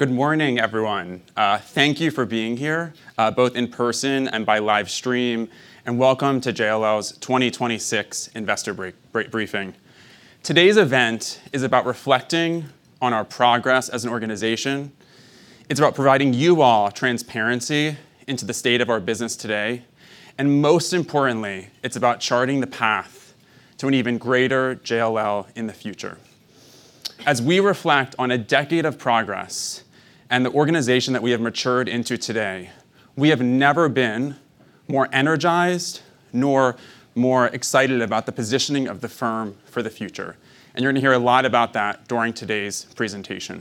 Good morning, everyone. Thank you for being here, both in person and by live stream, and welcome to JLL's 2026 investor briefing. Today's event is about reflecting on our progress as an organization. It's about providing you all transparency into the state of our business today, and most importantly, it's about charting the path to an even greater JLL in the future. As we reflect on a decade of progress and the organization that we have matured into today, we have never been more energized nor more excited about the positioning of the firm for the future, and you're gonna hear a lot about that during today's presentation.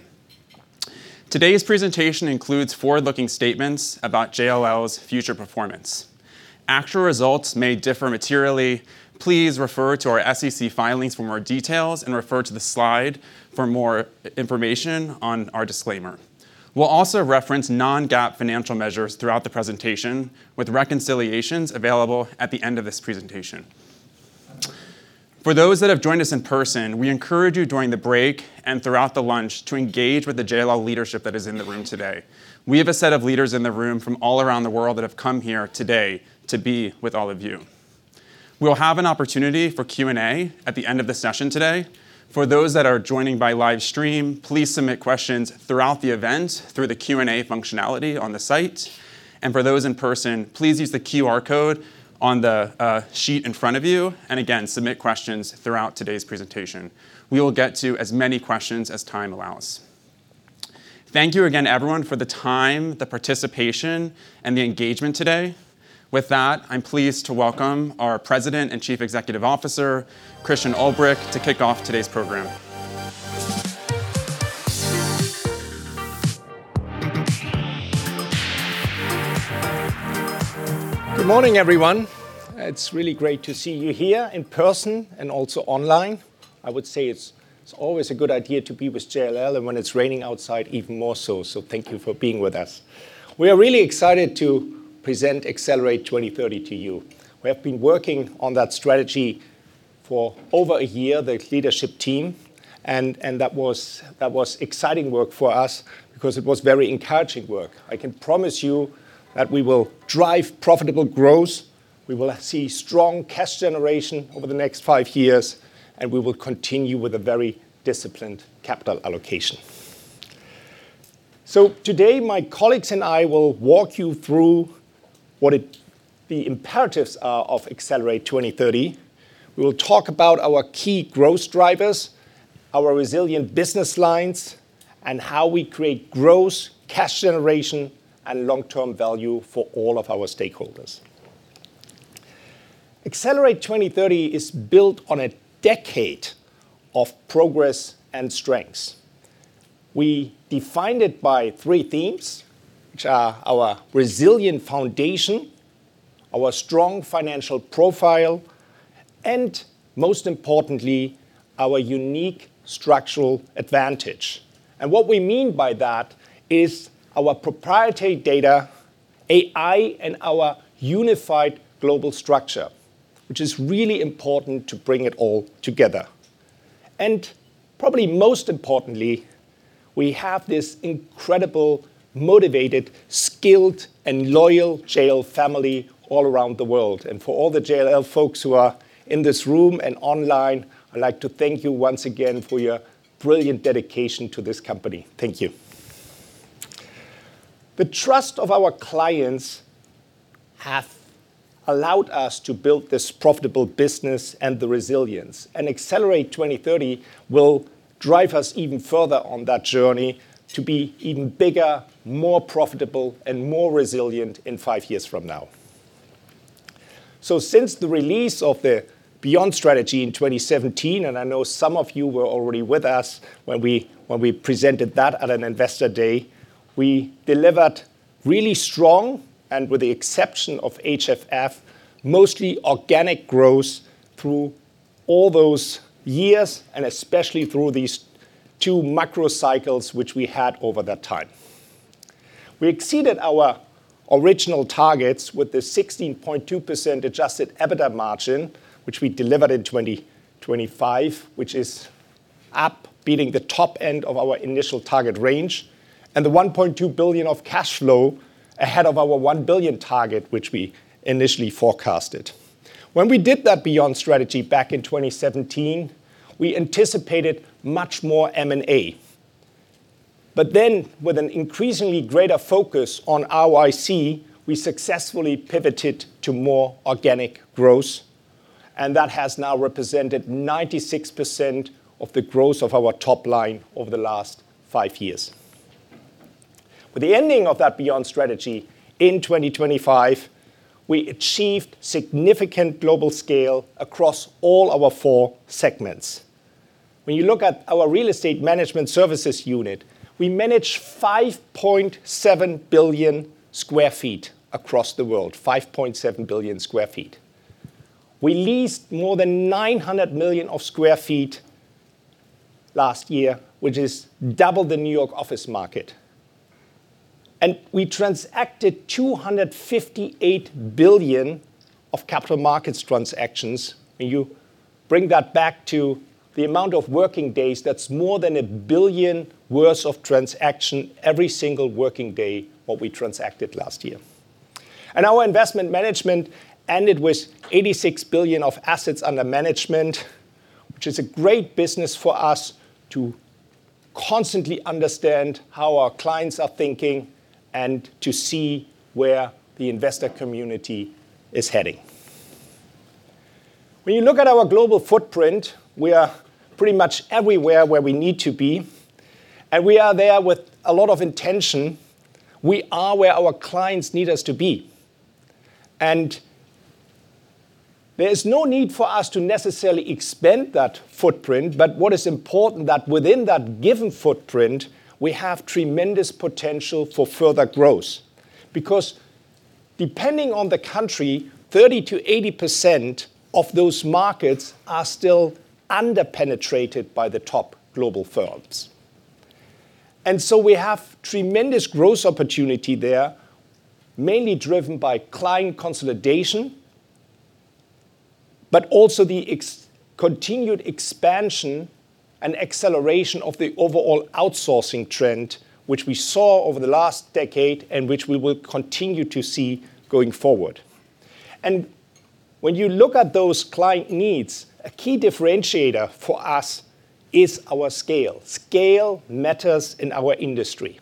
Today's presentation includes forward-looking statements about JLL's future performance. Actual results may differ materially. Please refer to our SEC filings for more details and refer to the slide for more information on our disclaimer. We'll also reference non-GAAP financial measures throughout the presentation, with reconciliations available at the end of this presentation. For those that have joined us in person, we encourage you during the break and throughout the lunch to engage with the JLL leadership that is in the room today. We have a set of leaders in the room from all around the world that have come here today to be with all of you. We'll have an opportunity for Q&A at the end of the session today. For those that are joining by live stream, please submit questions throughout the event through the Q&A functionality on the site, and for those in person, please use the QR code on the sheet in front of you, and again, submit questions throughout today's presentation. We will get to as many questions as time allows. Thank you again, everyone, for the time, the participation, and the engagement today. With that, I'm pleased to welcome our President and Chief Executive Officer, Christian Ulbrich, to kick off today's program. Good morning, everyone. It's really great to see you here in person and also online. I would say it's always a good idea to be with JLL, and when it's raining outside, even more so. Thank you for being with us. We are really excited to present Accelerate 2030 to you. We have been working on that strategy for over a year, the leadership team, and that was exciting work for us because it was very encouraging work. I can promise you that we will drive profitable growth. We will see strong cash generation over the next five years, and we will continue with a very disciplined capital allocation. Today, my colleagues and I will walk you through what the imperatives are of Accelerate 2030. We will talk about our key growth drivers, our resilient business lines, and how we create growth, cash generation, and long-term value for all of our stakeholders. Accelerate 2030 is built on a decade of progress and strengths. We defined it by three themes, which are our resilient foundation, our strong financial profile, and most importantly, our unique structural advantage. What we mean by that is our proprietary data, AI, and our unified global structure, which is really important to bring it all together. Probably most importantly, we have this incredible, motivated, skilled, and loyal JLL family all around the world. For all the JLL folks who are in this room and online, I'd like to thank you once again for your brilliant dedication to this company. Thank you. The trust of our clients have allowed us to build this profitable business and the resilience. Accelerate 2030 will drive us even further on that journey to be even bigger, more profitable, and more resilient in five years from now. Since the release of the Beyond strategy in 2017, and I know some of you were already with us when we presented that at an Investor Day, we delivered really strong, and with the exception of HFF, mostly organic growth through all those years, and especially through these two macro cycles which we had over that time. We exceeded our original targets with the 16.2% Adjusted EBITDA margin, which we delivered in 2025, which is up, beating the top end of our initial target range, and the $1.2 billion of cash flow ahead of our $1 billion target which we initially forecasted. When we did that Beyond strategy back in 2017, we anticipated much more M&A. With an increasingly greater focus on RYC, we successfully pivoted to more organic growth, and that has now represented 96% of the growth of our top line over the last five years. With the ending of that Beyond strategy in 2025, we achieved significant global scale across all our four segments. When you look at our real estate management services unit, we manage 5.7 billion sq ft across the world. 5.7 billion sq ft. We leased more than 900 million square feet last year, which is double the New York office market. We transacted $258 billion of capital markets transactions. When you bring that back to the amount of working days, that's more than billion worth of transactions every single working day what we transacted last year. Our investment management ended with $86 billion of assets under management, which is a great business for us to constantly understand how our clients are thinking and to see where the investor community is heading. When you look at our global footprint, we are pretty much everywhere where we need to be, and we are there with a lot of intention. We are where our clients need us to be, and there is no need for us to necessarily expand that footprint, but what is important that within that given footprint, we have tremendous potential for further growth. Because depending on the country, 30%-80% of those markets are still under-penetrated by the top global firms. We have tremendous growth opportunity there, mainly driven by client consolidation, but also the continued expansion and acceleration of the overall outsourcing trend, which we saw over the last decade and which we will continue to see going forward. When you look at those client needs, a key differentiator for us is our scale. Scale matters in our industry,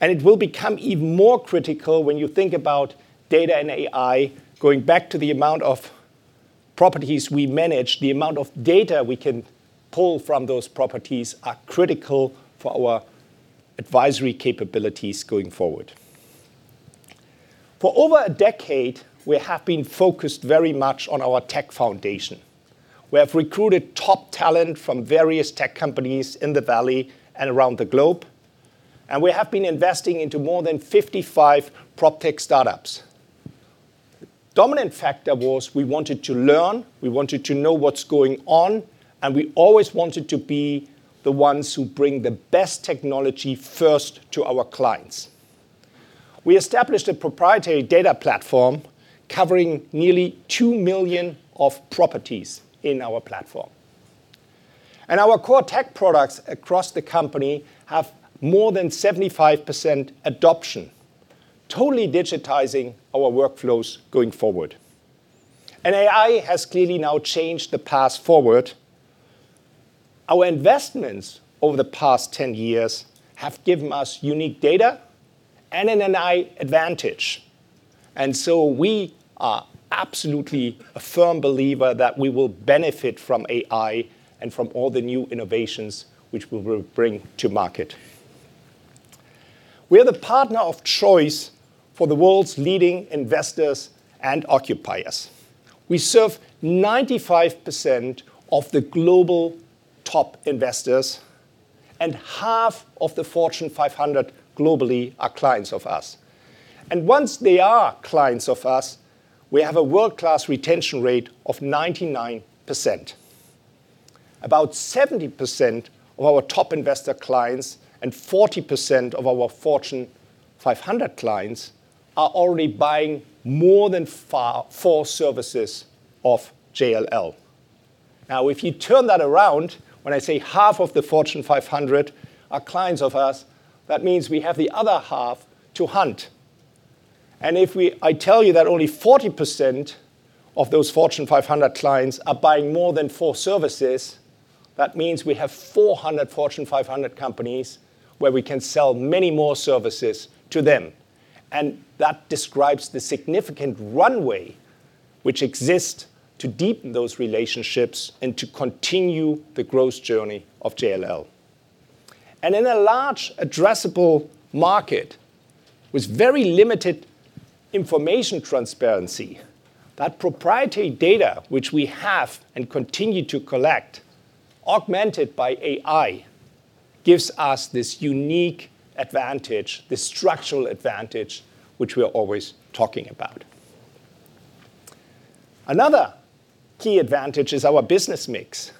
and it will become even more critical when you think about data and AI. Going back to the amount of properties we manage, the amount of data we can pull from those properties are critical for our advisory capabilities going forward. For over a decade, we have been focused very much on our tech foundation. We have recruited top talent from various tech companies in the Valley and around the globe, and we have been investing into more than 55 PropTech startups. Dominant factor was we wanted to learn, we wanted to know what's going on, and we always wanted to be the ones who bring the best technology first to our clients. We established a proprietary data platform covering nearly 2 million properties in our platform. Our core tech products across the company have more than 75% adoption, totally digitizing our workflows going forward. AI has clearly now changed the path forward. Our investments over the past 10 years have given us unique data and an AI advantage. We are absolutely a firm believer that we will benefit from AI and from all the new innovations which we will bring to market. We are the partner of choice for the world's leading investors and occupiers. We serve 95% of the global top investors and half of the Fortune 500 globally are clients of us. Once they are clients of us, we have a world-class retention rate of 99%. About 70% of our top investor clients and 40% of our Fortune 500 clients are already buying more than four services of JLL. Now, if you turn that around, when I say half of the Fortune 500 are clients of us, that means we have the other half to hunt. I tell you that only 40% of those Fortune 500 clients are buying more than four services, that means we have 400 Fortune 500 companies where we can sell many more services to them. That describes the significant runway which exists to deepen those relationships and to continue the growth journey of JLL. In a large addressable market with very limited information transparency, that proprietary data which we have and continue to collect, augmented by AI, gives us this unique advantage, this structural advantage which we are always talking about. Another key advantage is our business mix,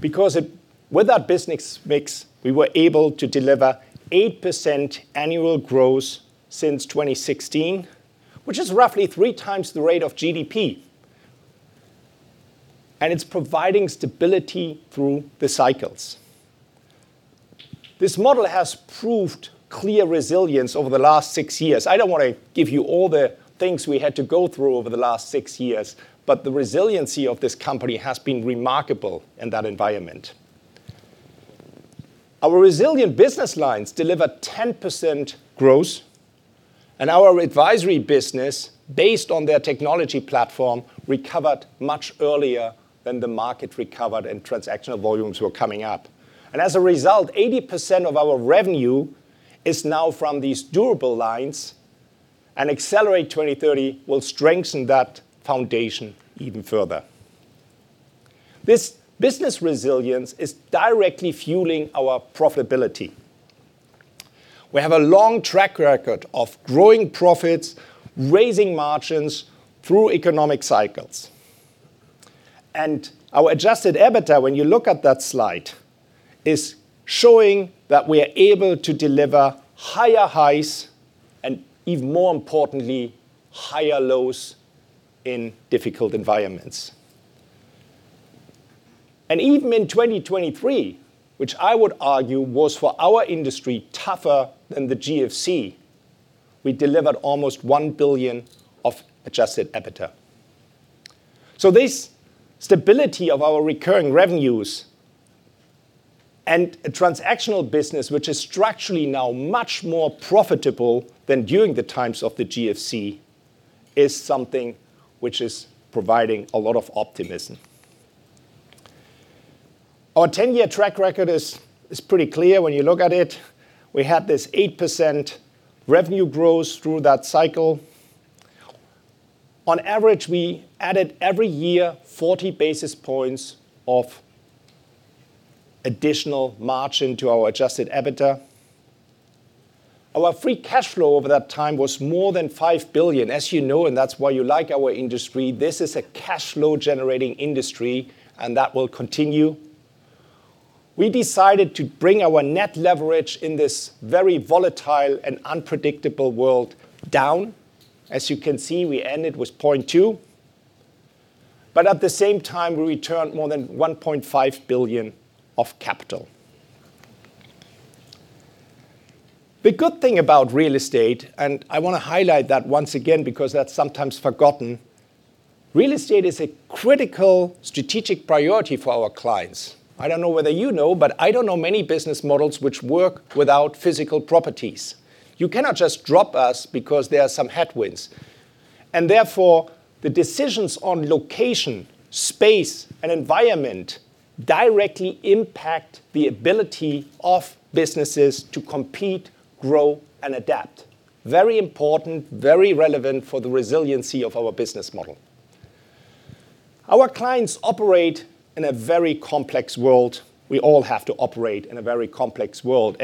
because with that business mix, we were able to deliver 8% annual growth since 2016, which is roughly 3x the rate of GDP, and it's providing stability through the cycles. This model has proved clear resilience over the last six years. I don't wanna give you all the things we had to go through over the last six years, but the resiliency of this company has been remarkable in that environment. Our resilient business lines delivered 10% growth, and our advisory business, based on their technology platform, recovered much earlier than the market recovered, and transactional volumes were coming up. As a result, 80% of our revenue is now from these durable lines, and Accelerate 2030 will strengthen that foundation even further. This business resilience is directly fueling our profitability. We have a long track record of growing profits, raising margins through economic cycles. Our Adjusted EBITDA, when you look at that slide, is showing that we are able to deliver higher highs and even more importantly, higher lows in difficult environments. Even in 2023, which I would argue was for our industry tougher than the GFC, we delivered almost $1 billion of Adjusted EBITDA. This stability of our recurring revenues and a transactional business which is structurally now much more profitable than during the times of the GFC is something which is providing a lot of optimism. Our ten-year track record is pretty clear when you look at it. We had this 8% revenue growth through that cycle. On average, we added every year 40 basis points of additional margin to our Adjusted EBITDA. Our free cash flow over that time was more than $5 billion. As you know, and that's why you like our industry, this is a cash flow generating industry, and that will continue. We decided to bring our net leverage in this very volatile and unpredictable world down. As you can see, we ended with 0.2. But at the same time, we returned more than $1.5 billion of capital. The good thing about real estate, and I wanna highlight that once again because that's sometimes forgotten, real estate is a critical strategic priority for our clients. I don't know whether you know, but I don't know many business models which work without physical properties. You cannot just drop us because there are some headwinds. Therefore, the decisions on location, space, and environment directly impact the ability of businesses to compete, grow, and adapt. Very important, very relevant for the resiliency of our business model. Our clients operate in a very complex world. We all have to operate in a very complex world.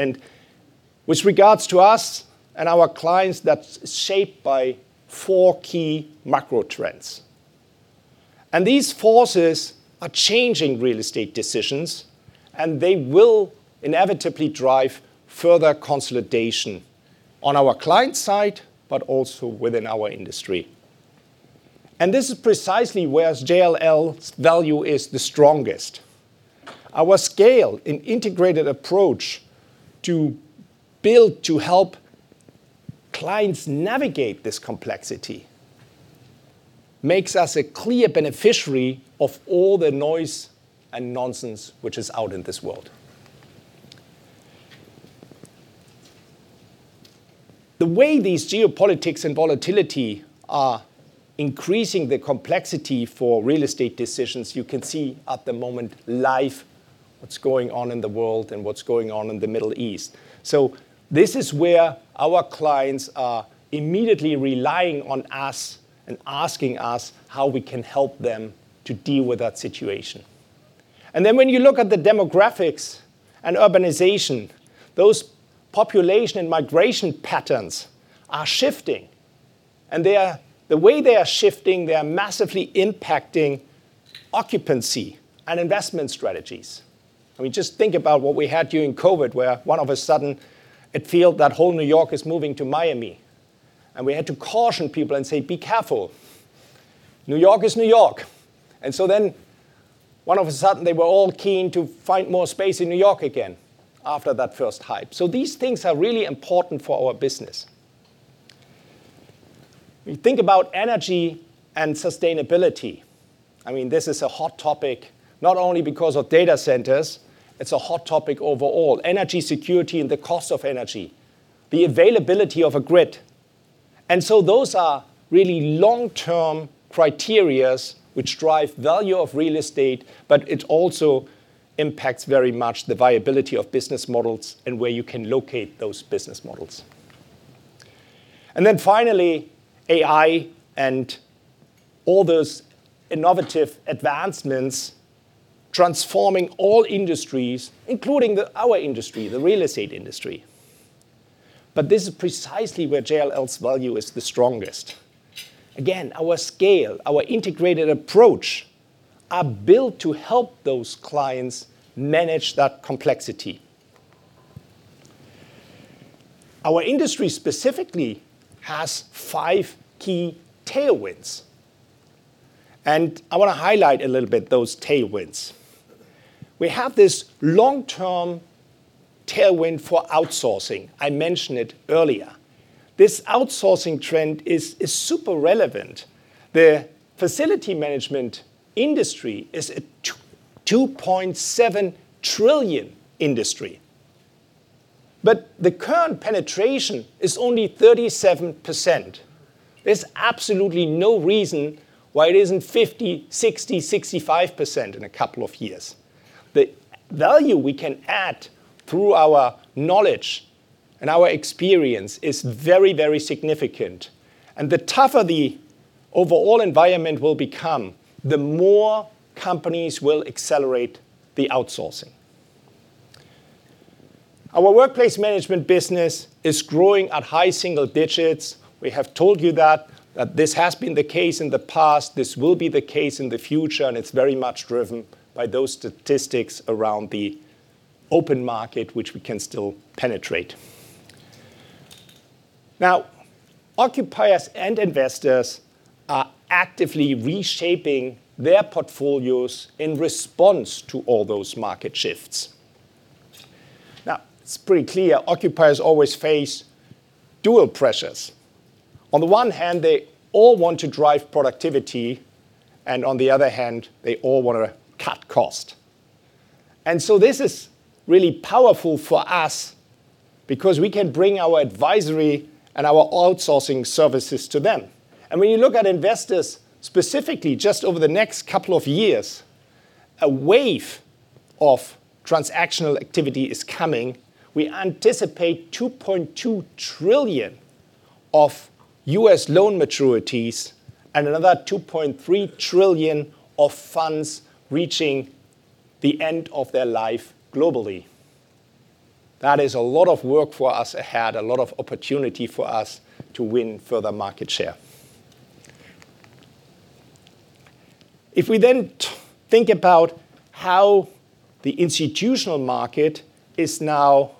With regards to us and our clients, that's shaped by four key macro trends. These forces are changing real estate decisions, and they will inevitably drive further consolidation on our client side, but also within our industry. This is precisely where JLL's value is the strongest. Our scale and integrated approach to build to help clients navigate this complexity makes us a clear beneficiary of all the noise and nonsense which is out in this world. The way these geopolitics and volatility are increasing the complexity for real estate decisions, you can see at the moment live what's going on in the world and what's going on in the Middle East. This is where our clients are immediately relying on us and asking us how we can help them to deal with that situation. When you look at the demographics and urbanization, those population and migration patterns are shifting, and they are the way they are shifting, they are massively impacting occupancy and investment strategies. I mean, just think about what we had during COVID, where all of a sudden it felt that whole New York is moving to Miami. We had to caution people and say, "Be careful. New York is New York." All of a sudden, they were all keen to find more space in New York again after that first hype. These things are really important for our business. We think about energy and sustainability. I mean, this is a hot topic, not only because of data centers, it's a hot topic overall. Energy security and the cost of energy, the availability of a grid. Those are really long-term criteria which drive value of real estate, but it also impacts very much the viability of business models and where you can locate those business models. Finally, AI and all those innovative advancements transforming all industries, including our industry, the real estate industry. This is precisely where JLL's value is the strongest. Again, our scale, our integrated approach are built to help those clients manage that complexity. Our industry specifically has five key tailwinds, and I wanna highlight a little bit those tailwinds. We have this long-term tailwind for outsourcing. I mentioned it earlier. This outsourcing trend is super relevant. The facility management industry is a $2.7 trillion industry, but the current penetration is only 37%. There's absolutely no reason why it isn't 50, 60, 65% in a couple of years. The value we can add through our knowledge and our experience is very, very significant. The tougher the overall environment will become, the more companies will accelerate the outsourcing. Our workplace management business is growing at high single digits. We have told you that this has been the case in the past, this will be the case in the future, and it's very much driven by those statistics around the open market, which we can still penetrate. Now, occupiers and investors are actively reshaping their portfolios in response to all those market shifts. Now, it's pretty clear occupiers always face dual pressures. On the one hand, they all want to drive productivity, and on the other hand, they all wanna cut cost. This is really powerful for us because we can bring our advisory and our outsourcing services to them. When you look at investors specifically just over the next couple of years, a wave of transactional activity is coming. We anticipate $2.2 trillion of U.S. loan maturities and another $2.3 trillion of funds reaching the end of their life globally. That is a lot of work for us ahead, a lot of opportunity for us to win further market share. If we then think about how the institutional market is now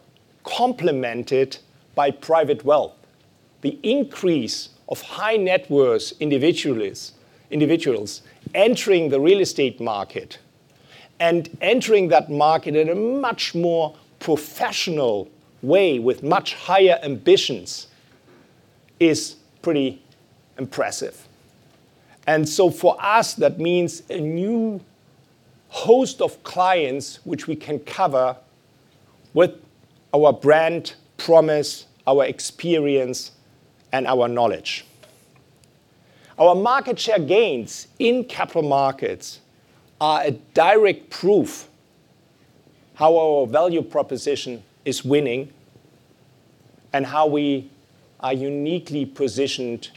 complemented by private wealth, the increase of high-net-worth individuals entering the real estate market and entering that market in a much more professional way with much higher ambitions is pretty impressive. For us, that means a new host of clients which we can cover with our brand promise, our experience, and our knowledge. Our market share gains in capital markets are a direct proof how our value proposition is winning and how we are uniquely positioned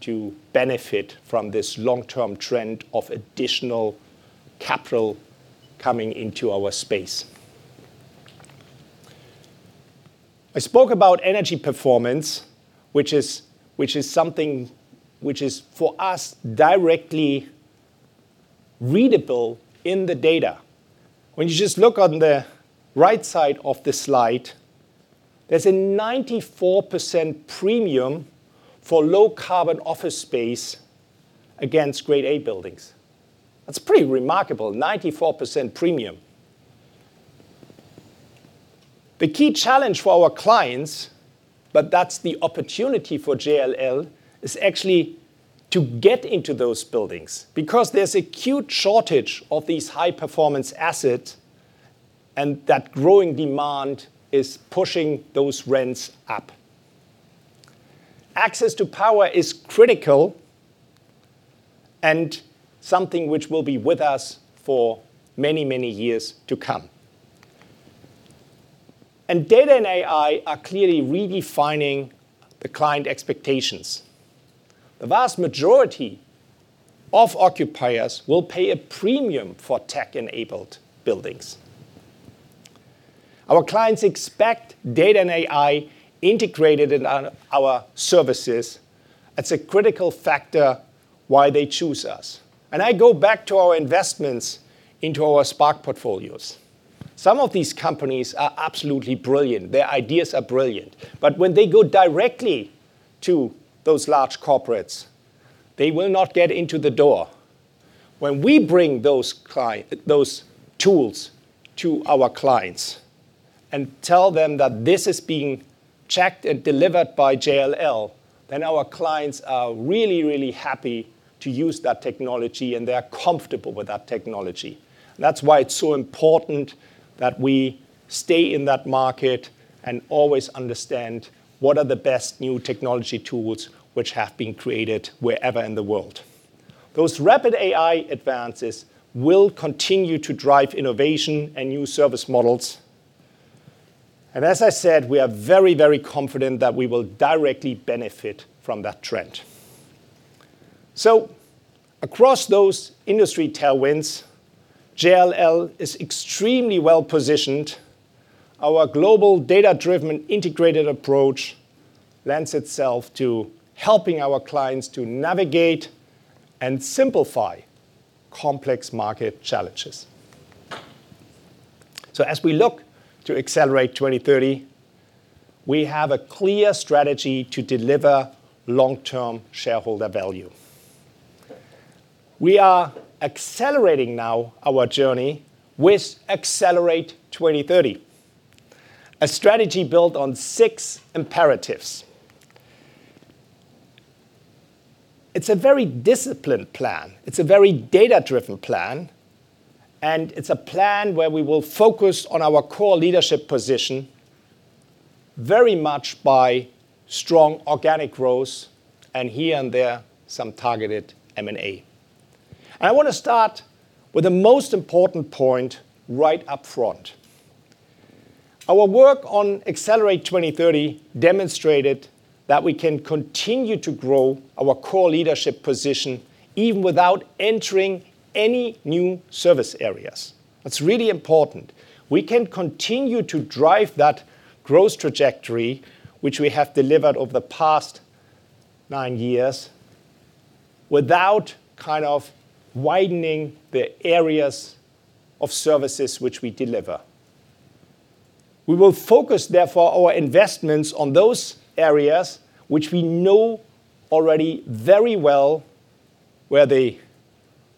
to benefit from this long-term trend of additional capital coming into our space. I spoke about energy performance, which is something which is for us directly readable in the data. When you just look on the right side of the slide, there's a 94% premium for low carbon office space against grade A buildings. That's pretty remarkable, 94% premium. The key challenge for our clients, but that's the opportunity for JLL, is actually to get into those buildings because there's acute shortage of these high-performance assets, and that growing demand is pushing those rents up. Access to power is critical and something which will be with us for many, many years to come. Data and AI are clearly redefining the client expectations. The vast majority of occupiers will pay a premium for tech-enabled buildings. Our clients expect data and AI integrated in our services. It's a critical factor why they choose us. I go back to our investments into our Spark portfolios. Some of these companies are absolutely brilliant. Their ideas are brilliant. When they go directly to those large corporates, they will not get into the door. When we bring those tools to our clients and tell them that this is being checked and delivered by JLL, then our clients are really, really happy to use that technology, and they're comfortable with that technology. That's why it's so important that we stay in that market and always understand what are the best new technology tools which have been created wherever in the world. Those rapid AI advances will continue to drive innovation and new service models. As I said, we are very, very confident that we will directly benefit from that trend. Across those industry tailwinds, JLL is extremely well-positioned. Our global data-driven integrated approach lends itself to helping our clients to navigate and simplify complex market challenges. As we look to Accelerate 2030, we have a clear strategy to deliver long-term shareholder value. We are accelerating now our journey with Accelerate 2030, a strategy built on six imperatives. It's a very disciplined plan. It's a very data-driven plan. It's a plan where we will focus on our core leadership position very much by strong organic growth and here and there some targeted M&A. I want to start with the most important point right up front. Our work on Accelerate 2030 demonstrated that we can continue to grow our core leadership position even without entering any new service areas. That's really important. We can continue to drive that growth trajectory, which we have delivered over the past nine years, without kind of widening the areas of services which we deliver. We will focus therefore our investments on those areas which we know already very well, where the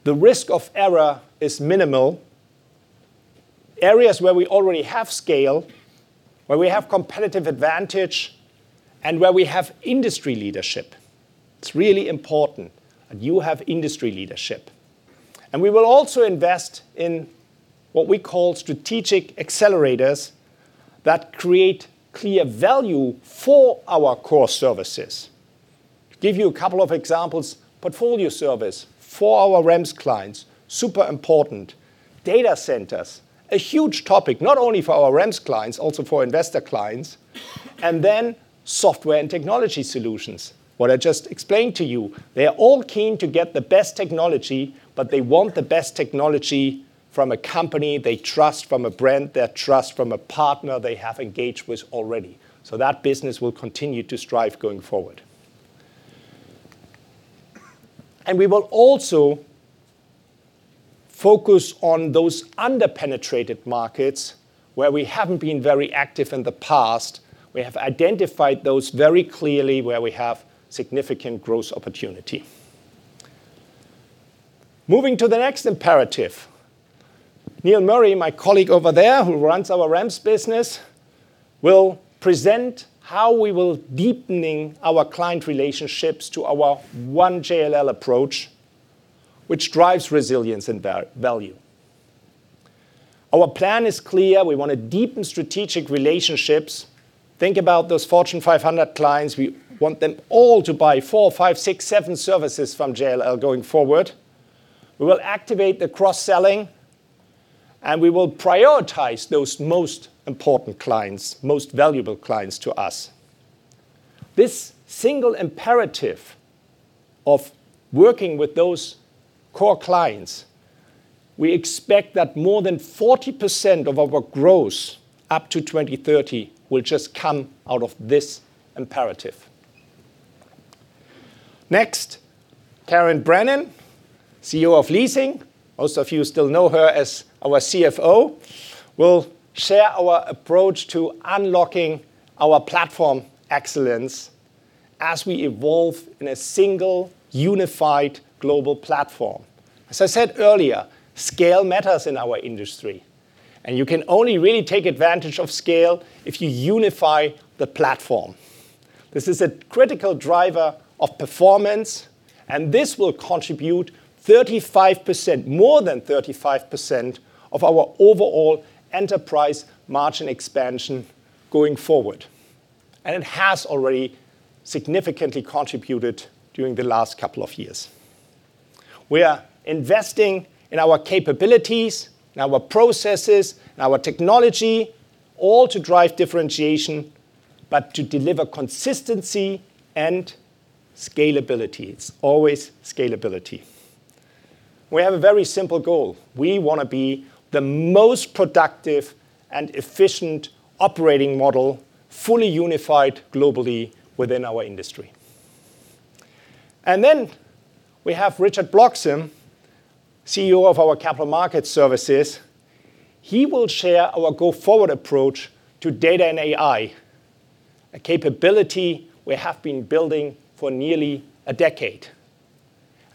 risk of error is minimal, areas where we already have scale, where we have competitive advantage, and where we have industry leadership. It's really important that you have industry leadership. We will also invest in what we call strategic accelerators that create clear value for our core services. Give you a couple of examples. Portfolio service for our REMS clients, super important. Data centers, a huge topic, not only for our REMS clients, also for investor clients. Then software and technology solutions, what I just explained to you. They are all keen to get the best technology, but they want the best technology from a company they trust, from a brand they trust, from a partner they have engaged with already. That business will continue to strive going forward. We will also focus on those under-penetrated markets where we haven't been very active in the past. We have identified those very clearly where we have significant growth opportunity. Moving to the next imperative. Neil Murray, my colleague over there, who runs our REMS business, will present how we will deepening our client relationships to our One JLL approach, which drives resilience and value. Our plan is clear. We want to deepen strategic relationships. Think about those Fortune 500 clients. We want them all to buy four, five, six, seven services from JLL going forward. We will activate the cross-selling, and we will prioritize those most important clients, most valuable clients to us. This single imperative of working with those core clients, we expect that more than 40% of our growth up to 2030 will just come out of this imperative. Next, Karen Brennan, CEO of Leasing, most of you still know her as our CFO, will share our approach to unlocking our platform excellence as we evolve in a single unified global platform. As I said earlier, scale matters in our industry, and you can only really take advantage of scale if you unify the platform. This is a critical driver of performance, and this will contribute 35%, more than 35% of our overall enterprise margin expansion going forward. It has already significantly contributed during the last couple of years. We are investing in our capabilities, in our processes, in our technology, all to drive differentiation, but to deliver consistency and scalability. It's always scalability. We have a very simple goal. We want to be the most productive and efficient operating model, fully unified globally within our industry. We have Richard Bloxam, CEO of our Capital Markets Services. He will share our go-forward approach to data and AI, a capability we have been building for nearly a decade.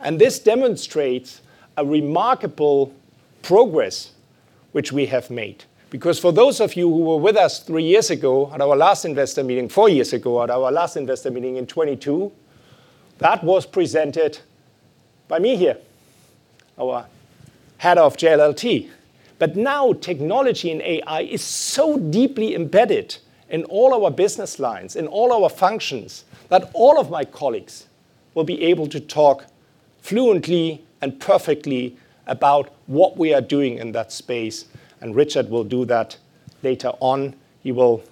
This demonstrates a remarkable progress which we have made. Because for those of you who were with us four years ago at our last investor meeting in 2022, that was presented by Mihir, our head of JLLT. Now technology and AI is so deeply embedded in all our business lines, in all our functions, that all of my colleagues will be able to talk fluently and perfectly about what we are doing in that space, and Richard will do that later on. He will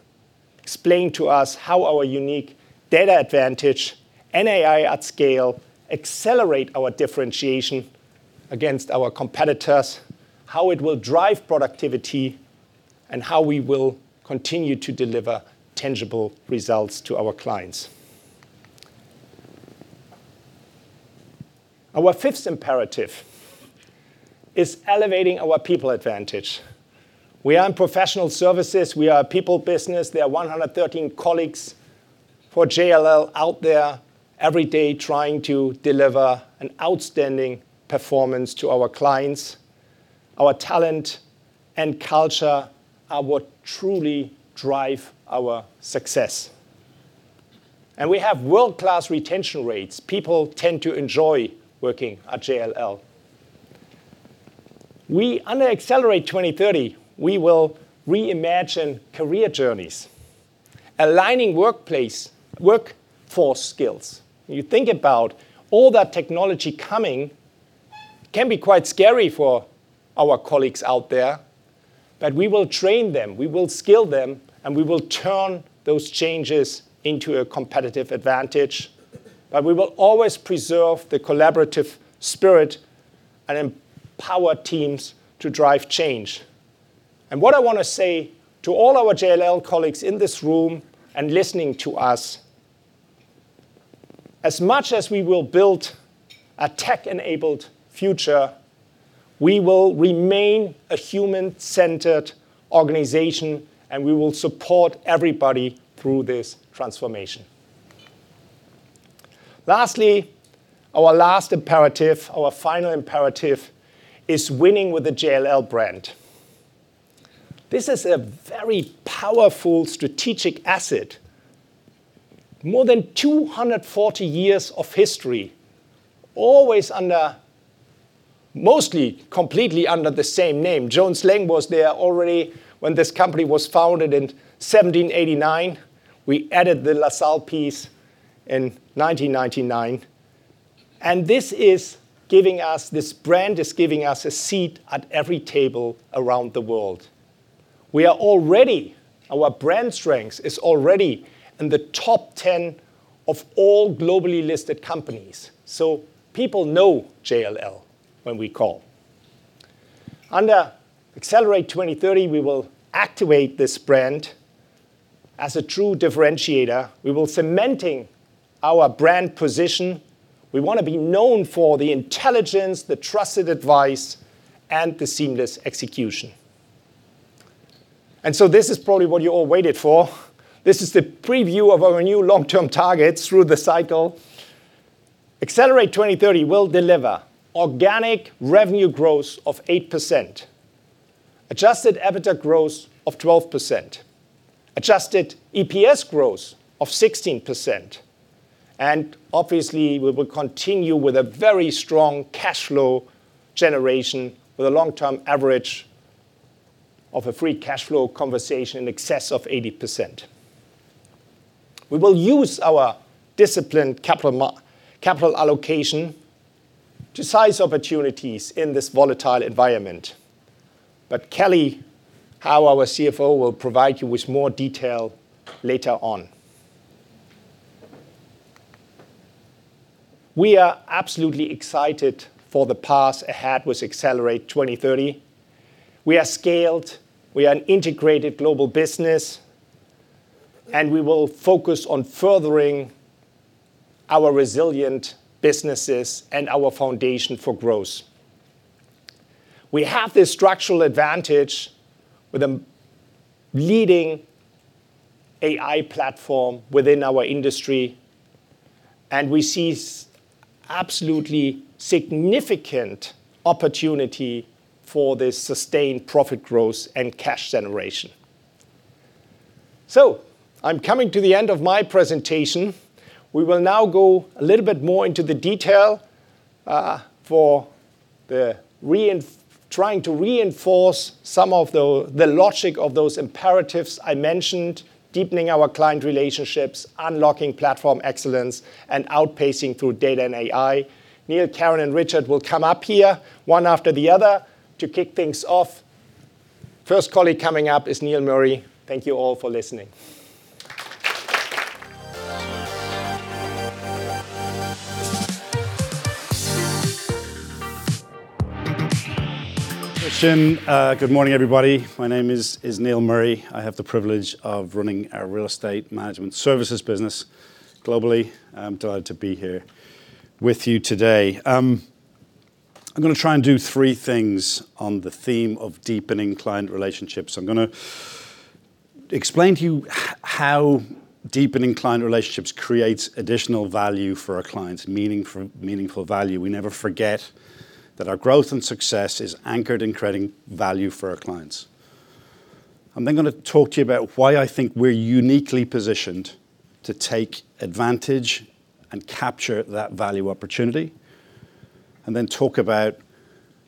explain to us how our unique data advantage and AI at scale accelerate our differentiation against our competitors, how it will drive productivity, and how we will continue to deliver tangible results to our clients. Our fifth imperative is elevating our people advantage. We are in professional services. We are a people business. There are 113 colleagues for JLL out there every day trying to deliver an outstanding performance to our clients. Our talent and culture are what truly drive our success. We have world-class retention rates. People tend to enjoy working at JLL. Under Accelerate 2030, we will reimagine career journeys, aligning workforce skills. You think about all that technology coming. Can be quite scary for our colleagues out there, but we will train them, we will skill them, and we will turn those changes into a competitive advantage. We will always preserve the collaborative spirit and empower teams to drive change. What I wanna say to all our JLL colleagues in this room and listening to us, as much as we will build a tech-enabled future, we will remain a human-centered organization, and we will support everybody through this transformation. Lastly, our last imperative, our final imperative is winning with the JLL brand. This is a very powerful strategic asset. More than 240 years of history, always, mostly completely under the same name. Jones Lang was there already when this company was founded in 1789. We added the LaSalle piece in 1999. This is giving us, this brand is giving us a seat at every table around the world. Our brand strength is already in the top 10 of all globally listed companies. People know JLL when we call. Under Accelerate 2030, we will activate this brand as a true differentiator. We will cementing our brand position. We wanna be known for the intelligence, the trusted advice, and the seamless execution. This is probably what you all waited for. This is the preview of our new long-term targets through the cycle. Accelerate 2030 will deliver organic revenue growth of 8%, Adjusted EBITDA growth of 12%, Adjusted EPS growth of 16%, and obviously, we will continue with a very strong cash flow generation with a long-term average of a free cash flow conversion in excess of 80%. We will use our disciplined capital allocation to size opportunities in this volatile environment. Kelly, our CFO, will provide you with more detail later on. We are absolutely excited for the path ahead with Accelerate 2030. We are scaled, we are an integrated global business, and we will focus on furthering our resilient businesses and our foundation for growth. We have this structural advantage with a leading AI platform within our industry, and we see absolutely significant opportunity for this sustained profit growth and cash generation. I'm coming to the end of my presentation. We will now go a little bit more into the detail, trying to reinforce some of the logic of those imperatives I mentioned, deepening our client relationships, unlocking platform excellence, and outpacing through data and AI. Neil, Karen, and Richard will come up here, one after the other to kick things off. First colleague coming up is Neil Murray. Thank you all for listening. Christian, good morning, everybody. My name is Neil Murray. I have the privilege of running our Real Estate Management Services business globally. I'm delighted to be here with you today. I'm gonna try and do three things on the theme of deepening client relationships. I'm gonna explain to you how deepening client relationships creates additional value for our clients, meaningful value. We never forget that our growth and success is anchored in creating value for our clients. I'm then gonna talk to you about why I think we're uniquely positioned to take advantage and capture that value opportunity, and then talk about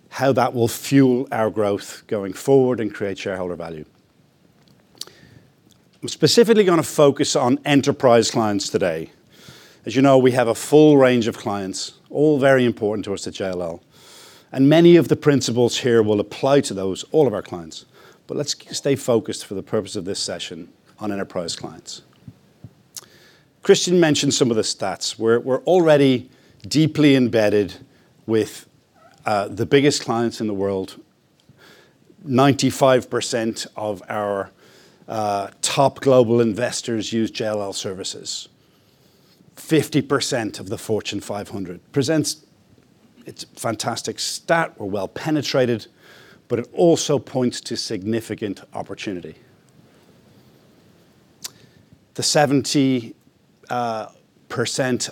how that will fuel our growth going forward and create shareholder value. I'm specifically gonna focus on enterprise clients today. As you know, we have a full range of clients, all very important to us at JLL, and many of the principles here will apply to those, all of our clients. Let's stay focused for the purpose of this session on enterprise clients. Christian mentioned some of the stats. We're already deeply embedded with the biggest clients in the world. 95% of our top global investors use JLL services. 50% of the Fortune 500. It's a fantastic stat. We're well penetrated, but it also points to significant opportunity. The 70%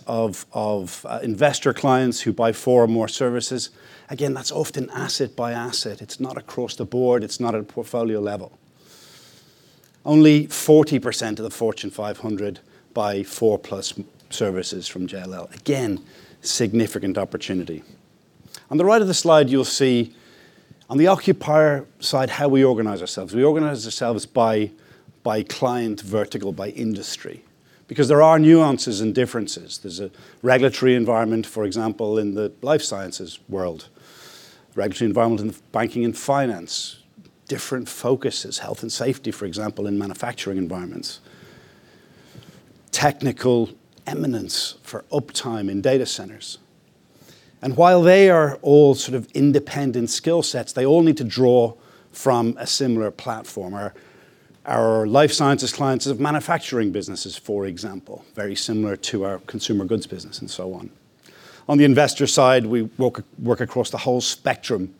of investor clients who buy four or more services, again, that's often asset by asset. It's not across the board. It's not at portfolio level. Only 40% of the Fortune 500 buy four-plus services from JLL. Again, significant opportunity. On the right of the slide, on the occupier side, how we organize ourselves. We organize ourselves by client vertical, by industry, because there are nuances and differences. There's a regulatory environment, for example, in the life sciences world, regulatory environment in financial banking and finance, different focuses, health and safety, for example, in manufacturing environments, technical eminence for uptime in data centers. While they are all sort of independent skill sets, they all need to draw from a similar platform. Our life sciences clients have manufacturing businesses, for example, very similar to our consumer goods business and so on. On the investor side, we work across the whole spectrum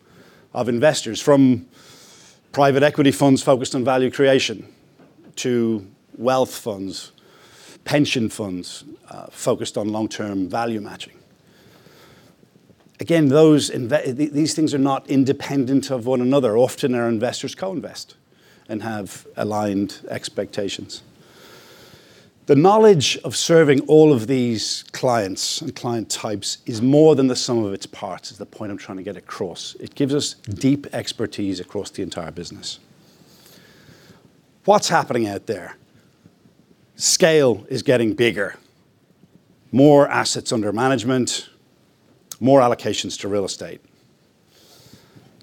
of investors, from private equity funds focused on value creation to wealth funds, pension funds, focused on long-term value matching. Again, these things are not independent of one another. Often our investors co-invest and have aligned expectations. The knowledge of serving all of these clients and client types is more than the sum of its parts, is the point I'm trying to get across. It gives us deep expertise across the entire business. What's happening out there? Scale is getting bigger. More assets under management, more allocations to real estate.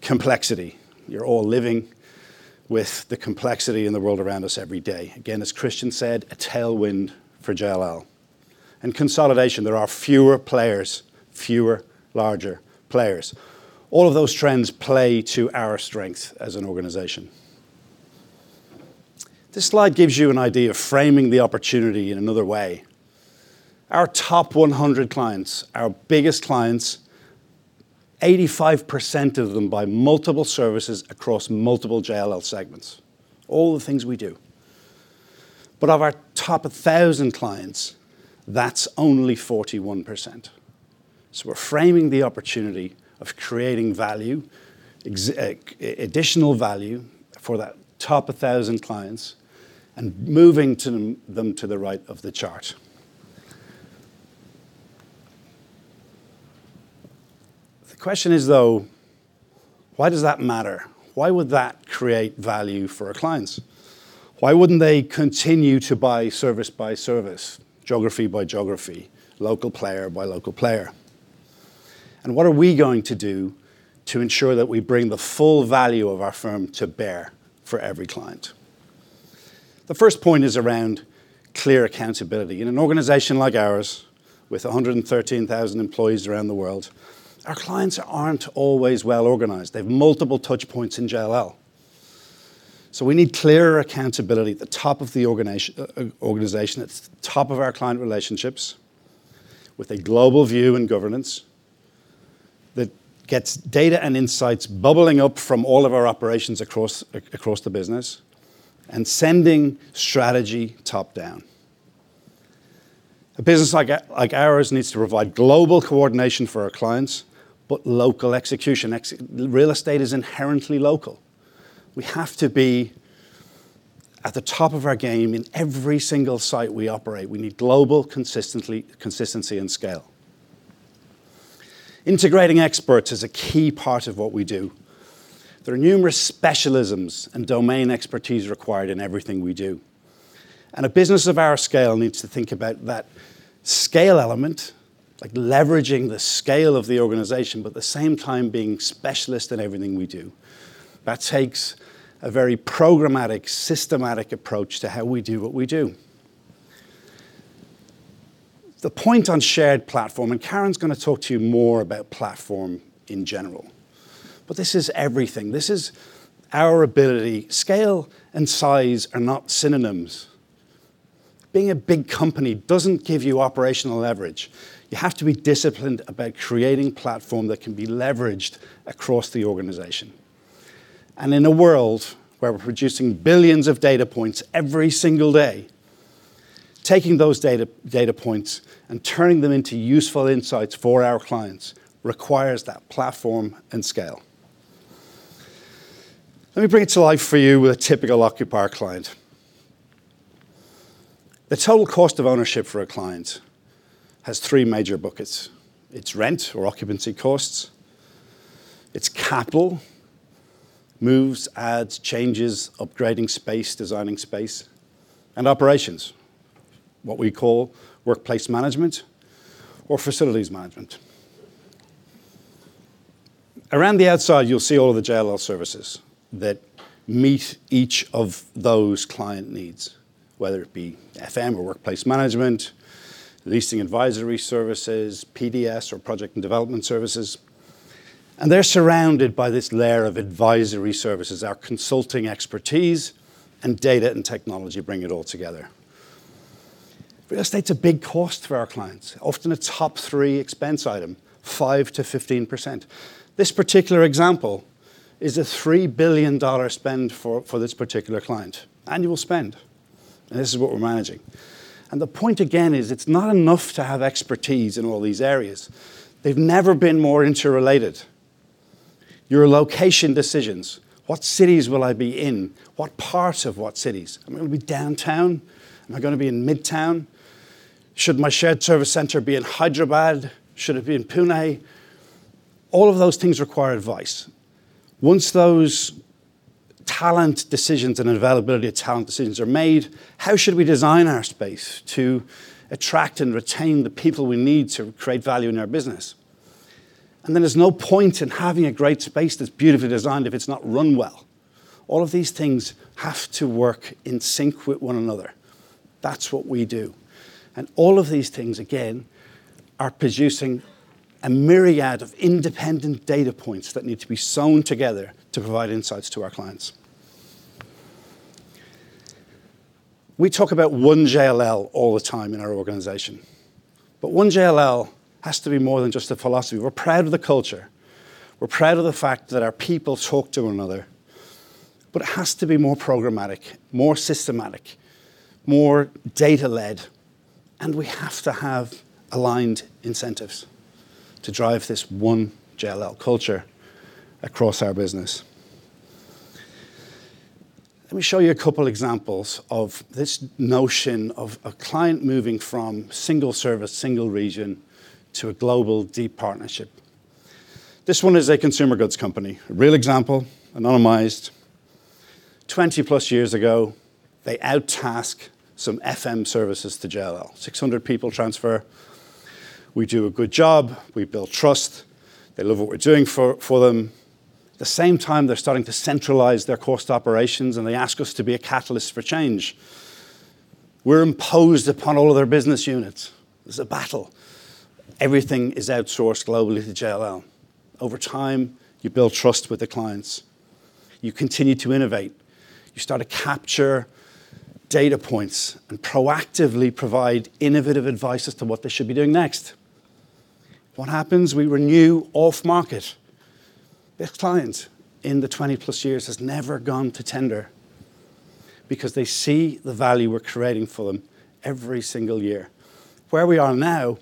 Complexity. You're all living with the complexity in the world around us every day. Again, as Christian said, a tailwind for JLL. Consolidation. There are fewer players, fewer larger players. All of those trends play to our strength as an organization. This slide gives you an idea of framing the opportunity in another way. Our top 100 clients, our biggest clients, 85% of them buy multiple services across multiple JLL segments. All the things we do. Of our top 1,000 clients, that's only 41%. We're framing the opportunity of creating value, additional value for that top 1,000 clients and moving them to the right of the chart. The question is, though, why does that matter? Why would that create value for our clients? Why wouldn't they continue to buy service by service, geography by geography, local player by local player? What are we going to do to ensure that we bring the full value of our firm to bear for every client? The first point is around clear accountability. In an organization like ours, with 113,000 employees around the world, our clients aren't always well organized. They have multiple touch points in JLL. We need clearer accountability at the top of the organization, at the top of our client relationships, with a global view and governance that gets data and insights bubbling up from all of our operations across the business and sending strategy top-down. A business like ours needs to provide global coordination for our clients, but local execution. Real estate is inherently local. We have to be at the top of our game in every single site we operate. We need global consistency and scale. Integrating experts is a key part of what we do. There are numerous specialisms and domain expertise required in everything we do. A business of our scale needs to think about that scale element, like leveraging the scale of the organization, but at the same time being specialist in everything we do. That takes a very programmatic, systematic approach to how we do what we do. The point on shared platform, and Karen's gonna talk to you more about platform in general, but this is everything. This is our ability. Scale and size are not synonyms. Being a big company doesn't give you operational leverage. You have to be disciplined about creating platform that can be leveraged across the organization. In a world where we're producing billions of data points every single day, taking those data points and turning them into useful insights for our clients requires that platform and scale. Let me bring it to life for you with a typical occupier client. The total cost of ownership for a client has three major buckets. It's rent or occupancy costs. It's capital, moves, adds, changes, upgrading space, designing space, and operations, what we call workplace management or facilities management. Around the outside, you'll see all of the JLL services that meet each of those client needs, whether it be FM or workplace management, leasing advisory services, PDS or project and development services. They're surrounded by this layer of advisory services. Our consulting expertise and data and technology bring it all together. Real estate's a big cost to our clients, often a top three expense item, 5%-15%. This particular example is a $3 billion spend for this particular client. Annual spend, and this is what we're managing. The point, again, is it's not enough to have expertise in all these areas. They've never been more interrelated. Your location decisions, what cities will I be in? What part of what cities? Am I gonna be downtown? Am I gonna be in midtown? Should my shared service center be in Hyderabad? Should it be in Pune? All of those things require advice. Once those talent decisions and availability of talent decisions are made, how should we design our space to attract and retain the people we need to create value in our business? Then there's no point in having a great space that's beautifully designed if it's not run well. All of these things have to work in sync with one another. That's what we do. All of these things, again, are producing a myriad of independent data points that need to be sewn together to provide insights to our clients. We talk about one JLL all the time in our organization. One JLL has to be more than just a philosophy. We're proud of the culture. We're proud of the fact that our people talk to one another. It has to be more programmatic, more systematic, more data-led, and we have to have aligned incentives to drive this One JLL culture across our business. Let me show you a couple examples of this notion of a client moving from single service, single region to a global deep partnership. This one is a consumer goods company, a real example, anonymized. 20+ years ago, they out-task some FM services to JLL. 600 people transfer. We do a good job. We build trust. They love what we're doing for them. At the same time, they're starting to centralize their cost operations, and they ask us to be a catalyst for change. We're imposed upon all of their business units. There's a battle. Everything is outsourced globally to JLL. Over time, you build trust with the clients. You continue to innovate. You start to capture data points and proactively provide innovative advice as to what they should be doing next. What happens? We renew off-market. This client, in the 20+ years, has never gone to tender because they see the value we're creating for them every single year. Where we are now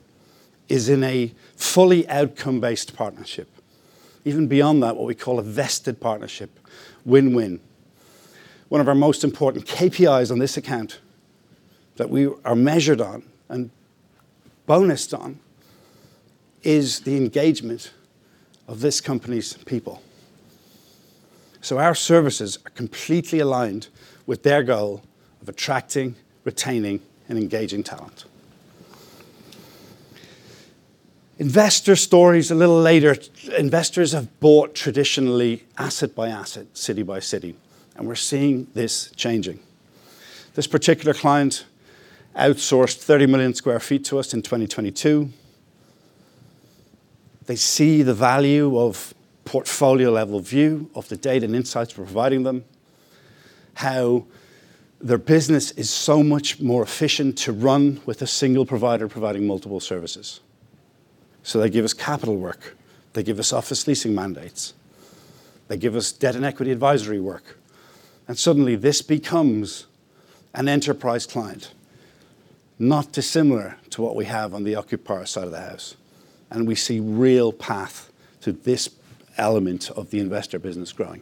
is in a fully outcome-based partnership. Even beyond that, what we call a vested partnership, win-win. One of our most important KPIs on this account that we are measured on and bonused on is the engagement of this company's people. Our services are completely aligned with their goal of attracting, retaining, and engaging talent. Investor stories a little later. Investors have bought traditionally asset by asset, city by city, and we're seeing this changing. This particular client outsourced 30 million square feet to us in 2022. They see the value of portfolio-level view of the data and insights we're providing them, how their business is so much more efficient to run with a single provider providing multiple services. They give us capital work. They give us office leasing mandates. They give us debt and equity advisory work. Suddenly this becomes an enterprise client, not dissimilar to what we have on the occupier side of the house. We see real path to this element of the investor business growing.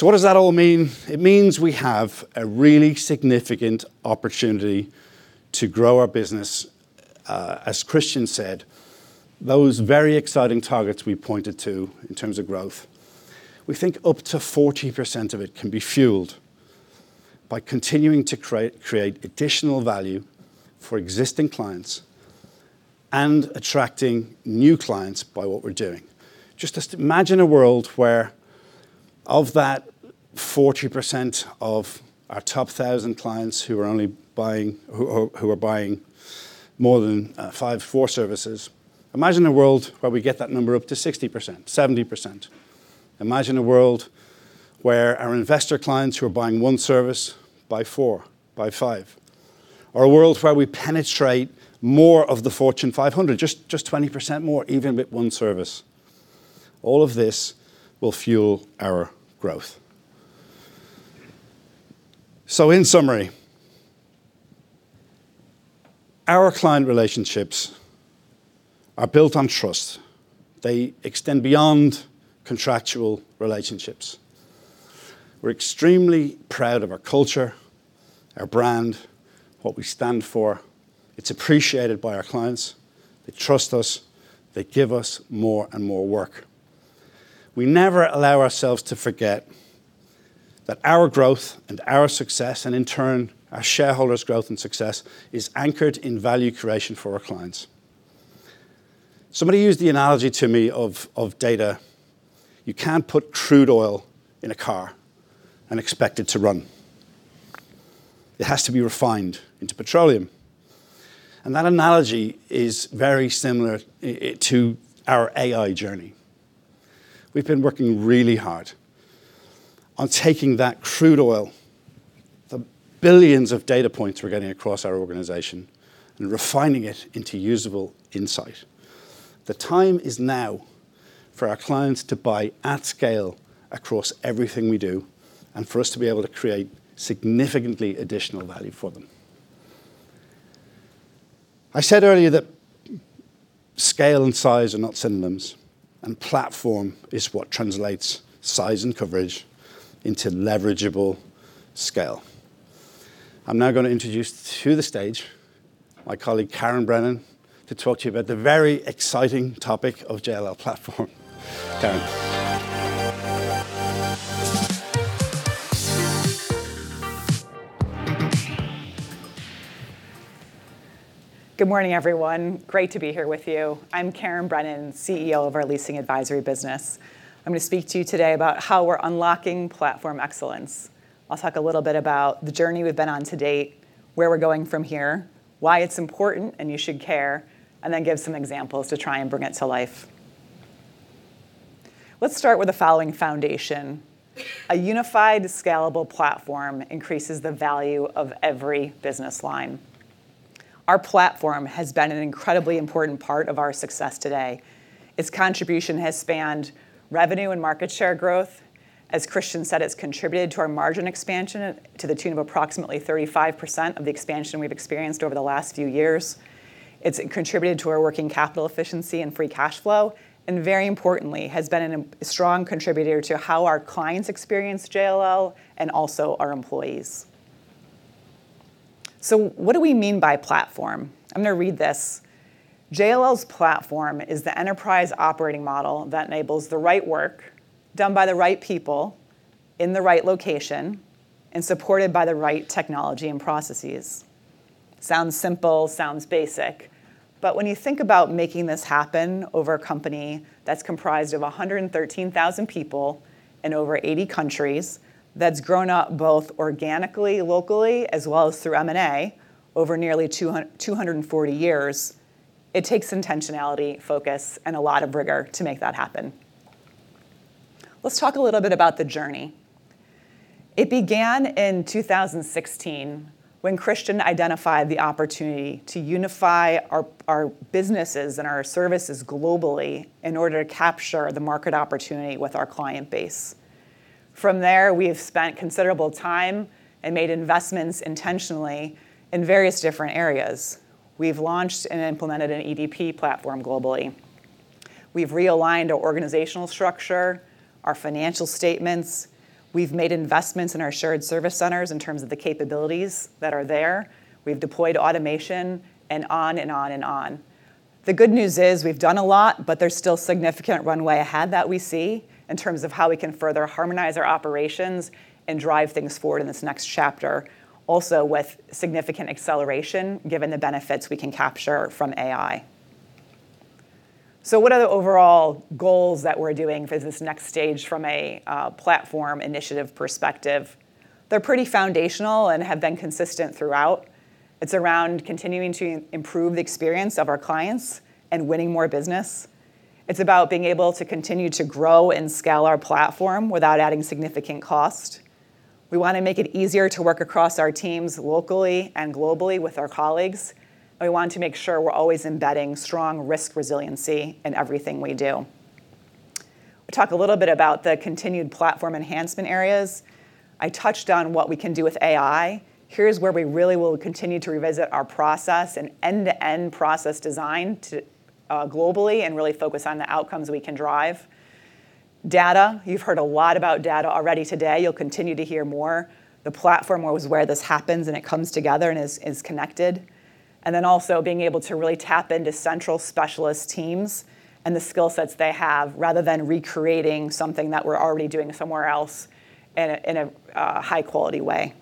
What does that all mean? It means we have a really significant opportunity to grow our business. As Christian said, those very exciting targets we pointed to in terms of growth, we think up to 40% of it can be fueled by continuing to create additional value for existing clients and attracting new clients by what we're doing. Just imagine a world where of that 40% of our top 1,000 clients who are buying more than five core services. Imagine a world where we get that number up to 60%, 70%. Imagine a world where our investor clients who are buying one service buy four, buy five, or a world where we penetrate more of the Fortune 500, just 20% more, even with one service. All of this will fuel our growth. In summary, our client relationships are built on trust. They extend beyond contractual relationships. We're extremely proud of our culture, our brand, what we stand for. It's appreciated by our clients. They trust us. They give us more and more work. We never allow ourselves to forget that our growth and our success, and in turn, our shareholders' growth and success, is anchored in value creation for our clients. Somebody used the analogy to me of data. You can't put crude oil in a car and expect it to run. It has to be refined into petroleum. That analogy is very similar to our AI journey. We've been working really hard on taking that crude oil, the billions of data points we're getting across our organization, and refining it into usable insight. The time is now for our clients to buy at scale across everything we do and for us to be able to create significantly additional value for them. I said earlier that scale and size are not synonyms, and platform is what translates size and coverage into leverageable scale. I'm now going to introduce to the stage my colleague, Karen Brennan, to talk to you about the very exciting topic of JLL Platform. Karen. Good morning, everyone. Great to be here with you. I'm Karen Brennan, CEO of our Leasing Advisory business. I'm going to speak to you today about how we're unlocking platform excellence. I'll talk a little bit about the journey we've been on to date, where we're going from here, why it's important and you should care, and then give some examples to try and bring it to life. Let's start with the following foundation. A unified, scalable platform increases the value of every business line. Our platform has been an incredibly important part of our success today. Its contribution has spanned revenue and market share growth. As Christian said, it's contributed to our margin expansion to the tune of approximately 35% of the expansion we've experienced over the last few years. It's contributed to our working capital efficiency and free cash flow, and very importantly, has been a strong contributor to how our clients experience JLL and also our employees. What do we mean by platform? I'm going to read this. JLL's platform is the enterprise operating model that enables the right work done by the right people in the right location and supported by the right technology and processes. Sounds simple, sounds basic. When you think about making this happen over a company that's comprised of 113,000 people in over 80 countries, that's grown up both organically, locally, as well as through M&A over nearly 240 years, it takes intentionality, focus, and a lot of rigor to make that happen. Let's talk a little bit about the journey. It began in 2016 when Christian identified the opportunity to unify our our businesses and our services globally in order to capture the market opportunity with our client base. From there, we have spent considerable time and made investments intentionally in various different areas. We've launched and implemented an EDP platform globally. We've realigned our organizational structure, our financial statements. We've made investments in our shared service centers in terms of the capabilities that are there. We've deployed automation and on and on and on. The good news is we've done a lot, but there's still significant runway ahead that we see in terms of how we can further harmonize our operations and drive things forward in this next chapter. Also, with significant acceleration, given the benefits we can capture from AI. What are the overall goals that we're doing for this next stage from a platform initiative perspective? They're pretty foundational and have been consistent throughout. It's around continuing to improve the experience of our clients and winning more business. It's about being able to continue to grow and scale our platform without adding significant cost. We want to make it easier to work across our teams locally and globally with our colleagues. We want to make sure we're always embedding strong risk resiliency in everything we do. We talk a little bit about the continued platform enhancement areas. I touched on what we can do with AI. Here's where we really will continue to revisit our process and end-to-end process design to globally and really focus on the outcomes we can drive. Data. You've heard a lot about data already today. You'll continue to hear more. The platform was where this happens, and it comes together and is connected. Then also being able to really tap into central specialist teams and the skill sets they have rather than recreating something that we're already doing somewhere else in a high-quality way.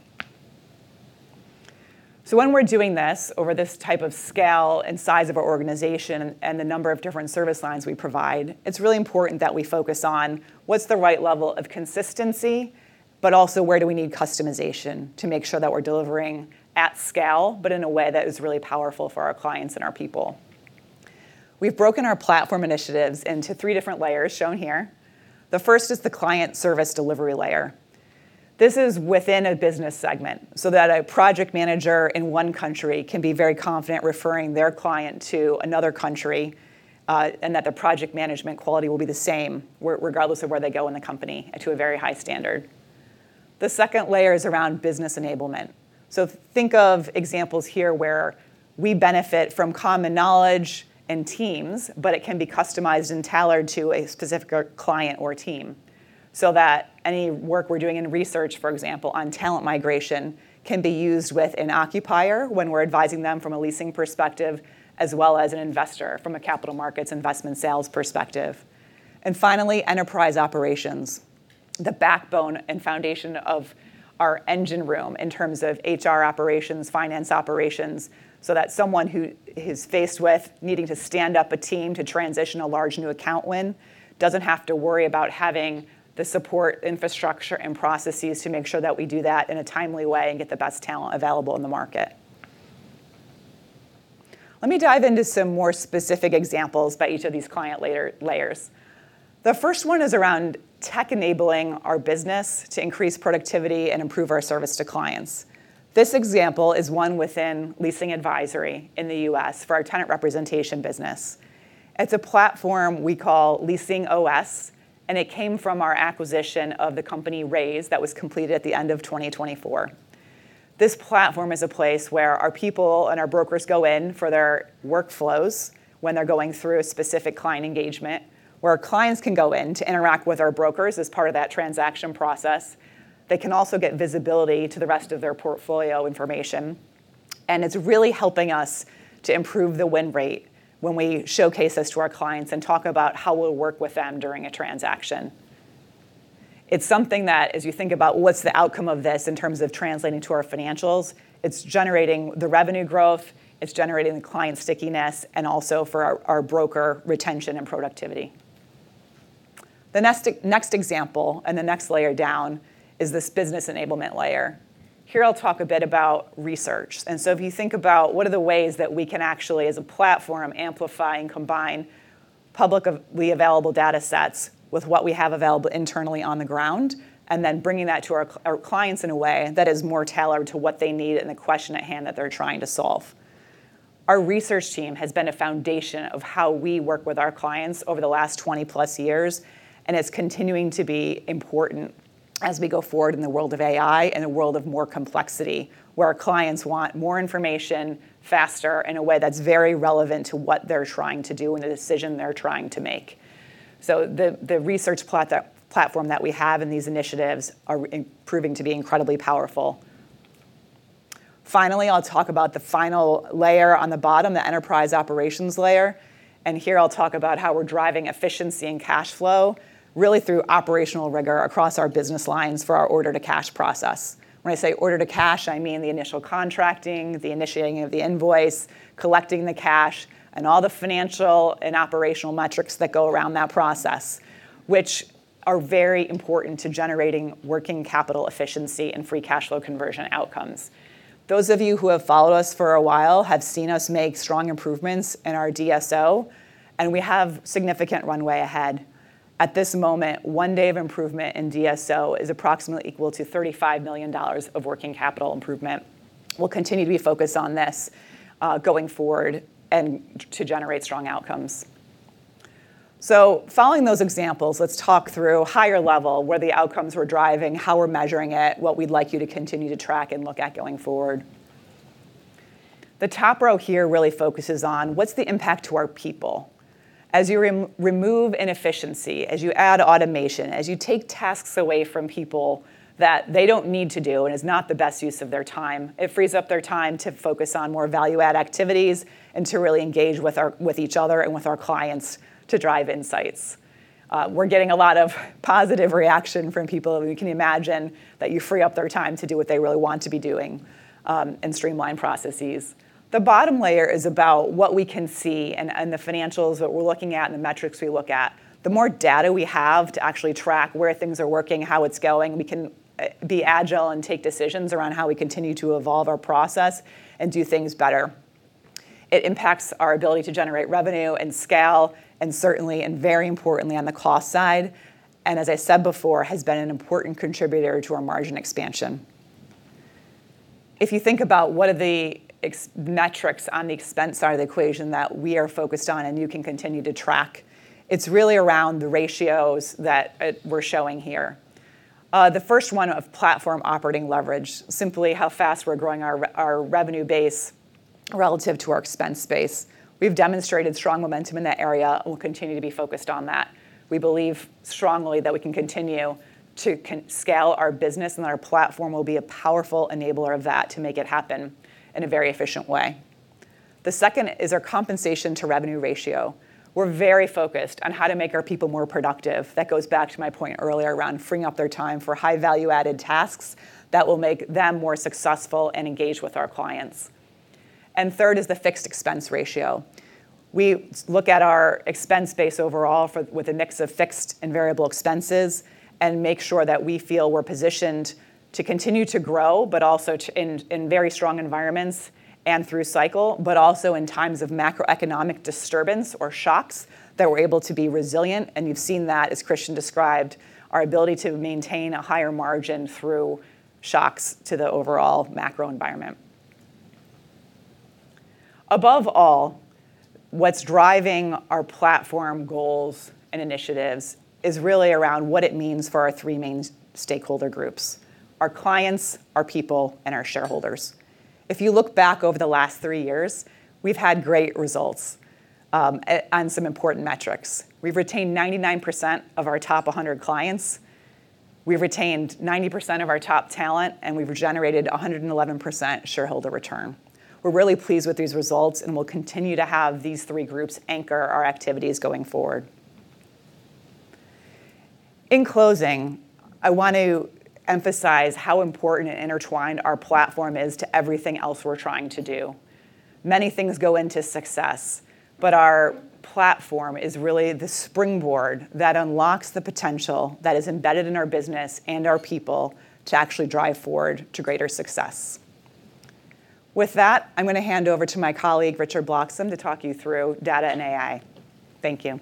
When we're doing this over this type of scale and size of our organization and the number of different service lines we provide, it's really important that we focus on what's the right level of consistency, but also where do we need customization to make sure that we're delivering at scale, but in a way that is really powerful for our clients and our people. We've broken our platform initiatives into three different layers shown here. The first is the client service delivery layer. This is within a business segment so that a project manager in one country can be very confident referring their client to another country, and that the project management quality will be the same regardless of where they go in the company to a very high standard. The second layer is around business enablement. Think of examples here where we benefit from common knowledge and teams, but it can be customized and tailored to a specific client or team, so that any work we're doing in research, for example, on talent migration, can be used with an occupier when we're advising them from a leasing perspective, as well as an investor from a capital markets investment sales perspective. Finally, enterprise operations, the backbone and foundation of our engine room in terms of HR operations, finance operations, so that someone who is faced with needing to stand up a team to transition a large new account win doesn't have to worry about having the support infrastructure and processes to make sure that we do that in a timely way and get the best talent available in the market. Let me dive into some more specific examples by each of these client layers. The first one is around tech enabling our business to increase productivity and improve our service to clients. This example is one within Leasing Advisory in the U.S. for our tenant representation business. It's a platform we call LeasingOS, and it came from our acquisition of the company Raise that was completed at the end of 2024. This platform is a place where our people and our brokers go in for their workflows when they're going through a specific client engagement, where clients can go in to interact with our brokers as part of that transaction process. They can also get visibility to the rest of their portfolio information, and it's really helping us to improve the win rate when we showcase this to our clients and talk about how we'll work with them during a transaction. It's something that as you think about what's the outcome of this in terms of translating to our financials, it's generating the revenue growth, it's generating the client stickiness, and also for our broker retention and productivity. The next example and the next layer down is this business enablement layer. Here I'll talk a bit about research. If you think about what are the ways that we can actually, as a platform, amplify and combine publicly available datasets with what we have available internally on the ground, and then bringing that to our clients in a way that is more tailored to what they need and the question at hand that they're trying to solve. Our research team has been a foundation of how we work with our clients over the last 20+ years, and it's continuing to be important as we go forward in the world of AI and a world of more complexity, where our clients want more information faster in a way that's very relevant to what they're trying to do and the decision they're trying to make. The research platform that we have in these initiatives are proving to be incredibly powerful. Finally, I'll talk about the final layer on the bottom, the enterprise operations layer. Here I'll talk about how we're driving efficiency and cash flow really through operational rigor across our business lines for our order-to-cash process. When I say order to cash, I mean the initial contracting, the initiating of the invoice, collecting the cash, and all the financial and operational metrics that go around that process, which are very important to generating working capital efficiency and free cash flow conversion outcomes. Those of you who have followed us for a while have seen us make strong improvements in our DSO, and we have significant runway ahead. At this moment, one day of improvement in DSO is approximately equal to $35 million of working capital improvement. We'll continue to be focused on this, going forward and to generate strong outcomes. Following those examples, let's talk through higher level, where the outcomes we're driving, how we're measuring it, what we'd like you to continue to track and look at going forward. The top row here really focuses on what's the impact to our people. As you remove inefficiency, as you add automation, as you take tasks away from people that they don't need to do, and is not the best use of their time, it frees up their time to focus on more value-add activities and to really engage with each other and with our clients to drive insights. We're getting a lot of positive reaction from people. You can imagine that you free up their time to do what they really want to be doing, and streamline processes. The bottom layer is about what we can see and the financials that we're looking at and the metrics we look at. The more data we have to actually track where things are working, how it's going, we can be agile and take decisions around how we continue to evolve our process and do things better. It impacts our ability to generate revenue and scale, and certainly and very importantly on the cost side, and as I said before, has been an important contributor to our margin expansion. If you think about what are the expense metrics on the expense side of the equation that we are focused on, and you can continue to track, it's really around the ratios that we're showing here. The first one of platform operating leverage, simply how fast we're growing our revenue base relative to our expense base. We've demonstrated strong momentum in that area and we'll continue to be focused on that. We believe strongly that we can continue to scale our business, and our platform will be a powerful enabler of that to make it happen in a very efficient way. The second is our compensation to revenue ratio. We're very focused on how to make our people more productive. That goes back to my point earlier around freeing up their time for high value-added tasks that will make them more successful and engaged with our clients. Third is the fixed expense ratio. We look at our expense base overall with a mix of fixed and variable expenses and make sure that we feel we're positioned to continue to grow, but also in very strong environments and through cycle, but also in times of macroeconomic disturbance or shocks, that we're able to be resilient. You've seen that, as Christian described, our ability to maintain a higher margin through shocks to the overall macro environment. Above all, what's driving our platform goals and initiatives is really around what it means for our three main stakeholder groups, our clients, our people, and our shareholders. If you look back over the last three years, we've had great results on some important metrics. We've retained 99% of our top 100 clients. We've retained 90% of our top talent, and we've generated 111% shareholder return. We're really pleased with these results, and we'll continue to have these three groups anchor our activities going forward. In closing, I want to emphasize how important and intertwined our platform is to everything else we're trying to do. Many things go into success, but our platform is really the springboard that unlocks the potential that is embedded in our business and our people to actually drive forward to greater success. With that, I'm going to hand over to my colleague, Richard Bloxam, to talk you through data and AI. Thank you.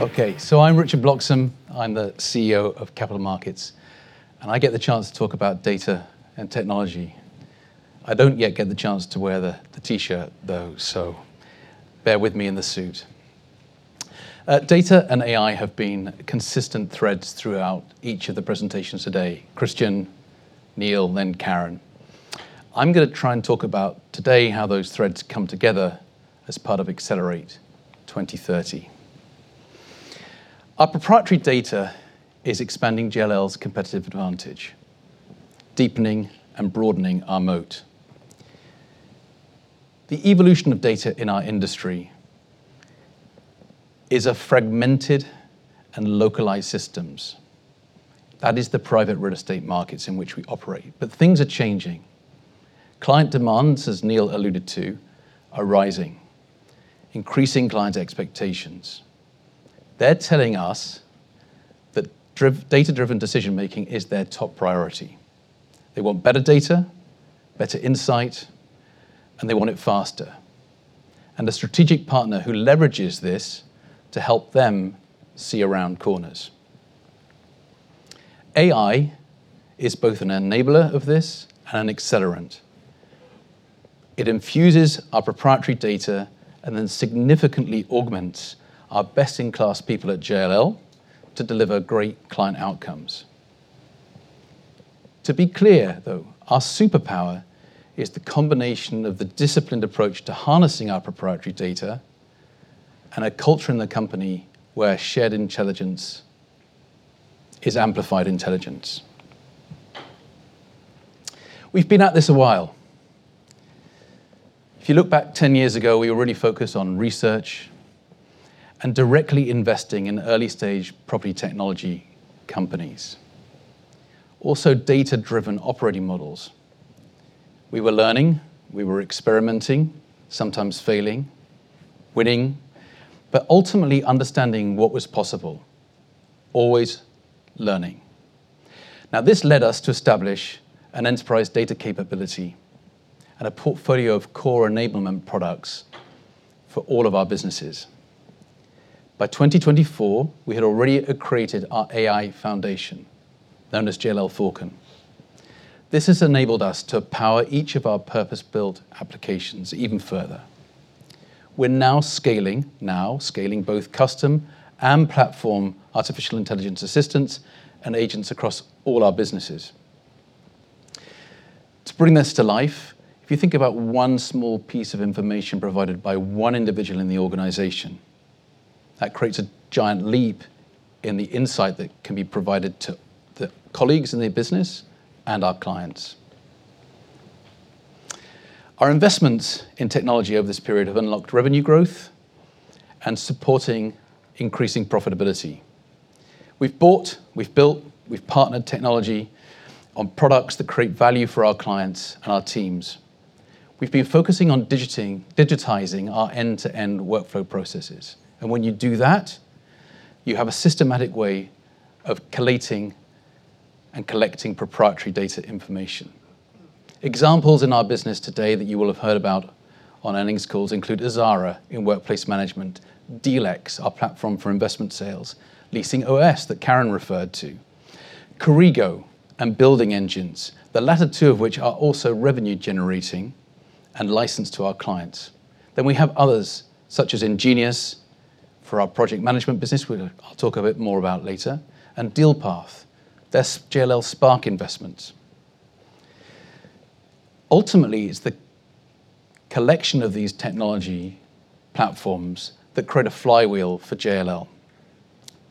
Okay, I'm Richard Bloxam. I'm the CEO of Capital Markets, and I get the chance to talk about data and technology. I don't yet get the chance to wear the T-shirt though, so bear with me in the suit. Data and AI have been consistent threads throughout each of the presentations today, Christian, Neil, then Karen. I'm gonna try and talk about today how those threads come together as part of Accelerate 2030. Our proprietary data is expanding JLL's competitive advantage, deepening and broadening our moat. The evolution of data in our industry is a fragmented and localized systems. That is the private real estate markets in which we operate. Things are changing. Client demands, as Neil alluded to, are rising, increasing clients' expectations. They're telling us that data-driven decision making is their top priority. They want better data, better insight, and they want it faster, and a strategic partner who leverages this to help them see around corners. AI is both an enabler of this and an accelerant. It infuses our proprietary data and then significantly augments our best-in-class people at JLL to deliver great client outcomes. To be clear, though, our superpower is the combination of the disciplined approach to harnessing our proprietary data and a culture in the company where shared intelligence is amplified intelligence. We've been at this a while. If you look back 10 years ago, we were really focused on research and directly investing in early-stage property technology companies. Also, data-driven operating models. We were learning, we were experimenting, sometimes failing, winning, but ultimately understanding what was possible. Always learning. Now, this led us to establish an enterprise data capability and a portfolio of core enablement products for all of our businesses. By 2024, we had already created our AI foundation, known as JLL Falcon. This has enabled us to power each of our purpose-built applications even further. We're now scaling both custom and platform artificial intelligence assistants and agents across all our businesses. To bring this to life, if you think about one small piece of information provided by one individual in the organization, that creates a giant leap in the insight that can be provided to the colleagues in their business and our clients. Our investments in technology over this period have unlocked revenue growth and supporting increasing profitability. We've bought, we've built, we've partnered technology on products that create value for our clients and our teams. We've been focusing on digitizing our end-to-end workflow processes, and when you do that, you have a systematic way of collating and collecting proprietary data information. Examples in our business today that you will have heard about on earnings calls include Azara in workplace management, DealX, our platform for investment sales, LeasingOS that Karen referred to, Corrigo and Building Engines, the latter two of which are also revenue-generating and licensed to our clients. We have others, such as Ingenious for our project management business, I'll talk a bit more about later, and Dealpath, that's JLL Spark investment. Ultimately, it's the collection of these technology platforms that create a flywheel for JLL.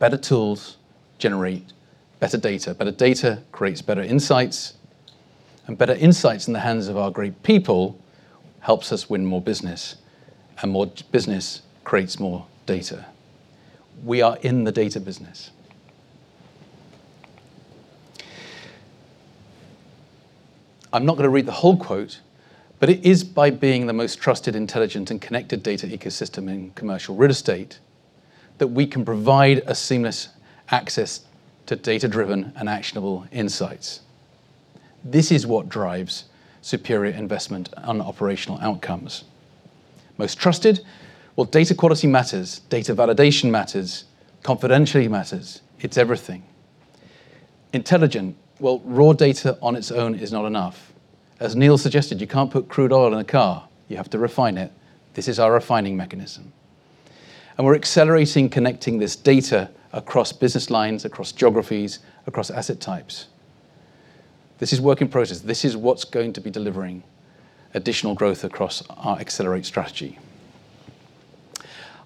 Better tools generate better data. Better data creates better insights, and better insights in the hands of our great people helps us win more business, and more business creates more data. We are in the data business. I'm not gonna read the whole quote, but it is by being the most trusted, intelligent, and connected data ecosystem in commercial real estate that we can provide a seamless access to data-driven and actionable insights. This is what drives superior investment and operational outcomes. Most trusted. Well, data quality matters, data validation matters, confidentiality matters. It's everything. Intelligent. Well, raw data on its own is not enough. As Neil suggested, you can't put crude oil in a car. You have to refine it. This is our refining mechanism. We're accelerating connecting this data across business lines, across geographies, across asset types. This is work in process. This is what's going to be delivering additional growth across our Accelerate strategy.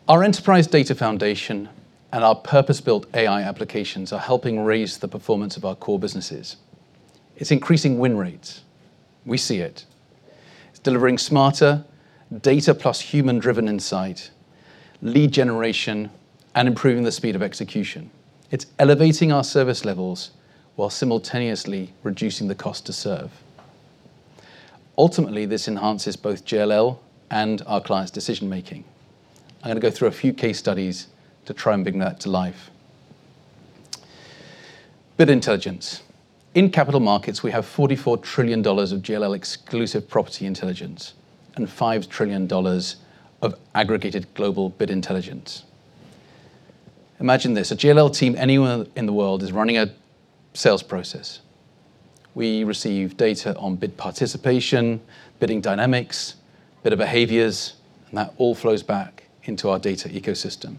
Our enterprise data foundation and our purpose-built AI applications are helping raise the performance of our core businesses. It's increasing win rates. We see it. It's delivering smarter data plus human-driven insight, lead generation, and improving the speed of execution. It's elevating our service levels while simultaneously reducing the cost to serve. Ultimately, this enhances both JLL and our clients' decision making. I'm gonna go through a few case studies to try and bring that to life. Bid intelligence. In capital markets, we have $44 trillion of JLL exclusive property intelligence and $5 trillion of aggregated global bid intelligence. Imagine this, a JLL team anywhere in the world is running a sales process. We receive data on bid participation, bidding dynamics, bidder behaviors, and that all flows back into our data ecosystem.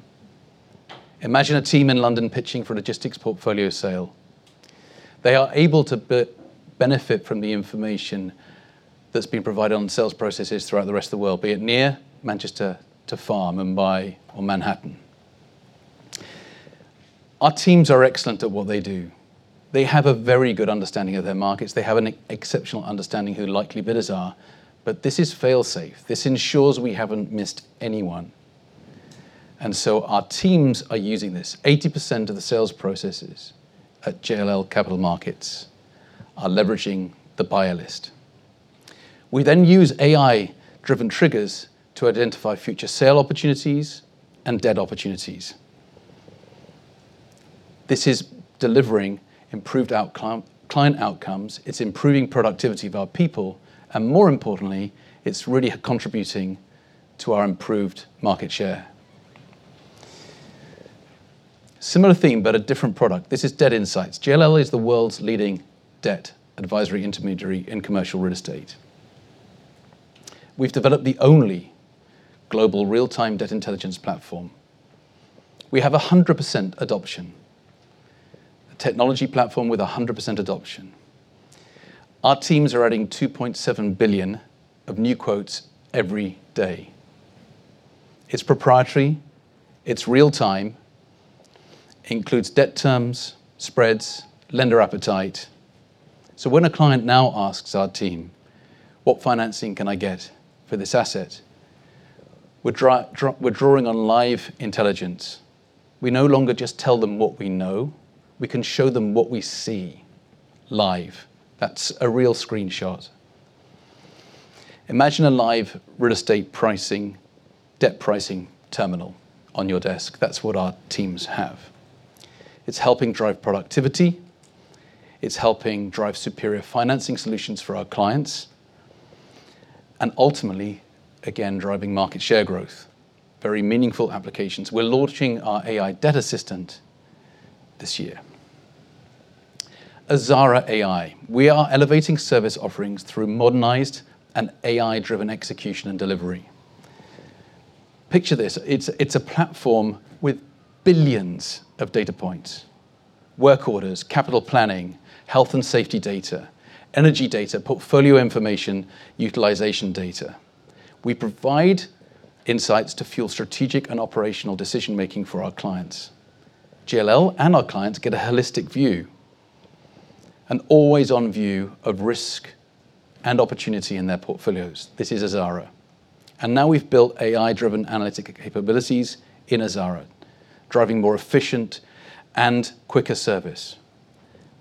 Imagine a team in London pitching for a logistics portfolio sale. They are able to benefit from the information that's been provided on sales processes throughout the rest of the world, be it near Manchester to far, Mumbai or Manhattan. Our teams are excellent at what they do. They have a very good understanding of their markets. They have an exceptional understanding who likely bidders are, but this is fail-safe. This ensures we haven't missed anyone. Our teams are using this. 80% of the sales processes at JLL Capital Markets are leveraging the buyer list. We then use AI-driven triggers to identify future sale opportunities and debt opportunities. This is delivering improved client outcomes, it's improving productivity of our people, and more importantly, it's really contributing to our improved market share. Similar theme, but a different product. This is Debt Insights. JLL is the world's leading debt advisory intermediary in commercial real estate. We've developed the only global real-time debt intelligence platform. We have 100% adoption. A technology platform with 100% adoption. Our teams are adding 2.7 billion of new quotes every day. It's proprietary, it's real-time, includes debt terms, spreads, lender appetite. When a client now asks our team, "What financing can I get for this asset?" We're drawing on live intelligence. We no longer just tell them what we know, we can show them what we see live. That's a real screenshot. Imagine a live real estate pricing, debt pricing terminal on your desk. That's what our teams have. It's helping drive productivity, it's helping drive superior financing solutions for our clients, and ultimately, again, driving market share growth. Very meaningful applications. We're launching our AI debt assistant this year. Azara AI. We are elevating service offerings through modernized and AI-driven execution and delivery. Picture this, it's a platform with billions of data points, work orders, capital planning, health and safety data, energy data, portfolio information, utilization data. We provide insights to fuel strategic and operational decision-making for our clients. JLL and our clients get a holistic view, an always-on view of risk and opportunity in their portfolios. This is Azara. Now we've built AI-driven analytic capabilities in Azara, driving more efficient and quicker service.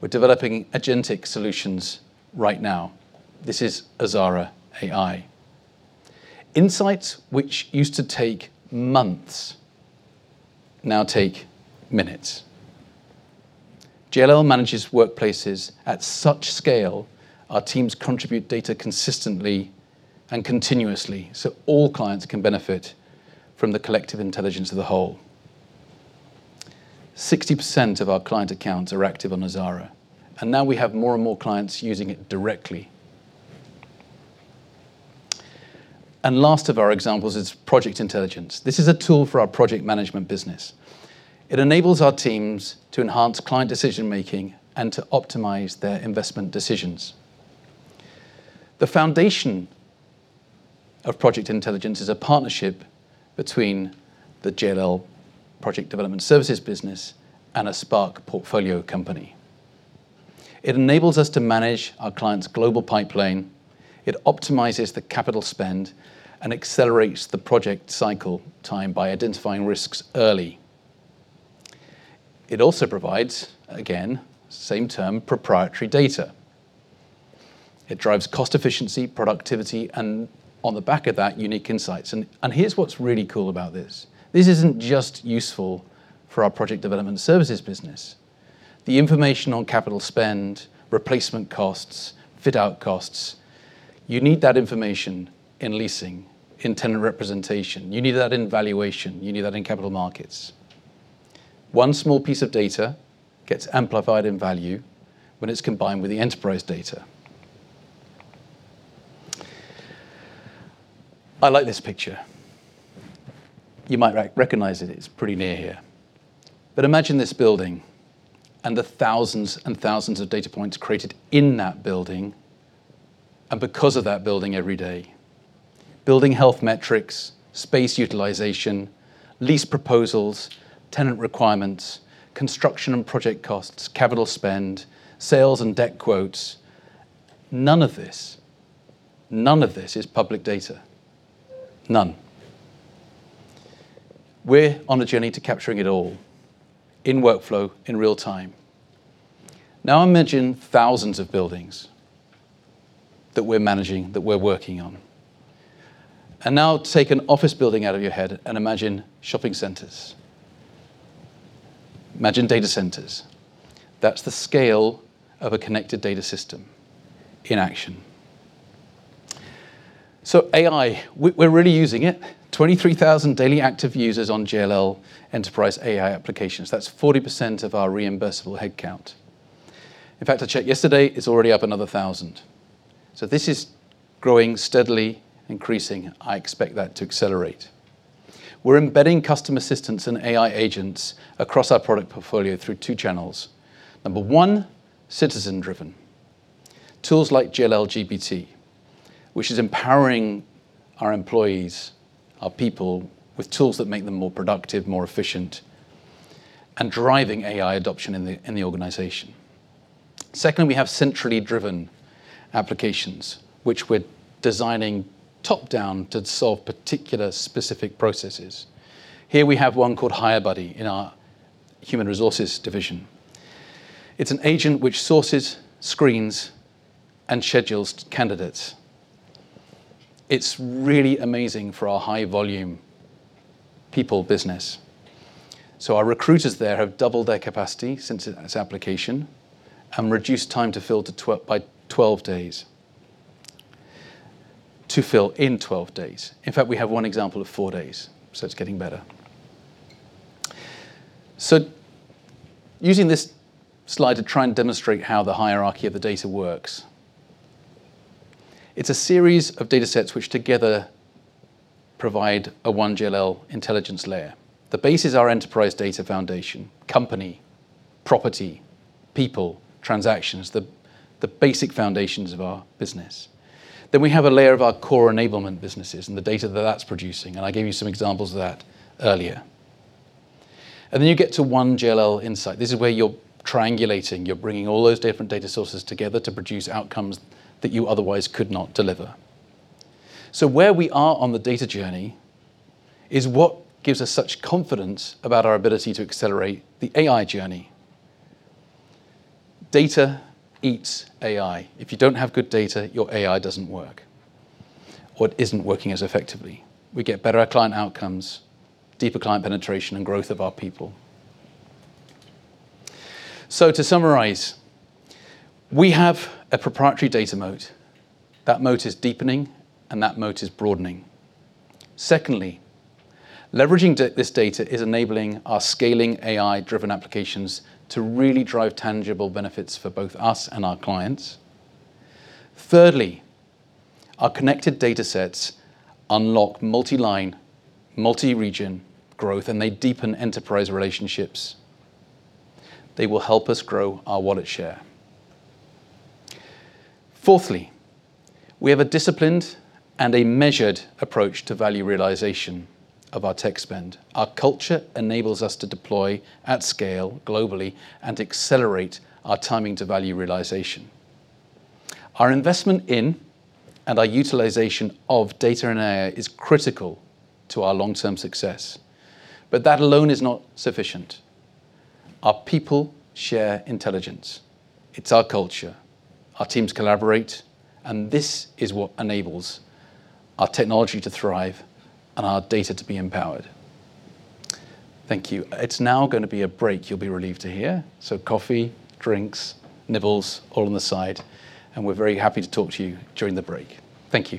We're developing agentic solutions right now. This is Azara AI. Insights which used to take months now take minutes. JLL manages workplaces at such scale, our teams contribute data consistently and continuously, so all clients can benefit from the collective intelligence of the whole. 60% of our client accounts are active on Azara, and now we have more and more clients using it directly. Last of our examples is Project Intelligence. This is a tool for our project management business. It enables our teams to enhance client decision-making and to optimize their investment decisions. The foundation of Project Intelligence is a partnership between the JLL Project Development Services business and a Spark Portfolio company. It enables us to manage our clients' global pipeline. It optimizes the capital spend and accelerates the project cycle time by identifying risks early. It also provides, again, same term, proprietary data. It drives cost efficiency, productivity, and on the back of that, unique insights. Here's what's really cool about this. This isn't just useful for our project development services business. The information on capital spend, replacement costs, fit-out costs, you need that information in leasing, in tenant representation. You need that in valuation. You need that in capital markets. One small piece of data gets amplified in value when it's combined with the enterprise data. I like this picture. You might recognize it. It's pretty near here. Imagine this building and the thousands and thousands of data points created in that building and because of that building every day. Building health metrics, space utilization, lease proposals, tenant requirements, construction and project costs, capital spend, sales and debt quotes. None of this is public data. None. We're on a journey to capturing it all in workflow in real-time. Now imagine thousands of buildings that we're managing, that we're working on. Now take an office building out of your head and imagine shopping centers. Imagine data centers. That's the scale of a connected data system in action. AI, we're really using it. 23,000 daily active users on JLL enterprise AI applications. That's 40% of our reimbursable headcount. In fact, I checked yesterday, it's already up another 1,000. This is growing steadily, increasing. I expect that to accelerate. We're embedding customer assistance and AI agents across our product portfolio through two channels. Number one, citizen-driven. Tools like JLL GPT, which is empowering our employees, our people, with tools that make them more productive, more efficient, and driving AI adoption in the organization. Secondly, we have centrally driven applications, which we're designing top-down to solve particular specific processes. Here we have one called Hire Buddy in our human resources division. It's an agent which sources, screens, and schedules candidates. It's really amazing for our high volume people business. Our recruiters there have doubled their capacity since its application and reduced time to fill to twelve days. To fill in 12 days. In fact, we have one example of four days, so it's getting better. Using this slide to try and demonstrate how the hierarchy of the data works. It's a series of datasets which together provide a One JLL intelligence layer. The base is our enterprise data foundation, company, property, people, transactions, the basic foundations of our business. We have a layer of our core enablement businesses and the data that that's producing, and I gave you some examples of that earlier. You get to One JLL insight. This is where you're triangulating. You're bringing all those different data sources together to produce outcomes that you otherwise could not deliver. Where we are on the data journey is what gives us such confidence about our ability to accelerate the AI journey. Data eats AI. If you don't have good data, your AI doesn't work or it isn't working as effectively. We get better at client outcomes, deeper client penetration, and growth of our people. To summarize, we have a proprietary data moat. That moat is deepening, and that moat is broadening. Secondly, leveraging this data is enabling our scaling AI-driven applications to really drive tangible benefits for both us and our clients. Thirdly, our connected datasets unlock multi-line, multi-region growth, and they deepen enterprise relationships. They will help us grow our wallet share. Fourthly, we have a disciplined and a measured approach to value realization of our tech spend. Our culture enables us to deploy at scale globally and accelerate our timing to value realization. Our investment in and our utilization of data and AI is critical to our long-term success, but that alone is not sufficient. Our people share intelligence. It's our culture. Our teams collaborate, and this is what enables our technology to thrive and our data to be empowered. Thank you. It's now gonna be a break, you'll be relieved to hear. Coffee, drinks, nibbles, all on the side, and we're very happy to talk to you during the break. Thank you.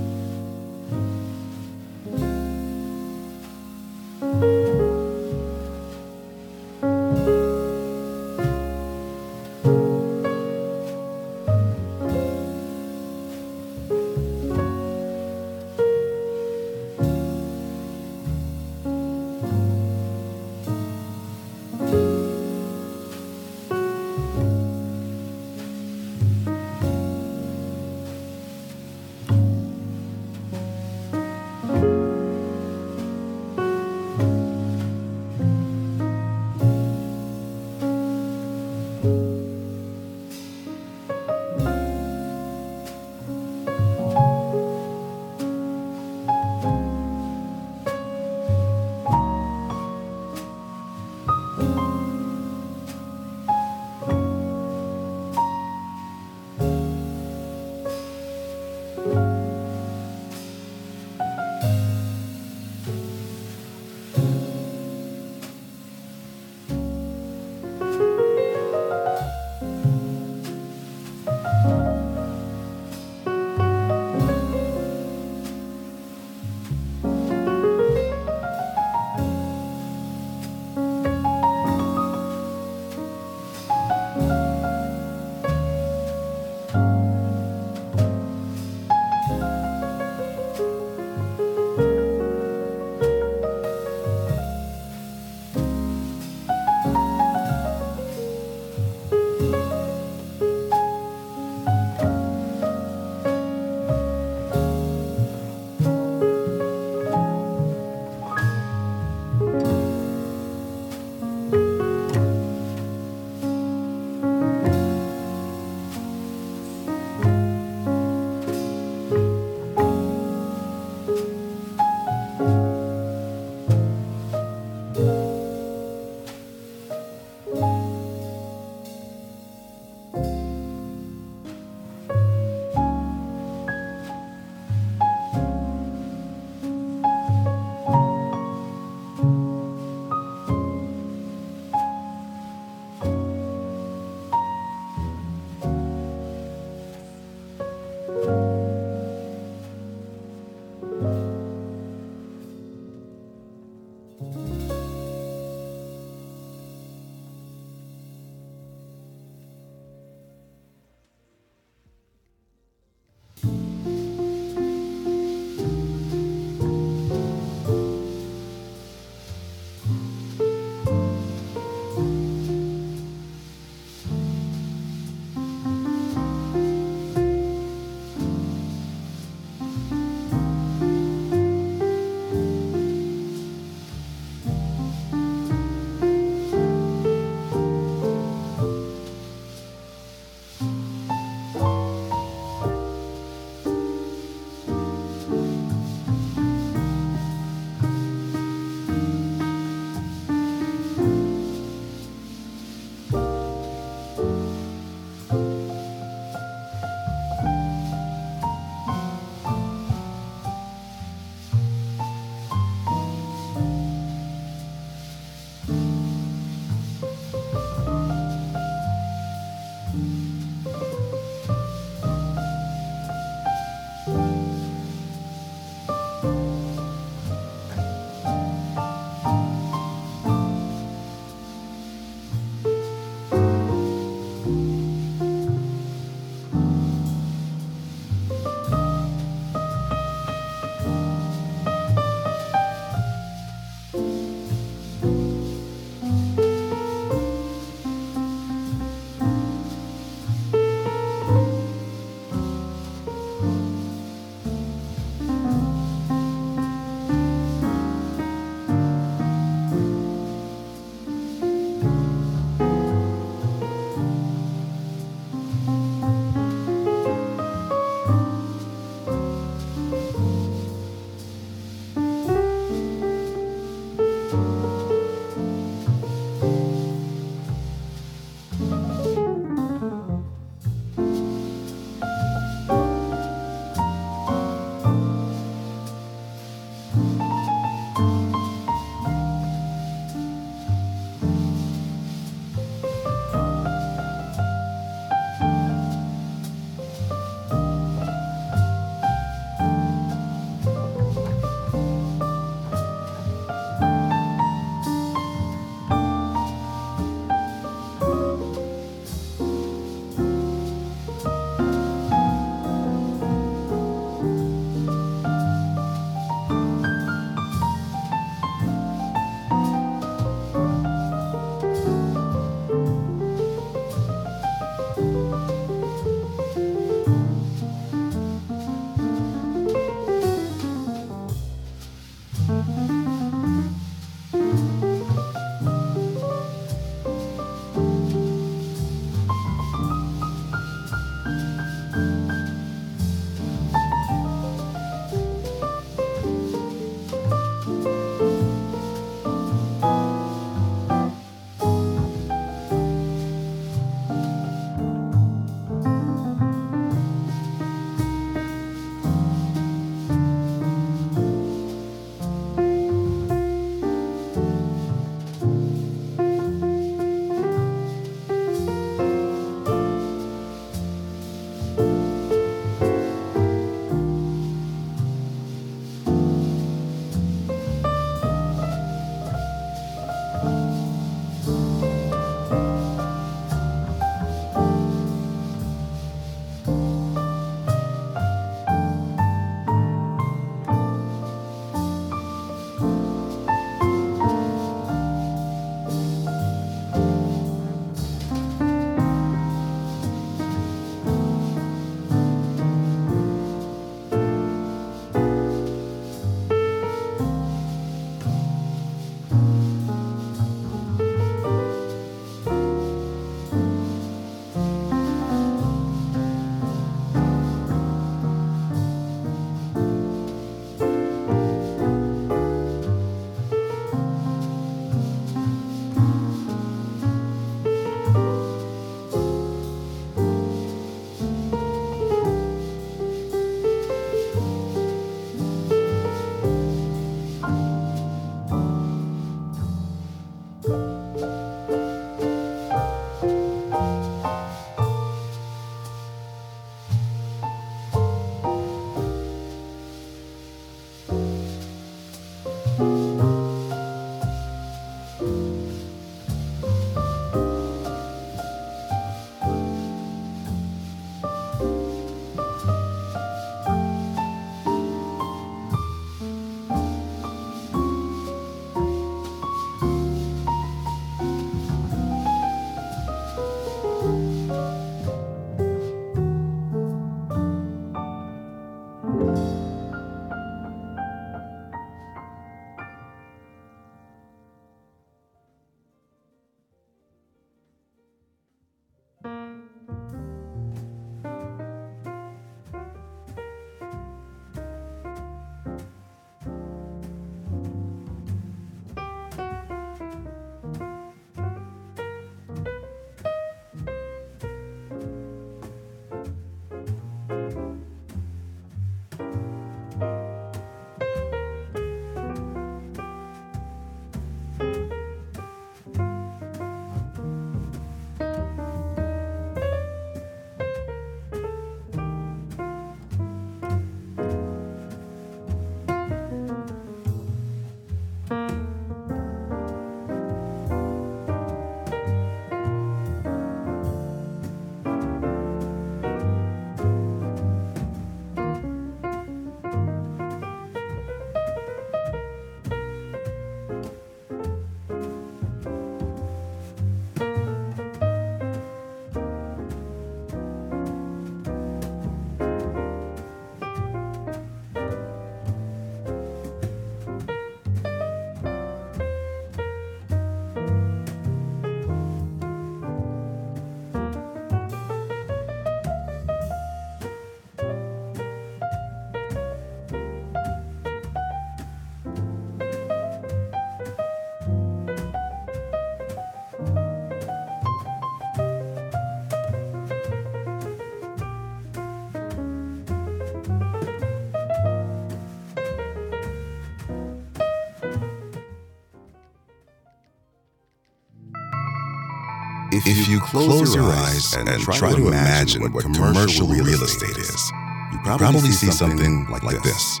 If you close your eyes and try to imagine what commercial real estate is, you probably see something like this.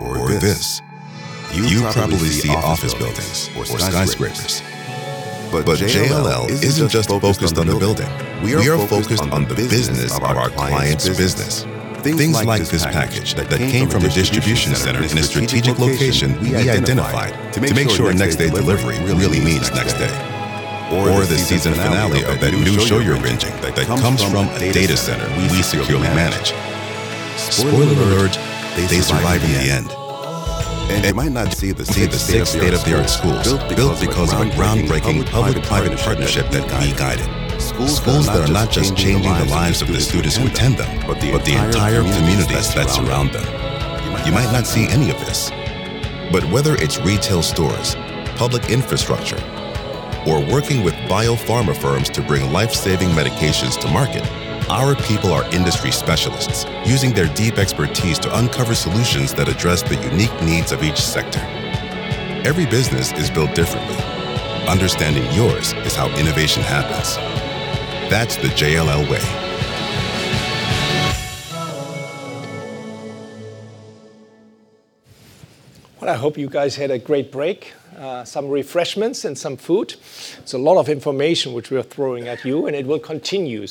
Or this. You probably see office buildings or skyscrapers. But JLL isn't just focused on the building. We are focused on the business of our clients' business. Things like this package that came from a distribution center in a strategic location we identified to make sure next-day delivery really means next day. Or the season finale of that new show you're binging that comes from a data center we securely manage. Spoiler alert, they survive in the end. You might not see the state-of-the-art schools built because of a groundbreaking public-private partnership that we guided. Schools that are not just changing the lives of the students who attend them, but the entire communities that surround them. You might not see any of this, but whether it's retail stores, public infrastructure, or working with biopharma firms to bring life-saving medications to market, our people are industry specialists using their deep expertise to uncover solutions that address the unique needs of each sector. Every business is built differently. Understanding yours is how innovation happens. That's the JLL way. Well, I hope you guys had a great break, some refreshments and some food. It's a lot of information which we are throwing at you, and it will continue.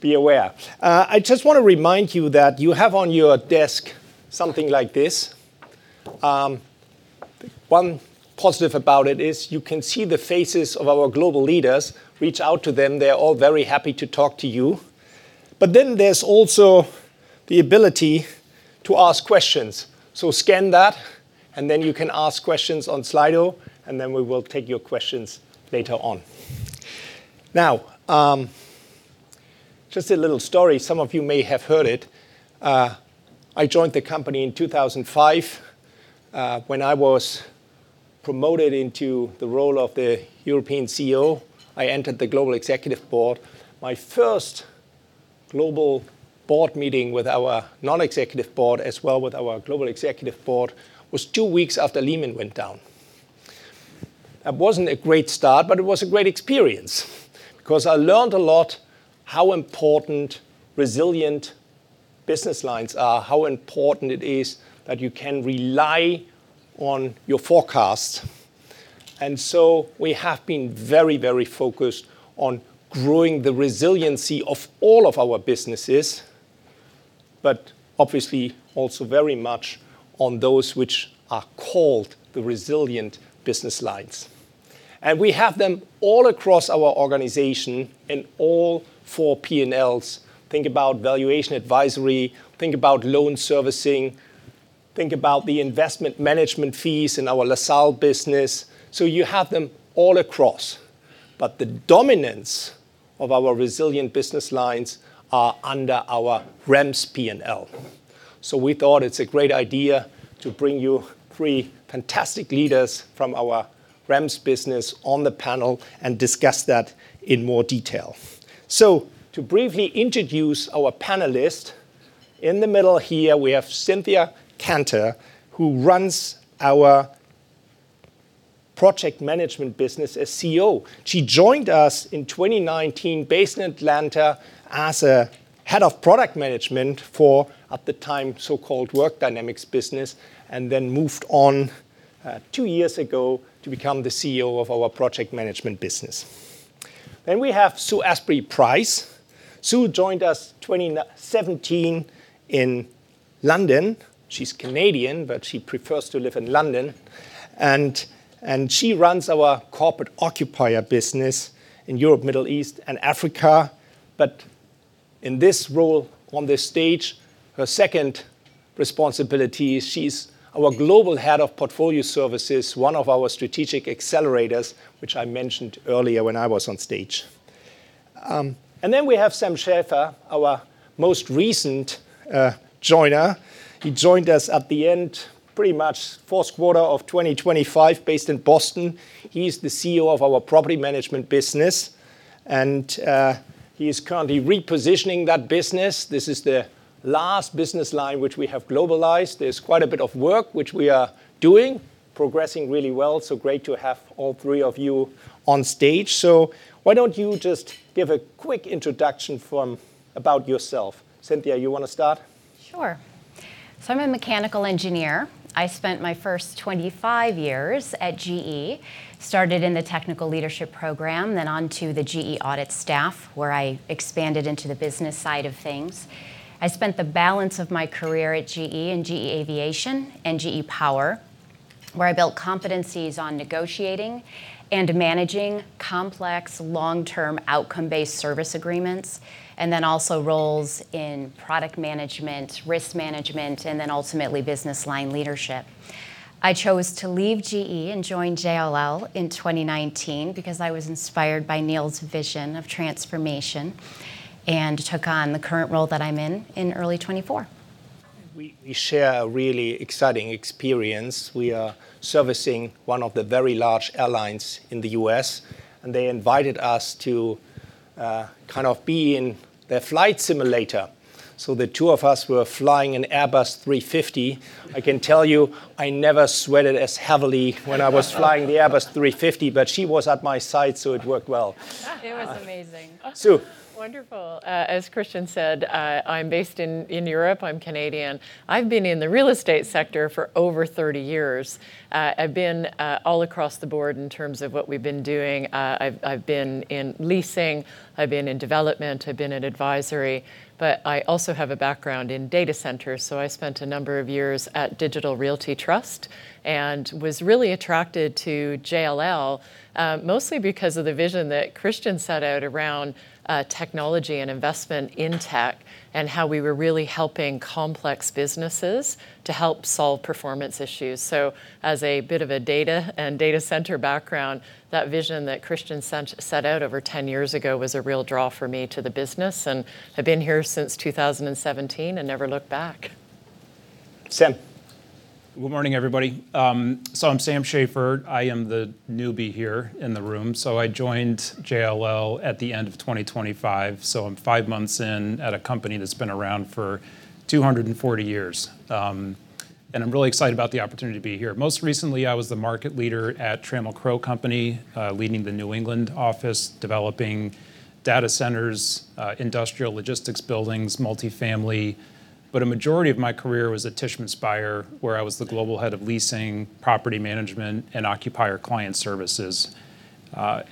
Be aware. I just wanna remind you that you have on your desk something like this. One positive about it is you can see the faces of our global leaders. Reach out to them. They're all very happy to talk to you. There's also the ability to ask questions. Scan that, and then you can ask questions on Slido, and then we will take your questions later on. Now, just a little story. Some of you may have heard it. I joined the company in 2005. When I was promoted into the role of the European CEO, I entered the global executive board. My first global board meeting with our non-executive board as well with our global executive board was two weeks after Lehman went down. That wasn't a great start, but it was a great experience because I learned a lot how important resilient business lines are, how important it is that you can rely on your forecast. We have been very, very focused on growing the resiliency of all of our businesses, but obviously also very much on those which are called the resilient business lines. We have them all across our organization in all four P&Ls. Think about valuation advisory, think about loan servicing, think about the investment management fees in our LaSalle business. You have them all across. The dominance of our resilient business lines are under our REMS P&L. We thought it's a great idea to bring you three fantastic leaders from our REMS business on the panel and discuss that in more detail. To briefly introduce our panelists, in the middle here we have Cynthia Kantor, who runs our project management business as CEO. She joined us in 2019 based in Atlanta as a head of product management for, at the time, so-called Work Dynamics business, and then moved on, two years ago to become the CEO of our project management business. We have Sue Asprey Price. Sue joined us 2017 in London. She's Canadian, but she prefers to live in London. And she runs our corporate occupier business in Europe, Middle East, and Africa. In this role on this stage, her second responsibility is she's our global head of portfolio services, one of our strategic accelerators, which I mentioned earlier when I was on stage. We have Sam Schaefer, our most recent joiner. He joined us at the end, pretty much fourth quarter of 2025 based in Boston. He's the CEO of our property management business, and he's currently repositioning that business. This is the last business line which we have globalized. There's quite a bit of work which we are doing, progressing really well, great to have all three of you on stage. Why don't you just give a quick introduction about yourself. Cynthia, you wanna start? Sure. I'm a mechanical engineer. I spent my first 25 years at GE. Started in the technical leadership program, then on to the GE audit staff, where I expanded into the business side of things. I spent the balance of my career at GE in GE Aviation and GE Power, where I built competencies on negotiating and managing complex long-term outcome-based service agreements, and then also roles in product management, risk management, and then ultimately business line leadership. I chose to leave GE and join JLL in 2019 because I was inspired by Neil's vision of transformation and took on the current role that I'm in in early 2024. We share a really exciting experience. We are servicing one of the very large airlines in the U.S., and they invited us to kind of be in their flight simulator. The two of us were flying an Airbus A350. I can tell you, I never sweated as heavily when I was flying the Airbus A350. She was at my side, so it worked well. It was amazing. Sue. Wonderful. As Christian said, I'm based in Europe. I'm Canadian. I've been in the real estate sector for over 30 years. I've been all across the board in terms of what we've been doing. I've been in leasing, I've been in development, I've been in advisory, but I also have a background in data centers. I spent a number of years at Digital Realty Trust, and was really attracted to JLL, mostly because of the vision that Christian set out around technology and investment in tech, and how we were really helping complex businesses to help solve performance issues. As a bit of a data and data center background, that vision that Christian set out over 10 years ago was a real draw for me to the business, and have been here since 2017 and never looked back. Sam. Good morning, everybody. I'm Sam Schaefer. I am the newbie here in the room. I joined JLL at the end of 2025. I'm five months in at a company that's been around for 240 years. I'm really excited about the opportunity to be here. Most recently, I was the market leader at Trammell Crow Company, leading the New England office, developing data centers, industrial logistics buildings, multifamily. A majority of my career was at Tishman Speyer, where I was the Global Head of Leasing, Property Management, and occupier client services. I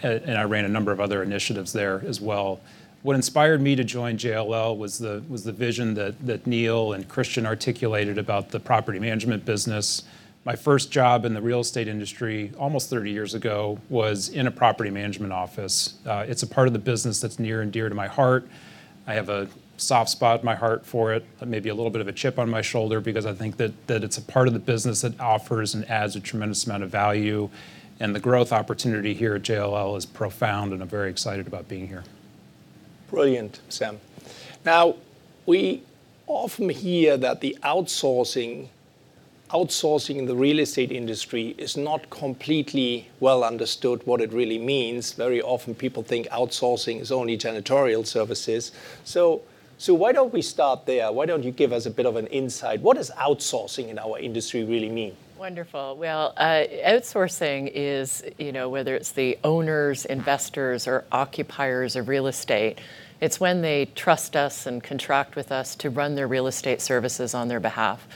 ran a number of other initiatives there as well. What inspired me to join JLL was the vision that Neil and Christian articulated about the property management business. My first job in the real estate industry, almost 30 years ago, was in a property management office. It's a part of the business that's near and dear to my heart. I have a soft spot in my heart for it, maybe a little bit of a chip on my shoulder because I think that it's a part of the business that offers and adds a tremendous amount of value, and the growth opportunity here at JLL is profound, and I'm very excited about being here. Brilliant, Sam. Now, we often hear that outsourcing in the real estate industry is not completely well understood what it really means. Very often people think outsourcing is only janitorial services. Why don't we start there? Why don't you give us a bit of an insight? What does outsourcing in our industry really mean? Wonderful. Well, outsourcing is, you know, whether it's the owners, investors, or occupiers of real estate, it's when they trust us and contract with us to run their real estate services on their behalf.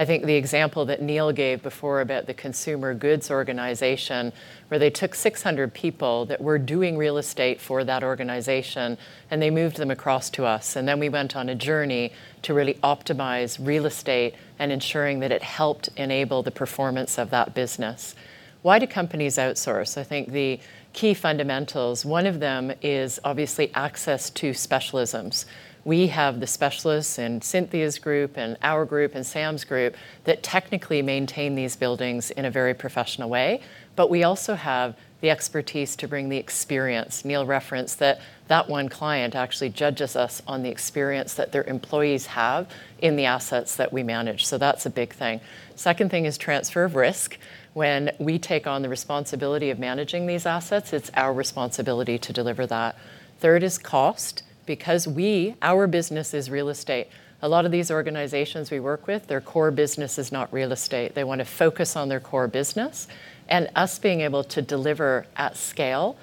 I think the example that Neil gave before about the consumer goods organization, where they took 600 people that were doing real estate for that organization, and they moved them across to us, and then we went on a journey to really optimize real estate and ensuring that it helped enable the performance of that business. Why do companies outsource? I think the key fundamentals, one of them is obviously access to specialisms. We have the specialists in Cynthia's group and our group and Sam's group that technically maintain these buildings in a very professional way, but we also have the expertise to bring the experience. Neil referenced that one client actually judges us on the experience that their employees have in the assets that we manage, so that's a big thing. Second thing is transfer of risk. When we take on the responsibility of managing these assets, it's our responsibility to deliver that. Third is cost, because we, our business is real estate. A lot of these organizations we work with, their core business is not real estate. They wanna focus on their core business, and us being able to deliver at scale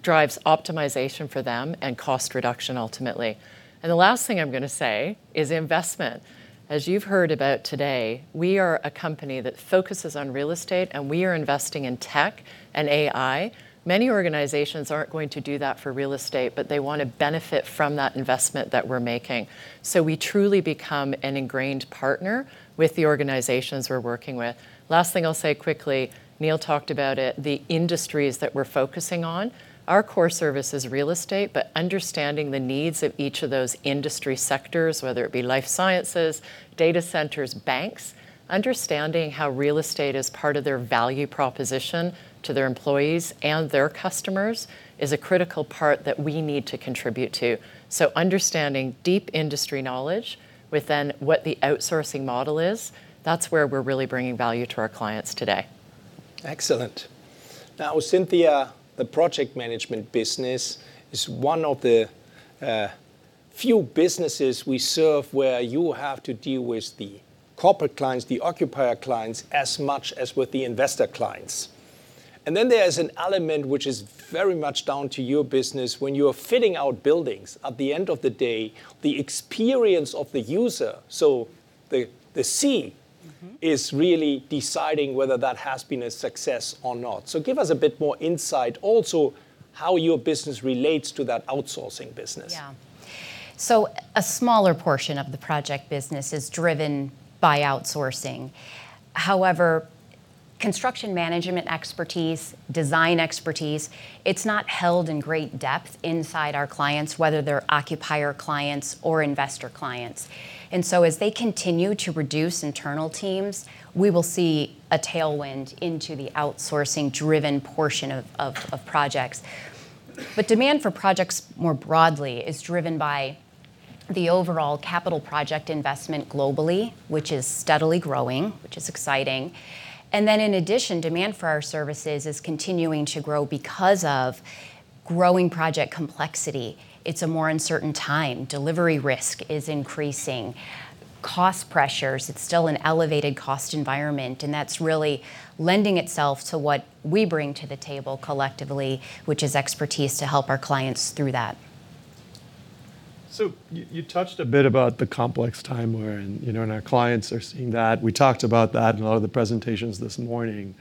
drives optimization for them and cost reduction ultimately. The last thing I'm gonna say is investment. As you've heard about today, we are a company that focuses on real estate, and we are investing in tech and AI. Many organizations aren't going to do that for real estate, but they wanna benefit from that investment that we're making. We truly become an ingrained partner with the organizations we're working with. Last thing I'll say quickly, Neil talked about it, the industries that we're focusing on. Our core service is real estate, but understanding the needs of each of those industry sectors, whether it be life sciences, data centers, banks, understanding how real estate is part of their value proposition to their employees and their customers is a critical part that we need to contribute to. Understanding deep industry knowledge within what the outsourcing model is, that's where we're really bringing value to our clients today. Excellent. Now, Cynthia, the project management business is one of the few businesses we serve where you have to deal with the corporate clients, the occupier clients, as much as with the investor clients. There's an element which is very much down to your business when you are fitting out buildings. At the end of the day, the experience of the user is really deciding whether that has been a success or not. Give us a bit more insight also how your business relates to that outsourcing business. Yeah. A smaller portion of the project business is driven by outsourcing. However, construction management expertise, design expertise, it's not held in great depth inside our clients, whether they're occupier clients or investor clients. As they continue to reduce internal teams, we will see a tailwind into the outsourcing driven portion of projects. Demand for projects more broadly is driven by the overall capital project investment globally, which is steadily growing, which is exciting. Then in addition, demand for our services is continuing to grow because of growing project complexity. It's a more uncertain time. Delivery risk is increasing. Cost pressures, it's still an elevated cost environment, and that's really lending itself to what we bring to the table collectively, which is expertise to help our clients through that. You touched a bit about the complex time we're in, you know, and our clients are seeing that. We talked about that in a lot of the presentations this morning.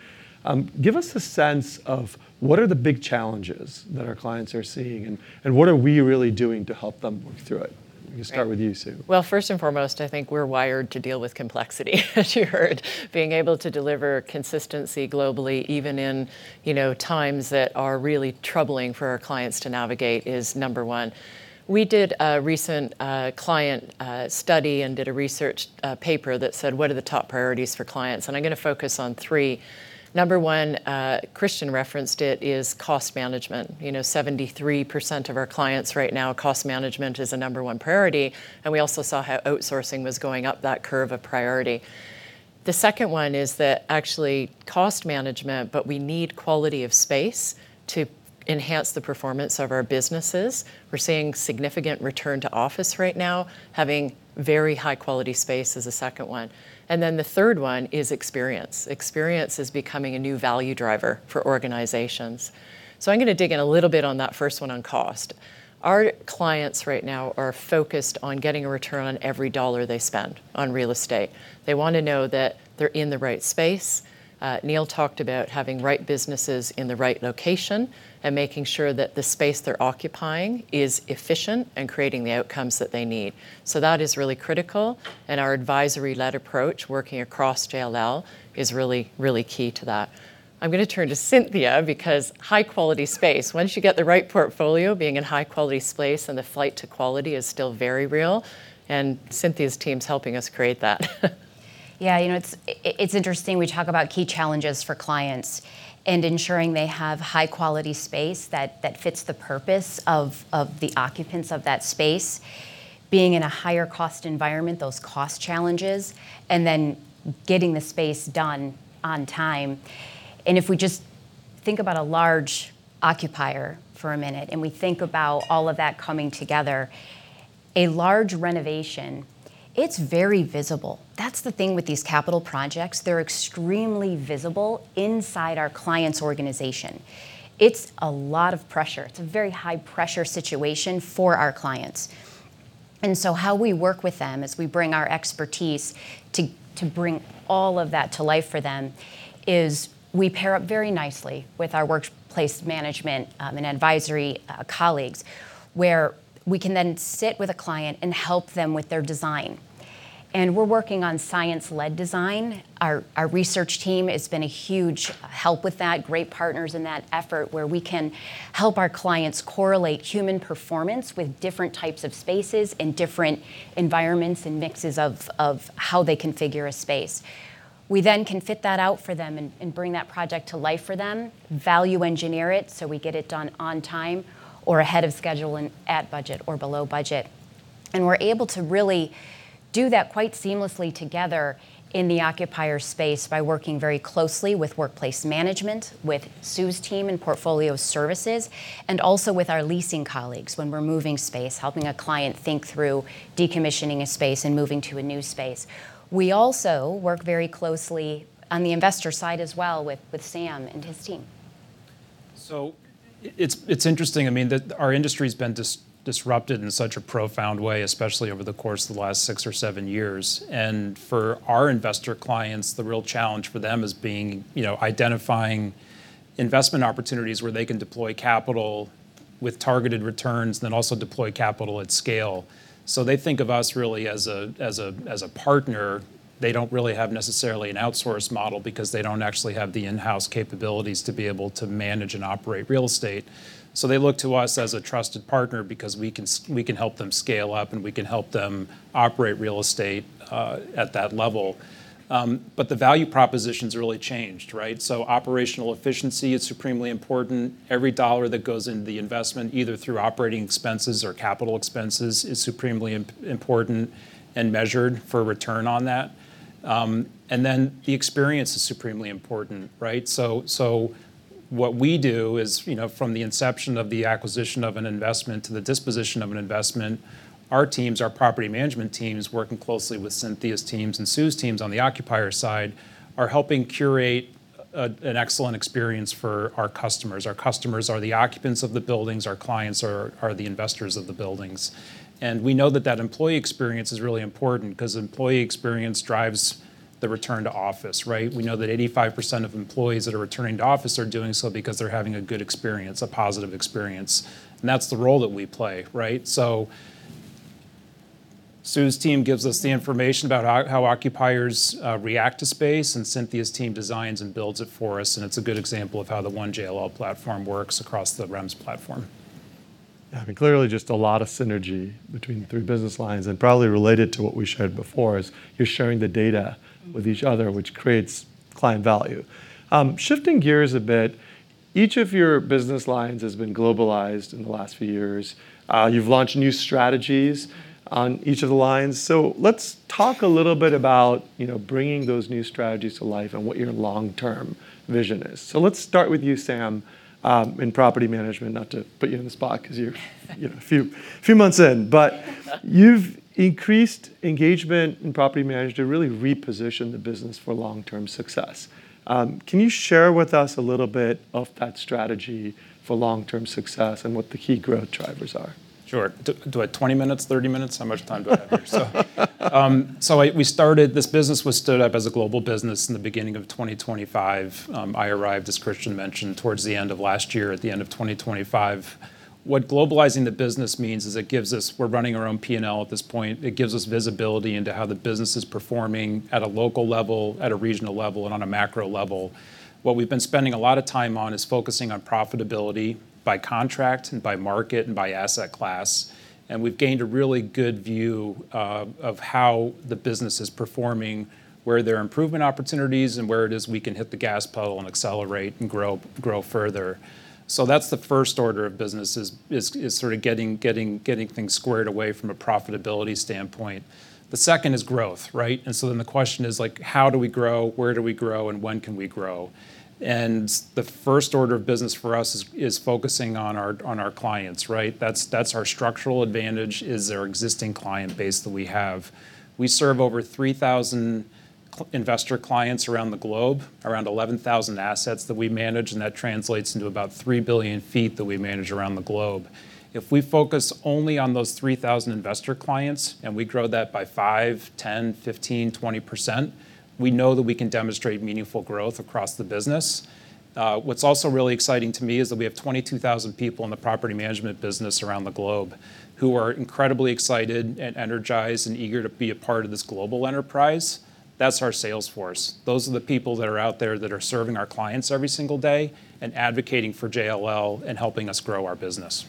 Give us a sense of what are the big challenges that our clients are seeing, and what are we really doing to help them work through it? We can start with you, Sue. Well, first and foremost, I think we're wired to deal with complexity as you heard. Being able to deliver consistency globally, even in, you know, times that are really troubling for our clients to navigate is number one. We did a recent client study and did a research paper that said, "What are the top priorities for clients?" I'm gonna focus on three. Number one, Christian referenced it, is cost management. You know, 73% of our clients right now, cost management is a number one priority, and we also saw how outsourcing was going up that curve of priority. The second one is that actually cost management, but we need quality of space to enhance the performance of our businesses. We're seeing significant return to office right now. Having very high quality space is the second one. The third one is experience. Experience is becoming a new value driver for organizations. I'm gonna dig in a little bit on that first one on cost. Our clients right now are focused on getting a return on every dollar they spend on real estate. They wanna know that they're in the right space. Neil talked about having right businesses in the right location and making sure that the space they're occupying is efficient in creating the outcomes that they need. That is really critical, and our advisory-led approach, working across JLL, is really, really key to that. I'm gonna turn to Cynthia because high quality space. Once you get the right portfolio, being in high quality space and the flight to quality is still very real, and Cynthia's team's helping us create that. Yeah, you know, it's interesting. We talk about key challenges for clients and ensuring they have high quality space that fits the purpose of the occupants of that space. Being in a higher cost environment, those cost challenges, and then getting the space done on time. If we just think about a large occupier for a minute, and we think about all of that coming together, a large renovation, it's very visible. That's the thing with these capital projects. They're extremely visible inside our client's organization. It's a lot of pressure. It's a very high pressure situation for our clients. How we work with them as we bring our expertise to bring all of that to life for them is we pair up very nicely with our workplace management and advisory colleagues, where we can then sit with a client and help them with their design. We're working on science-led design. Our research team has been a huge help with that, great partners in that effort, where we can help our clients correlate human performance with different types of spaces and different environments and mixes of how they configure a space. We then can fit that out for them and bring that project to life for them, value engineer it, so we get it done on time or ahead of schedule and at budget or below budget. We're able to really do that quite seamlessly together in the occupier space by working very closely with workplace management, with Sue's team in portfolio services, and also with our leasing colleagues when we're moving space, helping a client think through decommissioning a space and moving to a new space. We also work very closely on the investor side as well with Sam and his team. It's interesting. I mean, our industry's been disrupted in such a profound way, especially over the course of the last six or seven years. For our investor clients, the real challenge for them is being, you know, identifying investment opportunities where they can deploy capital with targeted returns, then also deploy capital at scale. They think of us really as a partner. They don't really have necessarily an outsource model because they don't actually have the in-house capabilities to be able to manage and operate real estate. They look to us as a trusted partner because we can help them scale up, and we can help them operate real estate at that level. But the value proposition's really changed, right? Operational efficiency is supremely important. Every dollar that goes into the investment, either through operating expenses or capital expenses, is supremely important and measured for return on that. The experience is supremely important, right? What we do is, you know, from the inception of the acquisition of an investment to the disposition of an investment, our teams, our property management teams, working closely with Cynthia's teams and Sue's teams on the occupier side, are helping curate an excellent experience for our customers. Our customers are the occupants of the buildings. Our clients are the investors of the buildings. We know that employee experience is really important because employee experience drives the return to office, right? We know that 85% of employees that are returning to office are doing so because they're having a good experience, a positive experience, and that's the role that we play, right? Sue's team gives us the information about how occupiers react to space, and Cynthia's team designs and builds it for us, and it's a good example of how the One JLL platform works across the REMS platform. I mean, clearly just a lot of synergy between the three business lines, and probably related to what we shared before is you're sharing the data with each other, which creates client value. Shifting gears a bit, each of your business lines has been globalized in the last few years. You've launched new strategies on each of the lines. Let's talk a little bit about, you know, bringing those new strategies to life and what your long-term vision is. Let's start with you, Sam, in property management, not to put you on the spot because you're a few months in. You've increased engagement in property management to really reposition the business for long-term success. Can you share with us a little bit of that strategy for long-term success and what the key growth drivers are? Sure. Do I have 20 minutes, 30 minutes? How much time do I have here? We started this business, was stood up as a global business in the beginning of 2025. I arrived, as Christian mentioned, towards the end of last year, at the end of 2025. What globalizing the business means is it gives us. We're running our own P&L at this point. It gives us visibility into how the business is performing at a local level, at a regional level, and on a macro level. What we've been spending a lot of time on is focusing on profitability by contract and by market and by asset class, and we've gained a really good view of how the business is performing, where there are improvement opportunities, and where it is we can hit the gas pedal and accelerate and grow further. That's the first order of business is sort of getting things squared away from a profitability standpoint. The second is growth, right? The question is like, how do we grow? Where do we grow, and when can we grow? The first order of business for us is focusing on our clients, right? That's our structural advantage is our existing client base that we have. We serve over 3,000 client investor clients around the globe, around 11,000 assets that we manage, and that translates into about 3 billion feet that we manage around the globe. If we focus only on those 3,000 investor clients, and we grow that by 5%, 10%, 15%, 20%, we know that we can demonstrate meaningful growth across the business. What's also really exciting to me is that we have 22,000 people in the property management business around the globe who are incredibly excited and energized and eager to be a part of this global enterprise. That's our sales force. Those are the people that are out there that are serving our clients every single day and advocating for JLL and helping us grow our business.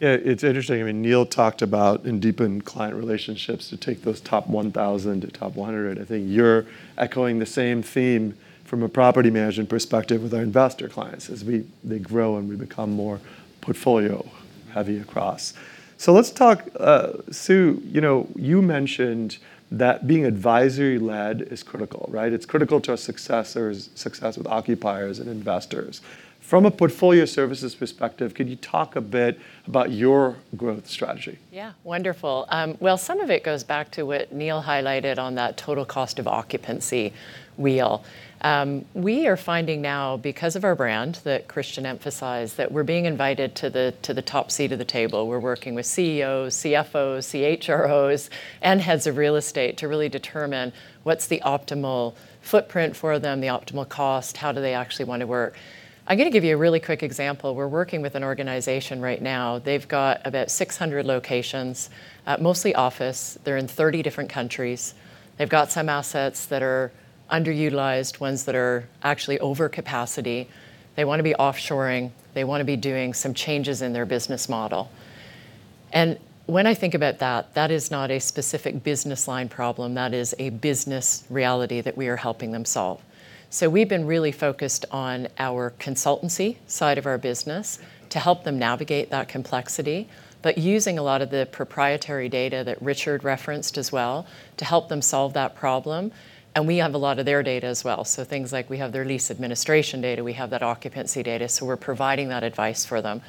Yeah, it's interesting. I mean, Neil talked about in deepen client relationships to take those top 1,000 to top 100. I think you're echoing the same theme from a property management perspective with our investor clients as they grow, and we become more portfolio heavy across. Let's talk, Sue, you know, you mentioned that being advisory-led is critical, right? It's critical to our success or success with occupiers and investors. From a portfolio services perspective, could you talk a bit about your growth strategy? Yeah. Wonderful. Well, some of it goes back to what Neil highlighted on that total cost of occupancy wheel. We are finding now because of our brand that Christian emphasized, that we're being invited to the top seat of the table. We're working with CEOs, CFOs, CHROs, and heads of real estate to really determine what's the optimal footprint for them, the optimal cost, how do they actually want to work. I'm gonna give you a really quick example. We're working with an organization right now. They've got about 600 locations, mostly office. They're in 30 different countries. They've got some assets that are underutilized, ones that are actually over capacity. They wanna be offshoring. They wanna be doing some changes in their business model. When I think about that is not a specific business line problem. That is a business reality that we are helping them solve. We've been really focused on our consultancy side of our business to help them navigate that complexity, but using a lot of the proprietary data that Richard referenced as well to help them solve that problem, and we have a lot of their data as well. Things like we have their lease administration data, we have that occupancy data, so we're providing that advice for them.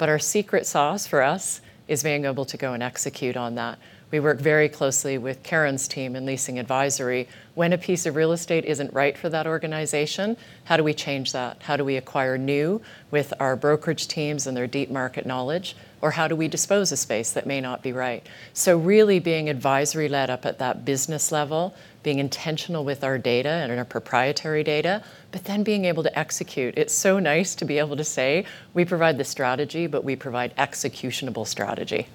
Our secret sauce for us is being able to go and execute on that. We work very closely with Karen's team in Leasing Advisory. When a piece of real estate isn't right for that organization, how do we change that? How do we acquire new with our brokerage teams and their deep market knowledge? Or how do we dispose of a space that may not be right? Really being advisory-led up at that business level, being intentional with our data and our proprietary data, but then being able to execute. It's so nice to be able to say, we provide the strategy, but we provide executionable strategy.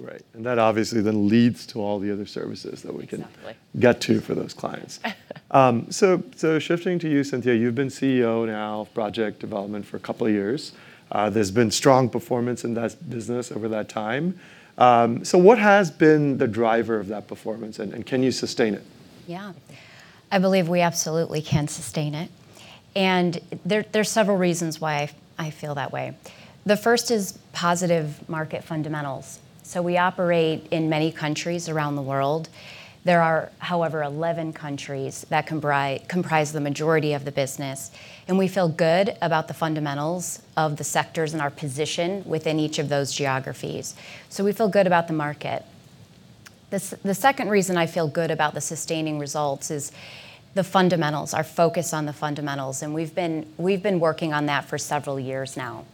Right. That obviously then leads to all the other services that we can- Exactly. Get to for those clients. Shifting to you, Cynthia, you've been CEO now of Project and Development for a couple of years. There's been strong performance in that business over that time. What has been the driver of that performance, and can you sustain it? Yeah. I believe we absolutely can sustain it, and there are several reasons why I feel that way. The first is positive market fundamentals. We operate in many countries around the world. There are, however, 11 countries that comprise the majority of the business, and we feel good about the fundamentals of the sectors and our position within each of those geographies. We feel good about the market. The second reason I feel good about the sustaining results is the fundamentals, our focus on the fundamentals, and we've been working on that for several years now,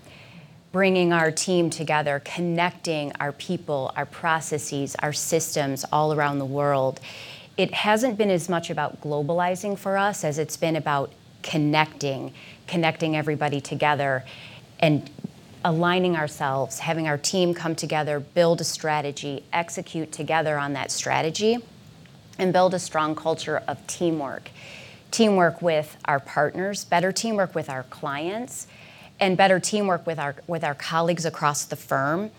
bringing our team together, connecting our people, our processes, our systems all around the world. It hasn't been as much about globalizing for us as it's been about connecting everybody together and aligning ourselves, having our team come together, build a strategy, execute together on that strategy and build a strong culture of teamwork. Teamwork with our partners, better teamwork with our clients, and better teamwork with our colleagues across the firm,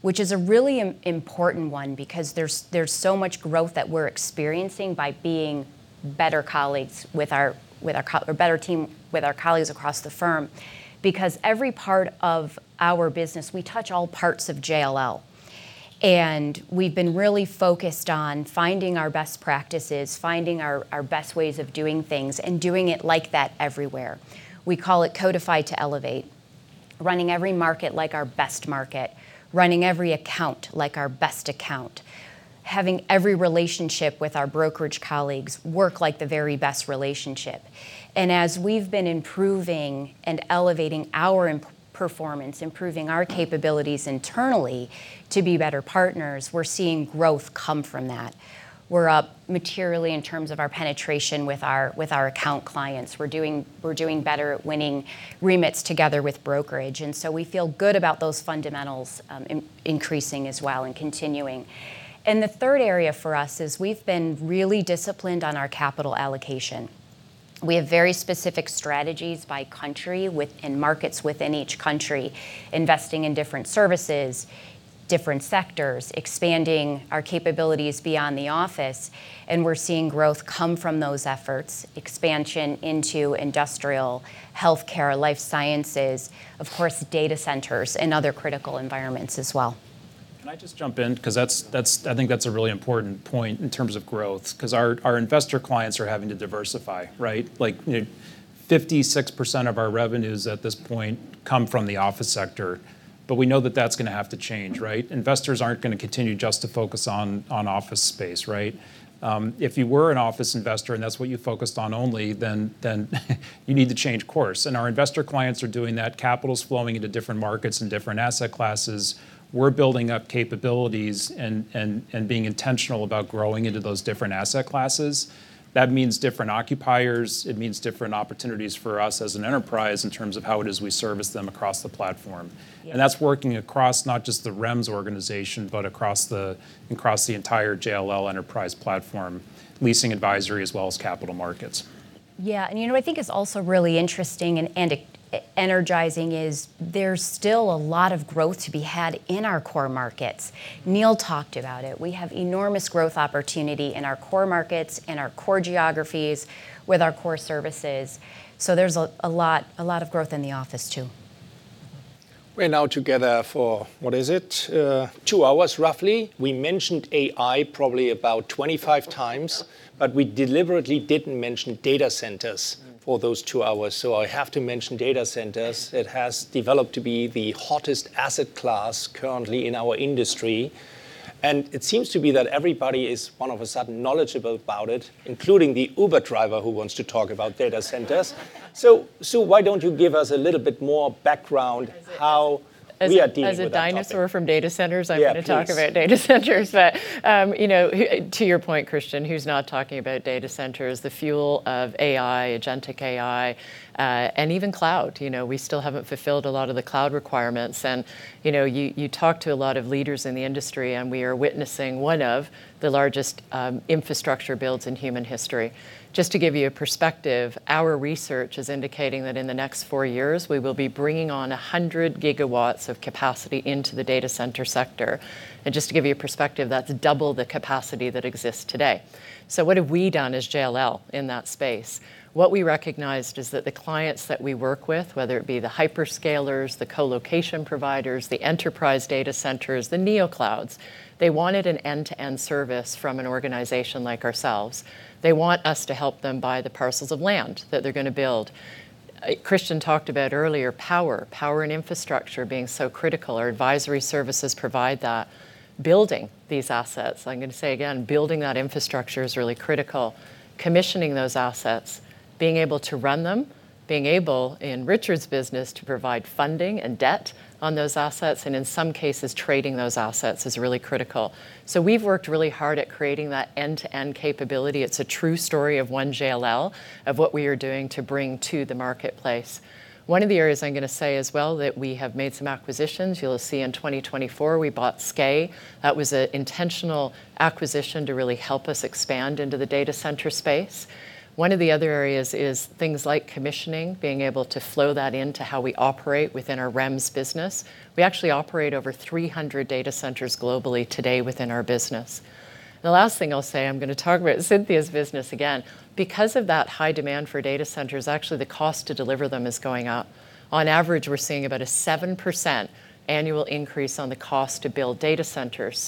which is a really important one because there's so much growth that we're experiencing by being better colleagues with our colleagues across the firm. Every part of our business, we touch all parts of JLL, and we've been really focused on finding our best practices, finding our best ways of doing things, and doing it like that everywhere. We call it codify to elevate, running every market like our best market, running every account like our best account, having every relationship with our brokerage colleagues work like the very best relationship. As we've been improving and elevating our performance, improving our capabilities internally to be better partners, we're seeing growth come from that. We're up materially in terms of our penetration with our account clients. We're doing better at winning remits together with brokerage, and so we feel good about those fundamentals, increasing as well and continuing. The third area for us is we've been really disciplined on our capital allocation. We have very specific strategies by country and markets within each country, investing in different services, different sectors, expanding our capabilities beyond the office, and we're seeing growth come from those efforts, expansion into industrial, healthcare, life sciences, of course data centers and other critical environments as well. Can I just jump in? 'Cause that's I think that's a really important point in terms of growth. 'Cause our investor clients are having to diversify, right? Like, you know, 56% of our revenues at this point come from the office sector, but we know that that's gonna have to change, right? Investors aren't gonna continue just to focus on office space, right? If you were an office investor, and that's what you focused on only, then you need to change course, and our investor clients are doing that. Capital's flowing into different markets and different asset classes. We're building up capabilities and being intentional about growing into those different asset classes. That means different occupiers. It means different opportunities for us as an enterprise in terms of how it is we service them across the platform. Yeah. That's working across not just the REMS organization, but across the entire JLL enterprise platform, leasing advisory as well as capital markets. Yeah, you know what I think is also really interesting and energizing is there's still a lot of growth to be had in our core markets. Neil talked about it. We have enormous growth opportunity in our core markets, in our core geographies with our core services, so there's a lot of growth in the office too. We're now together for, what is it? Two hours roughly. We mentioned AI probably about 25 times. We deliberately didn't mention data centers. For those two hours, so I have to mention data centers. It has developed to be the hottest asset class currently in our industry, and it seems to be that everybody is all of a sudden knowledgeable about it, including the Uber driver who wants to talk about data centers. Sue, why don't you give us a little bit more background? Is it- How we are dealing with that topic. As a dinosaur from data centers. Yeah, please. I'm gonna talk about data centers. You know, who to your point, Christian, who's not talking about data centers? The fuel of AI, agentic AI, and even cloud. You know, we still haven't fulfilled a lot of the cloud requirements and, you know, you talk to a lot of leaders in the industry, and we are witnessing one of the largest infrastructure builds in human history. Just to give you a perspective, our research is indicating that in the next four years we will be bringing on 100 GW of capacity into the data center sector. Just to give you a perspective, that's double the capacity that exists today. What have we done as JLL in that space? What we recognized is that the clients that we work with, whether it be the hyperscalers, the colocation providers, the enterprise data centers, the Neoclouds, they wanted an end-to-end service from an organization like ourselves. They want us to help them buy the parcels of land that they're gonna build. Christian talked about earlier power and infrastructure being so critical. Our advisory services provide that. Building these assets, I'm gonna say again, building that infrastructure is really critical. Commissioning those assets, being able to run them, being able in Richard's business to provide funding and debt on those assets, and in some cases trading those assets is really critical. We've worked really hard at creating that end-to-end capability. It's a true story of One JLL of what we are doing to bring to the marketplace. One of the areas I'm gonna say as well that we have made some acquisitions. You'll see in 2024 we bought SKAE. That was an intentional acquisition to really help us expand into the data center space. One of the other areas is things like commissioning, being able to flow that into how we operate within our REMS business. We actually operate over 300 data centers globally today within our business. The last thing I'll say, I'm gonna talk about Cynthia's business again. Because of that high demand for data centers, actually the cost to deliver them is going up. On average, we're seeing about a 7% annual increase on the cost to build data centers.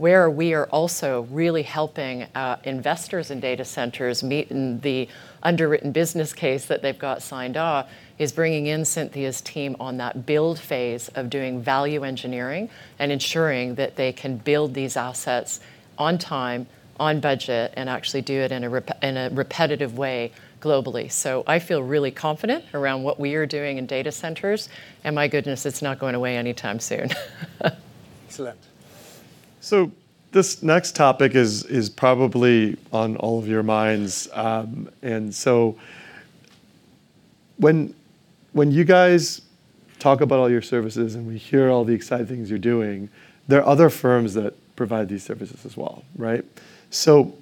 Where we are also really helping investors in data centers meeting the underwritten business case that they've got signed off is bringing in Cynthia's team on that build phase of doing value engineering and ensuring that they can build these assets on time, on budget, and actually do it in a repetitive way globally. I feel really confident around what we are doing in data centers, and my goodness, it's not going away anytime soon. Excellent. This next topic is probably on all of your minds. When you guys talk about all your services, and we hear all the exciting things you're doing, there are other firms that provide these services as well, right?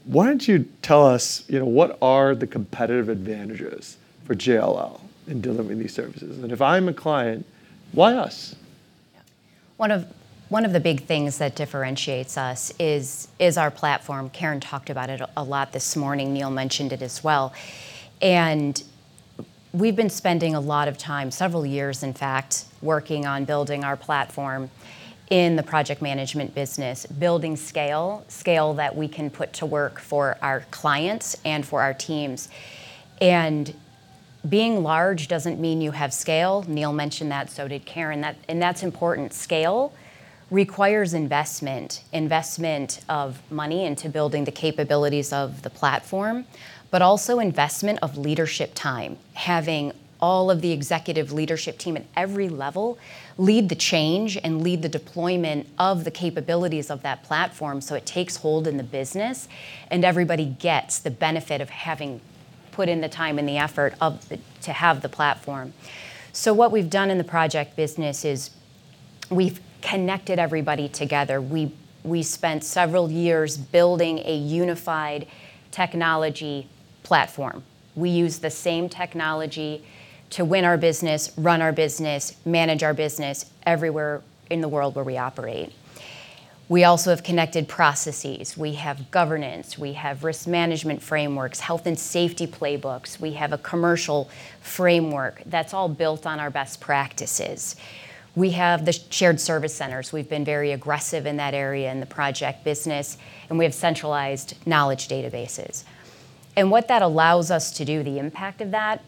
Why don't you tell us, you know, what are the competitive advantages for JLL in delivering these services? And if I'm a client, why us? One of the big things that differentiates us is our platform. Karen talked about it a lot this morning. Neil mentioned it as well. We've been spending a lot of time, several years in fact, working on building our platform in the project management business, building scale that we can put to work for our clients and for our teams. Being large doesn't mean you have scale. Neil mentioned that, so did Karen. That's important. Scale requires investment of money into building the capabilities of the platform, but also investment of leadership time, having all of the executive leadership team at every level lead the change and lead the deployment of the capabilities of that platform so it takes hold in the business, and everybody gets the benefit of having put in the time and the effort of the, to have the platform. What we've done in the project business is we've connected everybody together. We spent several years building a unified technology platform. We use the same technology to win our business, run our business, manage our business everywhere in the world where we operate. We also have connected processes. We have governance. We have risk management frameworks, health and safety playbooks. We have a commercial framework that's all built on our best practices. We have the shared service centers. We've been very aggressive in that area in the project business, and we have centralized knowledge databases. What that allows us to do, the impact of that,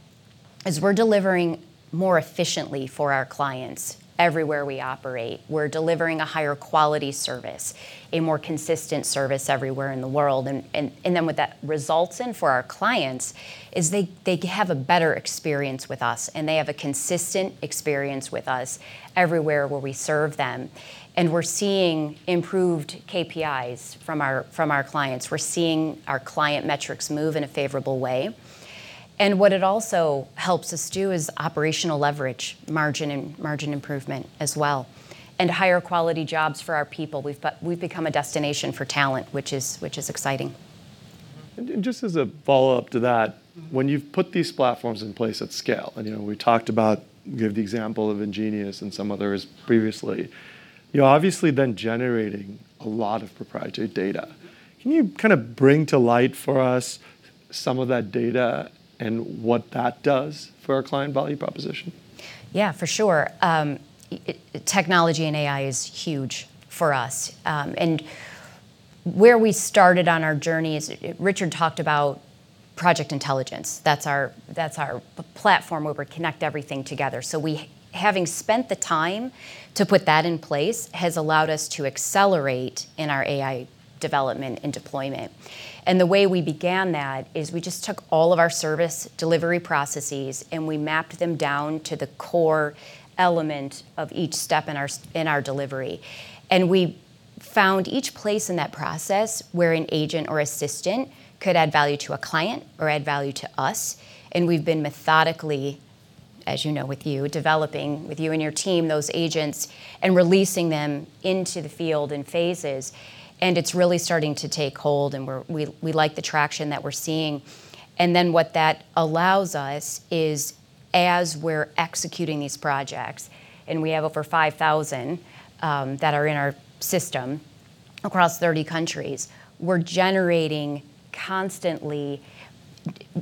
is we're delivering more efficiently for our clients everywhere we operate. We're delivering a higher quality service, a more consistent service everywhere in the world. Then what that results in for our clients is they have a better experience with us, and they have a consistent experience with us everywhere where we serve them. We're seeing improved KPIs from our clients. We're seeing our client metrics move in a favorable way. What it also helps us do is operational leverage, margin, and margin improvement as well, and higher quality jobs for our people. We've become a destination for talent, which is exciting. Just as a follow-up to that, when you've put these platforms in place at scale, and you know, we talked about, you gave the example of Ingenious and some others previously, you're obviously then generating a lot of proprietary data. Can you kind of bring to light for us some of that data and what that does for our client value proposition? Yeah, for sure. Technology and AI is huge for us. Where we started on our journey is Richard talked about Project Intelligence. That's our platform where we connect everything together. Having spent the time to put that in place has allowed us to accelerate in our AI development and deployment. The way we began that is we just took all of our service delivery processes, and we mapped them down to the core element of each step in our delivery. We found each place in that process where an agent or assistant could add value to a client or add value to us, and we've been methodically, as you know with you and your team, those agents, and releasing them into the field in phases, and it's really starting to take hold, and we're we like the traction that we're seeing. Then what that allows us is as we're executing these projects, and we have over 5,000 that are in our system across 30 countries, we're generating constantly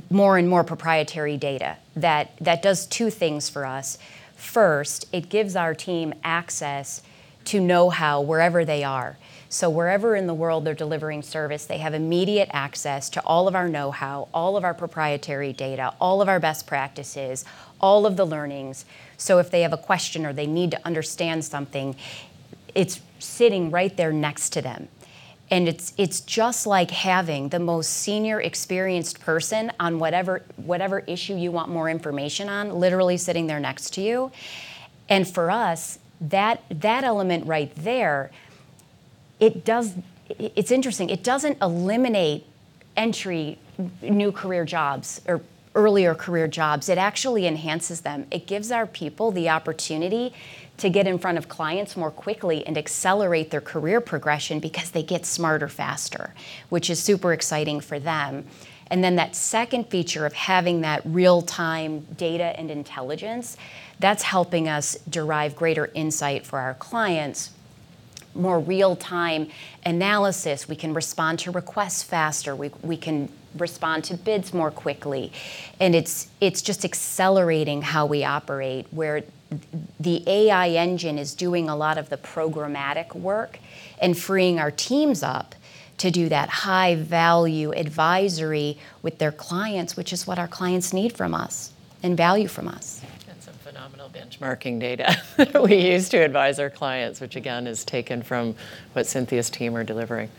more and more proprietary data that does two things for us. First, it gives our team access to know-how wherever they are. So wherever in the world they're delivering service, they have immediate access to all of our know-how, all of our proprietary data, all of our best practices, all of the learnings. If they have a question or they need to understand something, it's sitting right there next to them. It's just like having the most senior experienced person on whatever issue you want more information on literally sitting there next to you. For us, that element right there, it does. It's interesting. It doesn't eliminate entry, new career jobs or earlier career jobs. It actually enhances them. It gives our people the opportunity to get in front of clients more quickly and accelerate their career progression because they get smarter faster, which is super exciting for them. Then that second feature of having that real-time data and intelligence, that's helping us derive greater insight for our clients, more real-time analysis. We can respond to requests faster. We can respond to bids more quickly. It's just accelerating how we operate, where the AI engine is doing a lot of the programmatic work and freeing our teams up to do that high-value advisory with their clients, which is what our clients need from us and value from us. Some phenomenal benchmarking data we use to advise our clients, which again, is taken from what Cynthia's team are delivering.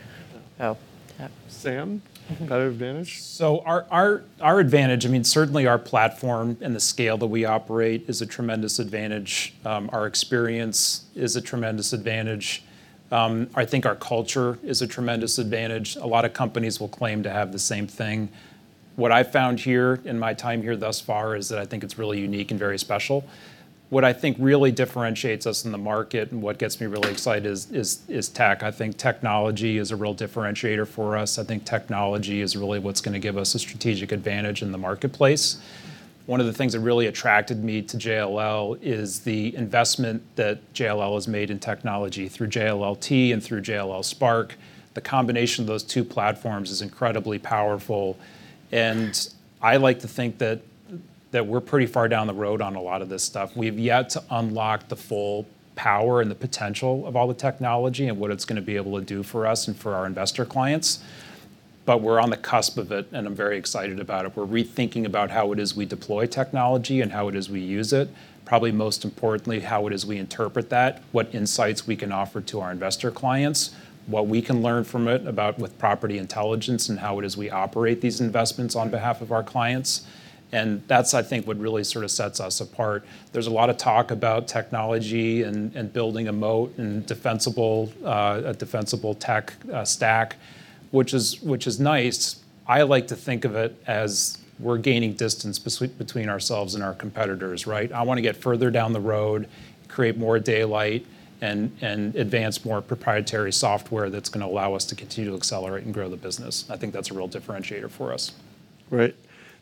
Oh, yeah. Sam, competitive advantage? Our advantage, I mean, certainly our platform and the scale that we operate is a tremendous advantage. Our experience is a tremendous advantage. I think our culture is a tremendous advantage. A lot of companies will claim to have the same thing. What I've found here in my time here thus far is that I think it's really unique and very special. What I think really differentiates us in the market and what gets me really excited is tech. I think technology is a real differentiator for us. I think technology is really what's gonna give us a strategic advantage in the marketplace. One of the things that really attracted me to JLL is the investment that JLL has made in technology through JLLT and through JLL Spark. The combination of those two platforms is incredibly powerful, and I like to think that we're pretty far down the road on a lot of this stuff. We've yet to unlock the full power and the potential of all the technology and what it's gonna be able to do for us and for our investor clients. We're on the cusp of it, and I'm very excited about it. We're rethinking about how it is we deploy technology and how it is we use it. Probably most importantly, how it is we interpret that, what insights we can offer to our investor clients, what we can learn from it about with property intelligence, and how it is we operate these investments on behalf of our clients, and that's, I think, what really sort of sets us apart. There's a lot of talk about technology and building a moat and defensible tech stack, which is nice. I like to think of it as we're gaining distance between ourselves and our competitors, right? I wanna get further down the road, create more daylight, and advance more proprietary software that's gonna allow us to continue to accelerate and grow the business. I think that's a real differentiator for us.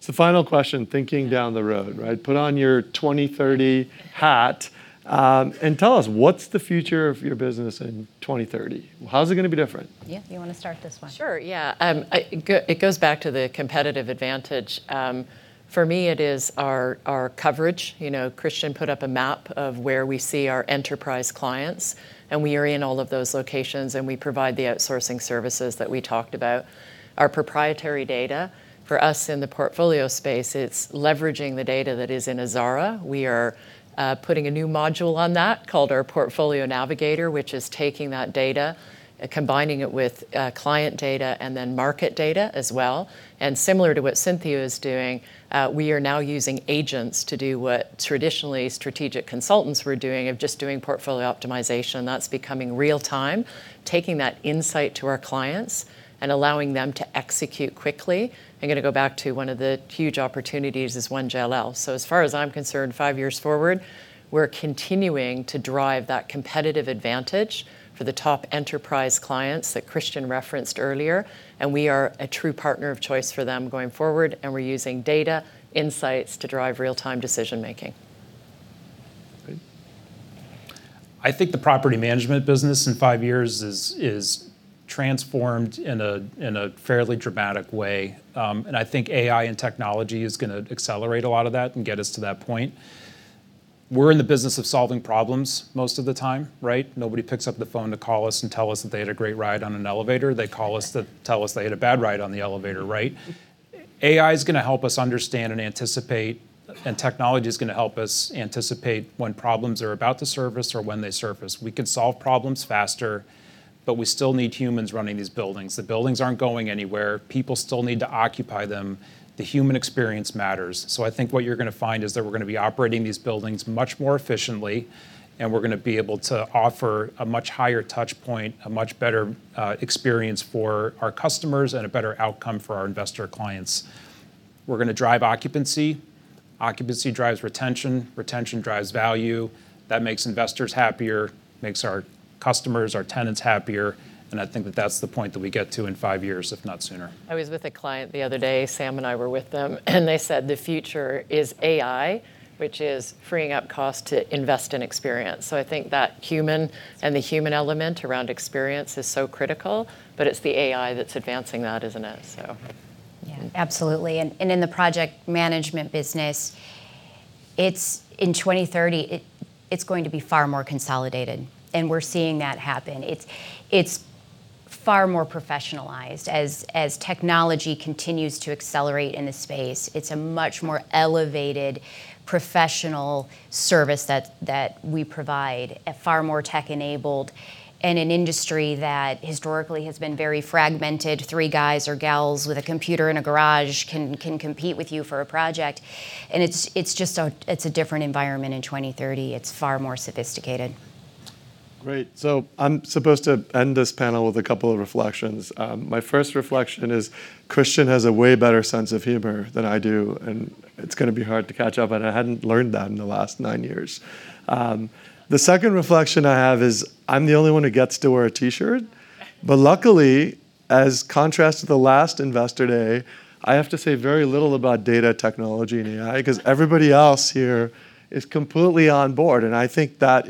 Great. Final question, thinking down the road, right? Put on your 2030 hat, and tell us what's the future of your business in 2030. How's it gonna be different? Yeah, you wanna start this one? Sure, yeah. It goes back to the competitive advantage. For me, it is our coverage. You know, Christian put up a map of where we see our enterprise clients, and we are in all of those locations, and we provide the outsourcing services that we talked about. Our proprietary data, for us in the portfolio space, it's leveraging the data that is in Azara. We are putting a new module on that called our Portfolio Navigator, which is taking that data, combining it with client data and then market data as well. Similar to what Cynthia is doing, we are now using agents to do what traditionally strategic consultants were doing of just doing portfolio optimization. That's becoming real time, taking that insight to our clients and allowing them to execute quickly. I'm gonna go back to one of the huge opportunities is One JLL. As far as I'm concerned, five years forward, we're continuing to drive that competitive advantage for the top enterprise clients that Christian referenced earlier, and we are a true partner of choice for them going forward, and we're using data insights to drive real-time decision-making. Great. I think the property management business in five years is transformed in a fairly dramatic way, and I think AI and technology is gonna accelerate a lot of that and get us to that point. We're in the business of solving problems most of the time, right? Nobody picks up the phone to call us and tell us that they had a great ride on an elevator. They call us to tell us they had a bad ride on the elevator, right? AI is gonna help us understand and anticipate, and technology is gonna help us anticipate when problems are about to surface or when they surface. We can solve problems faster, but we still need humans running these buildings. The buildings aren't going anywhere. People still need to occupy them. The human experience matters. I think what you're gonna find is that we're gonna be operating these buildings much more efficiently, and we're gonna be able to offer a much higher touch point, a much better, experience for our customers and a better outcome for our investor clients. We're gonna drive occupancy. Occupancy drives retention. Retention drives value. That makes investors happier, makes our customers, our tenants happier, and I think that that's the point that we get to in five years, if not sooner. I was with a client the other day. Sam and I were with them, and they said the future is AI, which is freeing up cost to invest in experience. I think that human and the human element around experience is so critical, but it's the AI that's advancing that, isn't it? Yeah, absolutely. In the project management business, in 2030, it's going to be far more consolidated, and we're seeing that happen. It's far more professionalized. As technology continues to accelerate in the space, it's a much more elevated professional service that we provide, a far more tech-enabled, in an industry that historically has been very fragmented. Three guys or gals with a computer and a garage can compete with you for a project, and it's just a different environment in 2030. It's far more sophisticated. Great. I'm supposed to end this panel with a couple of reflections. My first reflection is Christian has a way better sense of humor than I do, and it's gonna be hard to catch up, and I hadn't learned that in the last nine years. The second reflection I have is I'm the only one who gets to wear a T-shirt. Luckily, in contrast to the last Investor Day, I have to say very little about data technology and AI 'cause everybody else here is completely on board, and I think that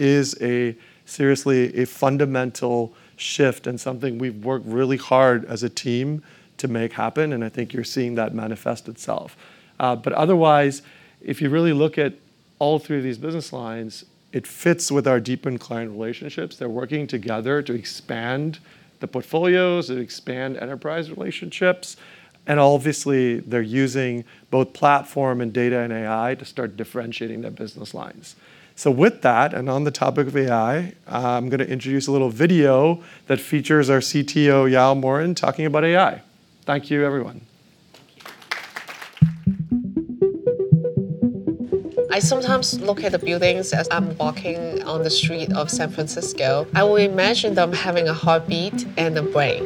is seriously a fundamental shift and something we've worked really hard as a team to make happen, and I think you're seeing that manifest itself. Otherwise, if you really look at all through these business lines, it fits with our deepened client relationships. They're working together to expand the portfolios and expand enterprise relationships, and obviously they're using both platform and data and AI to start differentiating their business lines. With that, and on the topic of AI, I'm gonna introduce a little video that features our CTO, Yao Morin, talking about AI. Thank you, everyone. I sometimes look at the buildings as I'm walking on the street of San Francisco. I will imagine them having a heartbeat and a brain.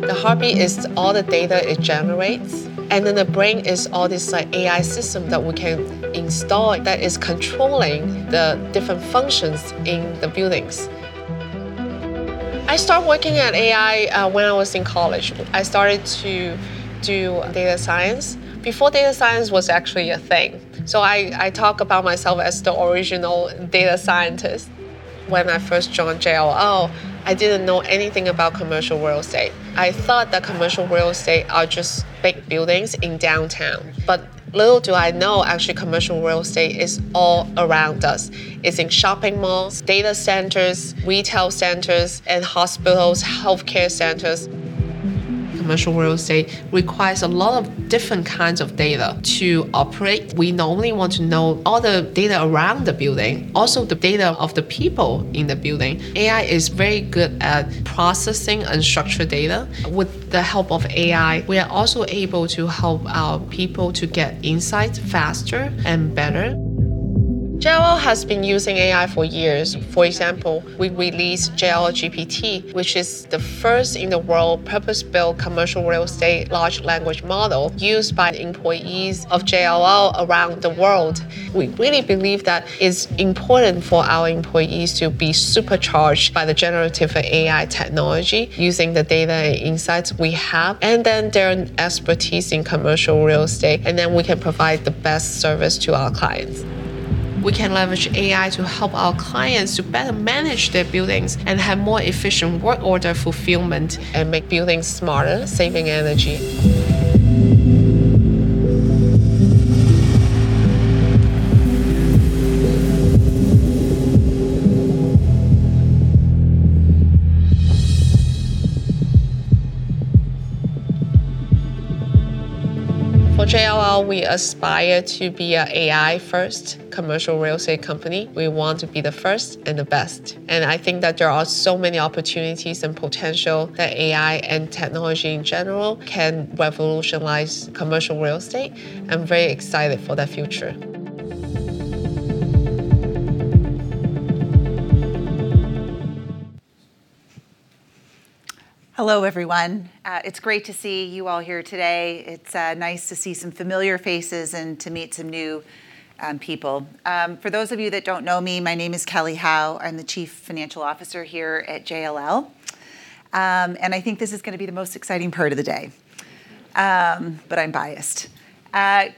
The heartbeat is all the data it generates, and then the brain is all this, like, AI system that we can install that is controlling the different functions in the buildings. I start working at AI when I was in college. I started to do data science before data science was actually a thing. I talk about myself as the original data scientist. When I first joined JLL, I didn't know anything about commercial real estate. I thought that commercial real estate are just big buildings in downtown. Little do I know, actually, commercial real estate is all around us. It's in shopping malls, data centers, retail centers, and hospitals, healthcare centers. Commercial real estate requires a lot of different kinds of data to operate. We normally want to know all the data around the building, also the data of the people in the building. AI is very good at processing unstructured data. With the help of AI, we are also able to help our people to get insights faster and better. JLL has been using AI for years. For example, we released JLL GPT, which is the first-in-the-world purpose-built commercial real estate large language model used by the employees of JLL around the world. We really believe that it's important for our employees to be supercharged by the generative AI technology using the data insights we have and then their expertise in commercial real estate, and then we can provide the best service to our clients. We can leverage AI to help our clients to better manage their buildings and have more efficient work order fulfillment and make buildings smarter, saving energy. For JLL, we aspire to be a AI-first commercial real estate company. We want to be the first and the best, and I think that there are so many opportunities and potential that AI and technology in general can revolutionize commercial real estate. I'm very excited for the future. Hello, everyone. It's great to see you all here today. It's nice to see some familiar faces and to meet some new people. For those of you that don't know me, my name is Kelly Howe. I'm the Chief Financial Officer here at JLL. I think this is gonna be the most exciting part of the day. But I'm biased.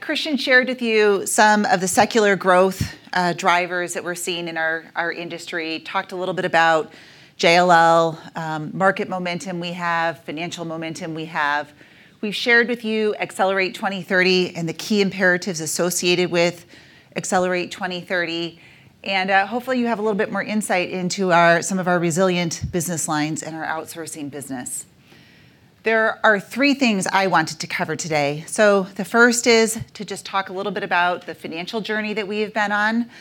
Christian shared with you some of the secular growth drivers that we're seeing in our industry. Talked a little bit about JLL market momentum we have, financial momentum we have. We've shared with you Accelerate 2030 and the key imperatives associated with Accelerate 2030. Hopefully you have a little bit more insight into some of our resilient business lines and our outsourcing business. There are three things I wanted to cover today. The first is to just talk a little bit about the financial journey that we have been on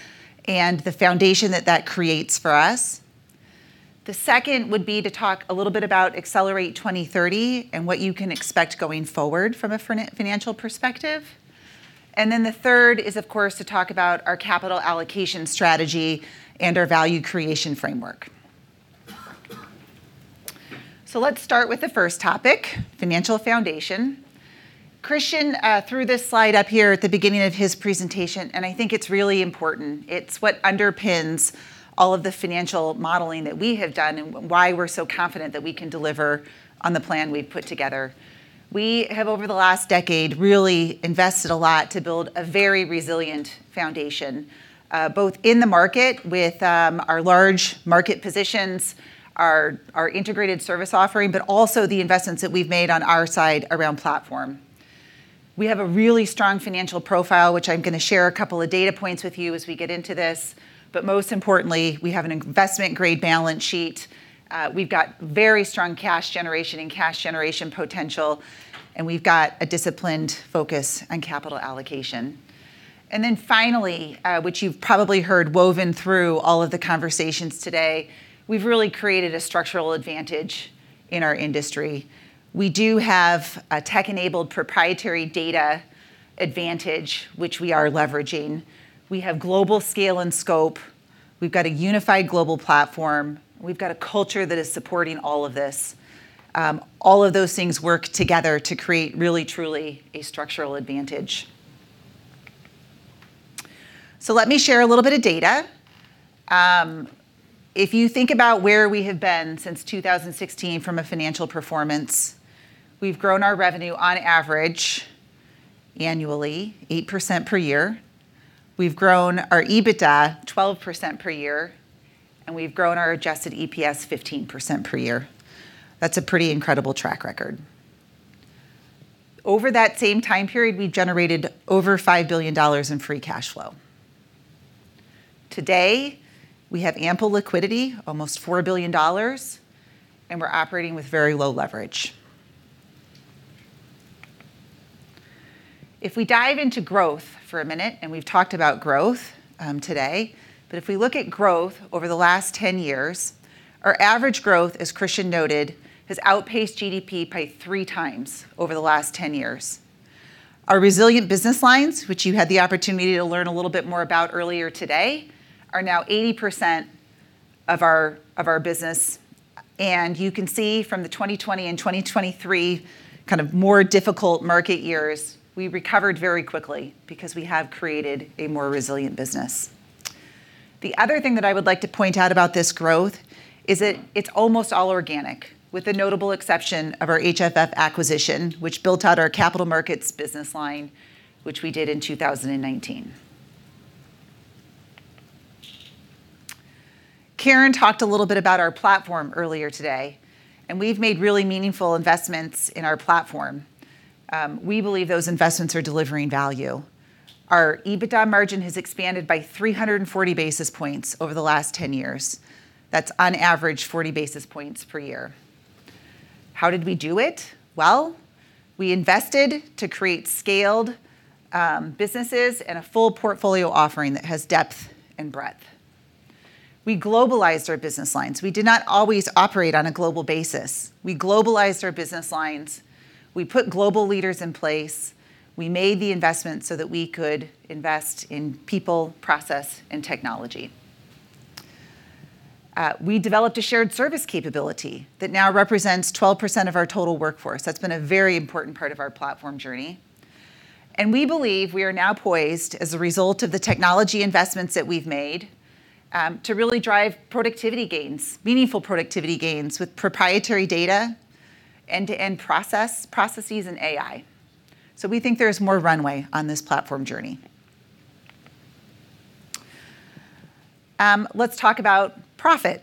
and the foundation that that creates for us. The second would be to talk a little bit about Accelerate 2030 and what you can expect going forward from a financial perspective. The third is, of course, to talk about our capital allocation strategy and our value creation framework. Let's start with the first topic, financial foundation. Christian threw this slide up here at the beginning of his presentation, and I think it's really important. It's what underpins all of the financial modeling that we have done and why we're so confident that we can deliver on the plan we've put together. We have, over the last decade, really invested a lot to build a very resilient foundation, both in the market with our large market positions, our integrated service offering, but also the investments that we've made on our side around platform. We have a really strong financial profile, which I'm gonna share a couple of data points with you as we get into this. Most importantly, we have an investment-grade balance sheet. We've got very strong cash generation and cash generation potential, and we've got a disciplined focus on capital allocation. Finally, which you've probably heard woven through all of the conversations today, we've really created a structural advantage in our industry. We do have a tech-enabled proprietary data advantage which we are leveraging. We have global scale and scope. We've got a unified global platform. We've got a culture that is supporting all of this. All of those things work together to create really, truly a structural advantage. Let me share a little bit of data. If you think about where we have been since 2016 from a financial performance, we've grown our revenue on average annually 8% per year. We've grown our EBITDA 12% per year, and we've grown our Adjusted EPS 15% per year. That's a pretty incredible track record. Over that same time period, we've generated over $5 billion in free cash flow. Today, we have ample liquidity, almost $4 billion, and we're operating with very low leverage. If we dive into growth for a minute, and we've talked about growth, today, but if we look at growth over the last 10 years, our average growth, as Christian noted, has outpaced GDP by 3x over the last 10 years. Our resilient business lines, which you had the opportunity to learn a little bit more about earlier today, are now 80% of our business. You can see from the 2020 and 2023 kind of more difficult market years, we recovered very quickly because we have created a more resilient business. The other thing that I would like to point out about this growth is that it's almost all organic, with the notable exception of our HFF acquisition, which built out our capital markets business line, which we did in 2019. Karen talked a little bit about our platform earlier today, and we've made really meaningful investments in our platform. We believe those investments are delivering value. Our EBITDA margin has expanded by 340 basis points over the last 10 years. That's on average 40 basis points per year. How did we do it? Well, we invested to create scaled businesses and a full portfolio offering that has depth and breadth. We globalized our business lines. We did not always operate on a global basis. We globalized our business lines. We put global leaders in place. We made the investment so that we could invest in people, process, and technology. We developed a shared service capability that now represents 12% of our total workforce. That's been a very important part of our platform journey. We believe we are now poised as a result of the technology investments that we've made, to really drive productivity gains, meaningful productivity gains with proprietary data, end-to-end process, processes and AI. We think there's more runway on this platform journey. Let's talk about profit.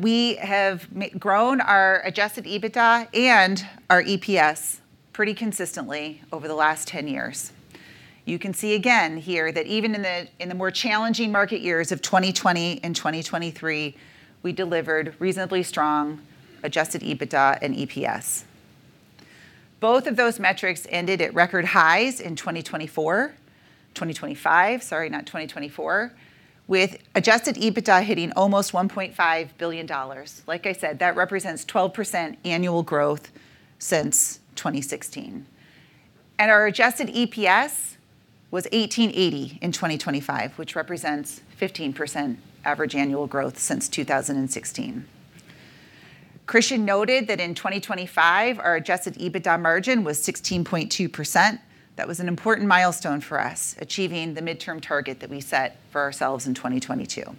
We have grown our Adjusted EBITDA and our EPS pretty consistently over the last 10 years. You can see again here that even in the more challenging market years of 2020 and 2023, we delivered reasonably strong Adjusted EBITDA and EPS. Both of those metrics ended at record highs in 2024. 2025, sorry, not 2024. With Adjusted EBITDA hitting almost $1.5 billion. Like I said, that represents 12% annual growth since 2016. Our Adjusted EPS was $18.80 in 2025, which represents 15% average annual growth since 2016. Christian noted that in 2025, our Adjusted EBITDA margin was 16.2%. That was an important milestone for us, achieving the midterm target that we set for ourselves in 2022.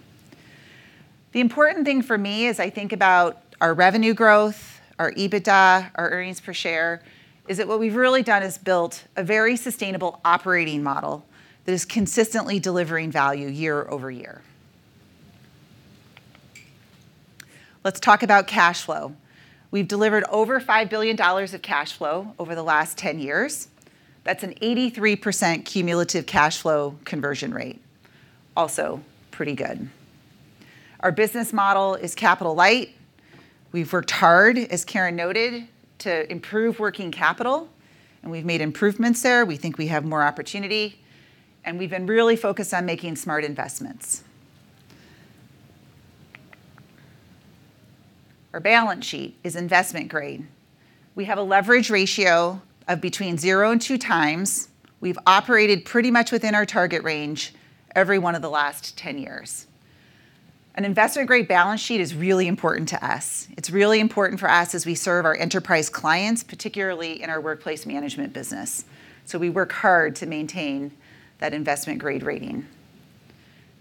The important thing for me as I think about our revenue growth, our EBITDA, our earnings per share, is that what we've really done is built a very sustainable operating model that is consistently delivering value year over year. Let's talk about cash flow. We've delivered over $5 billion of cash flow over the last 10 years. That's an 83% cumulative cash flow conversion rate. Also pretty good. Our business model is capital light. We've worked hard, as Karen noted, to improve working capital, and we've made improvements there. We think we have more opportunity, and we've been really focused on making smart investments. Our balance sheet is investment grade. We have a leverage ratio of between 0-2x. We've operated pretty much within our target range every one of the last 10 years. An investment-grade balance sheet is really important to us. It's really important for us as we serve our enterprise clients, particularly in our workplace management business. We work hard to maintain that investment grade rating.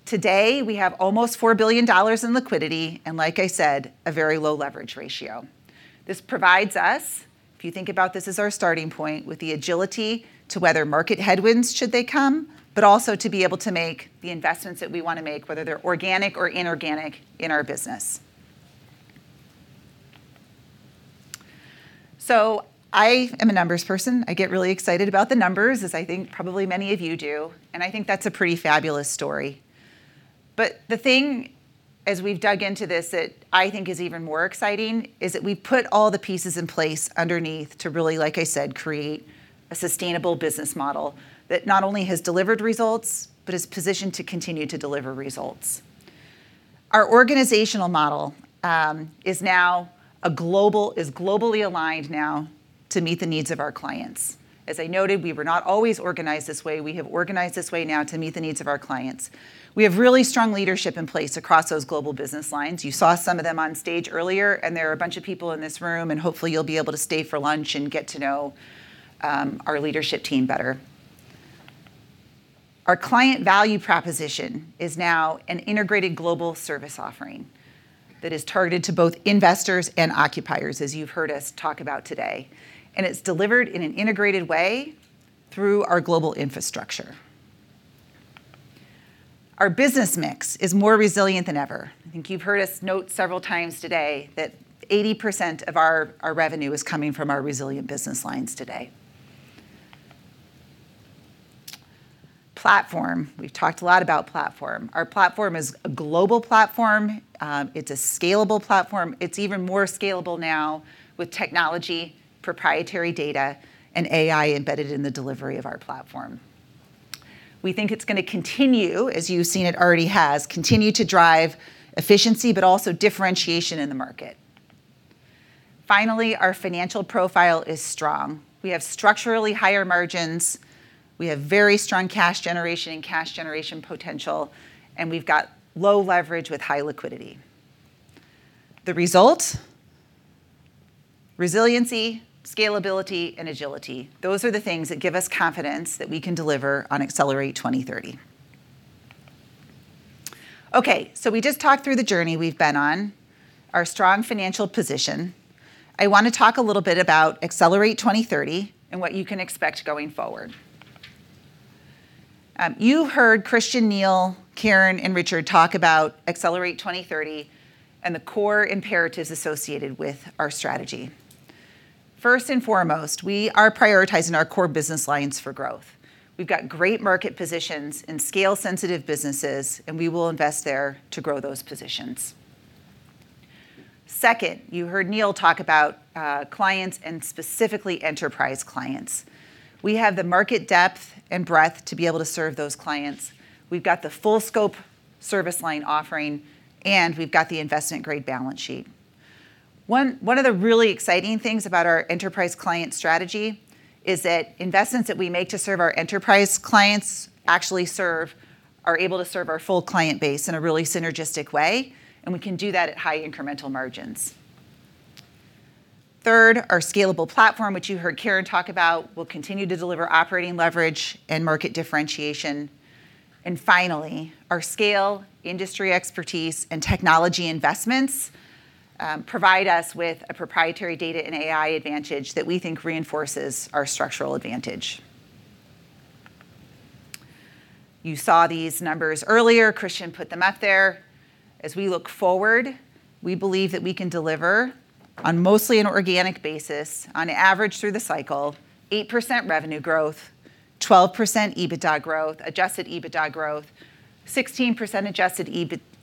Today, we have almost $4 billion in liquidity, and like I said, a very low leverage ratio. This provides us, if you think about this as our starting point, with the agility to weather market headwinds should they come, but also to be able to make the investments that we want to make, whether they're organic or inorganic in our business. I am a numbers person. I get really excited about the numbers, as I think probably many of you do, and I think that's a pretty fabulous story. The thing, as we've dug into this, that I think is even more exciting is that we put all the pieces in place underneath to really, like I said, create a sustainable business model that not only has delivered results, but is positioned to continue to deliver results. Our organizational model is globally aligned now to meet the needs of our clients. As I noted, we were not always organized this way. We have organized this way now to meet the needs of our clients. We have really strong leadership in place across those global business lines. You saw some of them on stage earlier, and there are a bunch of people in this room, and hopefully you'll be able to stay for lunch and get to know our leadership team better. Our client value proposition is now an integrated global service offering that is targeted to both investors and occupiers, as you've heard us talk about today. It's delivered in an integrated way through our global infrastructure. Our business mix is more resilient than ever. I think you've heard us note several times today that 80% of our revenue is coming from our resilient business lines today. Platform. We've talked a lot about platform. Our platform is a global platform. It's a scalable platform. It's even more scalable now with technology, proprietary data, and AI embedded in the delivery of our platform. We think it's gonna continue, as you've seen it already has, continue to drive efficiency, but also differentiation in the market. Finally, our financial profile is strong. We have structurally higher margins, we have very strong cash generation and cash generation potential, and we've got low leverage with high liquidity. The result? Resiliency, scalability, and agility. Those are the things that give us confidence that we can deliver on Accelerate 2030. Okay, so we just talked through the journey we've been on, our strong financial position. I wanna talk a little bit about Accelerate 2030 and what you can expect going forward. You heard Christian, Neil, Karen, and Richard talk about Accelerate 2030 and the core imperatives associated with our strategy. First and foremost, we are prioritizing our core business lines for growth. We've got great market positions and scale-sensitive businesses, and we will invest there to grow those positions. Second, you heard Neil talk about clients and specifically enterprise clients. We have the market depth and breadth to be able to serve those clients. We've got the full-scope service line offering, and we've got the investment-grade balance sheet. One of the really exciting things about our enterprise client strategy is that investments that we make to serve our enterprise clients actually are able to serve our full client base in a really synergistic way, and we can do that at high incremental margins. Third, our scalable platform, which you heard Karen talk about, will continue to deliver operating leverage and market differentiation. Finally, our scale, industry expertise, and technology investments provide us with a proprietary data and AI advantage that we think reinforces our structural advantage. You saw these numbers earlier. Christian put them up there. As we look forward, we believe that we can deliver on mostly an organic basis, on average through the cycle, 8% revenue growth, 12% EBITDA growth, Adjusted EBITDA growth, 16% Adjusted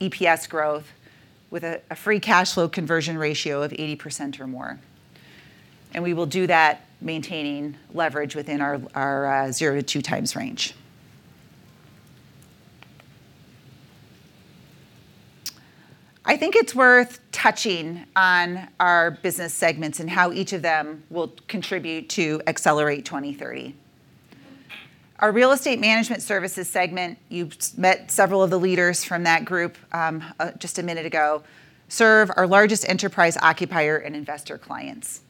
EPS growth with a free cash flow conversion ratio of 80% or more, and we will do that maintaining leverage within our zero to two times range. I think it's worth touching on our business segments and how each of them will contribute to Accelerate 2030. Our Real Estate Management Services segment, you've met several of the leaders from that group, just a minute ago, serve our largest enterprise occupier and investor clients.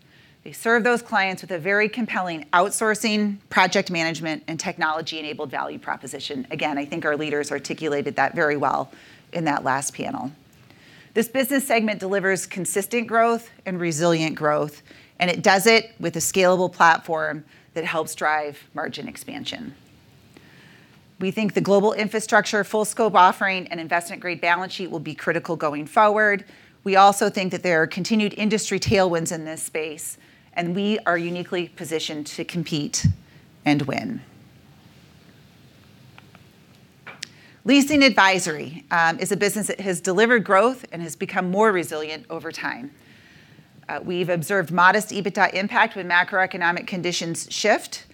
They serve those clients with a very compelling outsourcing, project management, and technology-enabled value proposition. Again, I think our leaders articulated that very well in that last panel. This business segment delivers consistent growth and resilient growth, and it does it with a scalable platform that helps drive margin expansion. We think the global infrastructure full-scope offering and investment-grade balance sheet will be critical going forward. We also think that there are continued industry tailwinds in this space, and we are uniquely positioned to compete and win. Leasing Advisory is a business that has delivered growth and has become more resilient over time. We've observed modest EBITDA impact when macroeconomic conditions shift.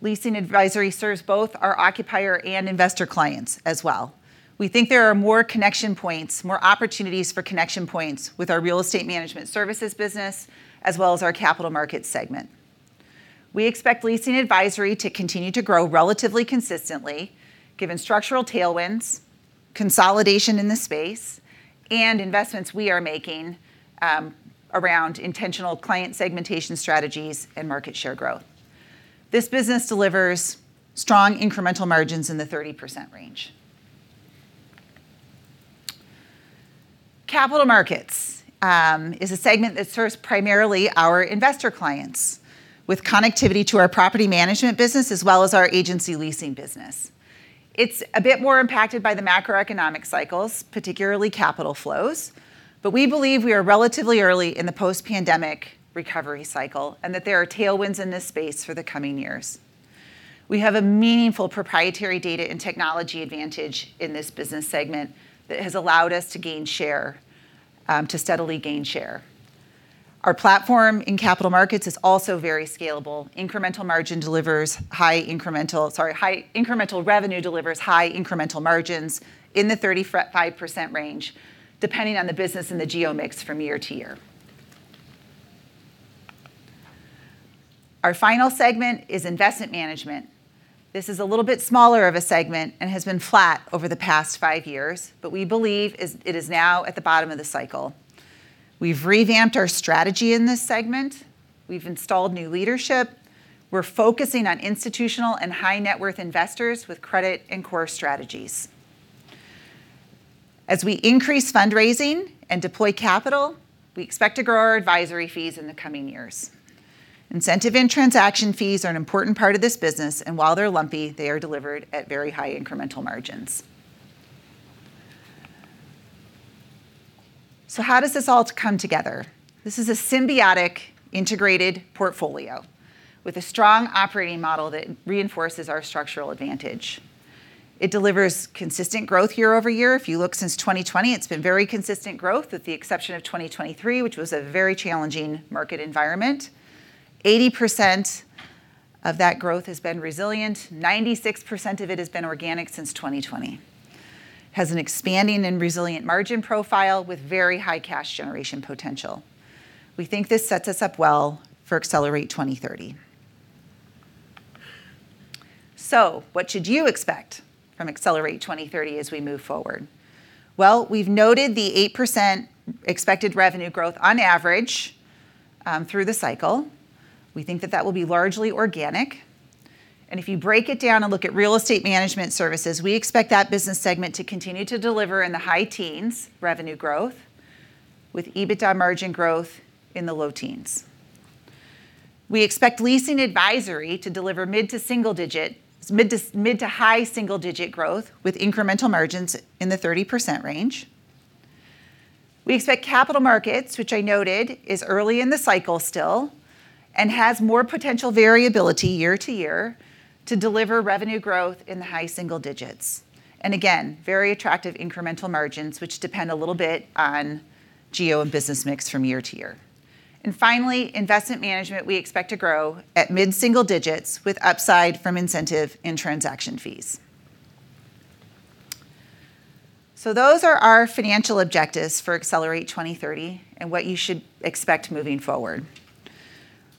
Leasing Advisory serves both our occupier and investor clients as well. We think there are more connection points, more opportunities for connection points with our Real Estate Management Services business, as well as our Capital Markets segment. We expect Leasing Advisory to continue to grow relatively consistently given structural tailwinds, consolidation in the space, and investments we are making around intentional client segmentation strategies and market share growth. This business delivers strong incremental margins in the 30% range. Capital Markets is a segment that serves primarily our investor clients with connectivity to our Property Management business as well as our Agency Leasing business. It's a bit more impacted by the macroeconomic cycles, particularly capital flows, but we believe we are relatively early in the post-pandemic recovery cycle and that there are tailwinds in this space for the coming years. We have a meaningful proprietary data and technology advantage in this business segment that has allowed us to gain share, to steadily gain share. Our platform in capital markets is also very scalable. High incremental revenue delivers high incremental margins in the 35% range, depending on the business and the geo mix from year-to-year. Our final segment is investment management. This is a little bit smaller of a segment and has been flat over the past five years, but we believe it is now at the bottom of the cycle. We've revamped our strategy in this segment. We've installed new leadership. We're focusing on institutional and high net worth investors with credit and core strategies. As we increase fundraising and deploy capital, we expect to grow our advisory fees in the coming years. Incentive and transaction fees are an important part of this business, and while they're lumpy, they are delivered at very high incremental margins. How does this all come together? This is a symbiotic integrated portfolio with a strong operating model that reinforces our structural advantage. It delivers consistent growth year-over-year. If you look since 2020, it's been very consistent growth with the exception of 2023, which was a very challenging market environment. 80% of that growth has been resilient. 96% of it has been organic since 2020. Has an expanding and resilient margin profile with very high cash generation potential. We think this sets us up well for Accelerate 2030. What should you expect from Accelerate 2030 as we move forward? Well, we've noted the 8% expected revenue growth on average, through the cycle. We think that that will be largely organic. If you break it down and look at Real Estate Management Services, we expect that business segment to continue to deliver high-teens revenue growth with EBITDA margin growth in the low teens. We expect Leasing Advisory to deliver mid- to high-single-digit growth with incremental margins in the 30% range. We expect Capital Markets, which I noted is early in the cycle still, and has more potential variability year-to-year, to deliver revenue growth in the high single digits. Again, very attractive incremental margins, which depend a little bit on geo and business mix from year-to-year. Finally, investment management, we expect to grow at mid-single digits with upside from incentive and transaction fees. Those are our financial objectives for Accelerate 2030 and what you should expect moving forward.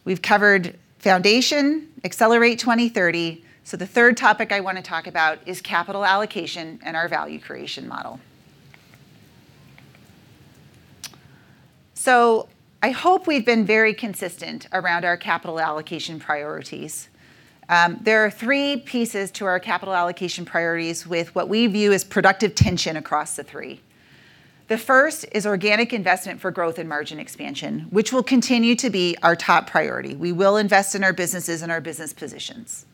We've covered foundation, Accelerate 2030. The third topic I want to talk about is capital allocation and our value creation model. I hope we've been very consistent around our capital allocation priorities. There are three pieces to our capital allocation priorities with what we view as productive tension across the three. The first is organic investment for growth and margin expansion, which will continue to be our top priority. We will invest in our businesses and our business positions.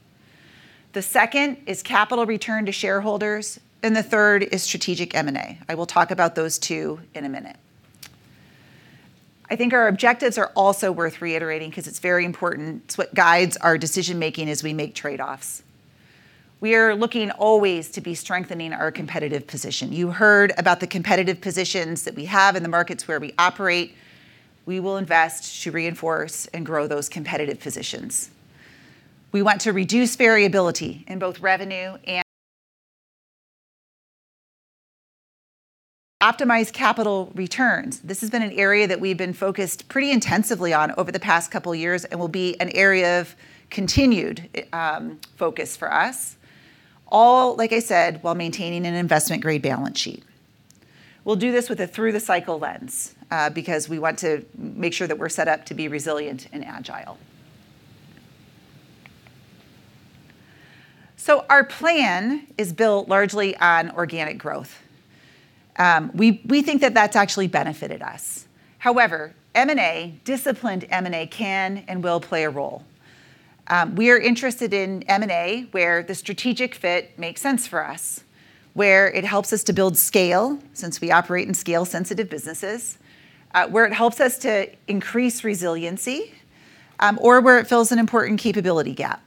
The second is capital return to shareholders, and the third is strategic M&A. I will talk about those two in a minute. I think our objectives are also worth reiterating because it's very important. It's what guides our decision-making as we make trade-offs. We are looking always to be strengthening our competitive position. You heard about the competitive positions that we have in the markets where we operate. We will invest to reinforce and grow those competitive positions. We want to reduce variability in both revenue and optimize capital returns. This has been an area that we've been focused pretty intensively on over the past couple of years and will be an area of continued focus for us. All, like I said, while maintaining an investment-grade balance sheet. We'll do this with a through the cycle lens, because we want to make sure that we're set up to be resilient and agile. Our plan is built largely on organic growth. We think that that's actually benefited us. However, M&A, disciplined M&A can and will play a role. We are interested in M&A where the strategic fit makes sense for us, where it helps us to build scale since we operate in scale-sensitive businesses, where it helps us to increase resiliency, or where it fills an important capability gap.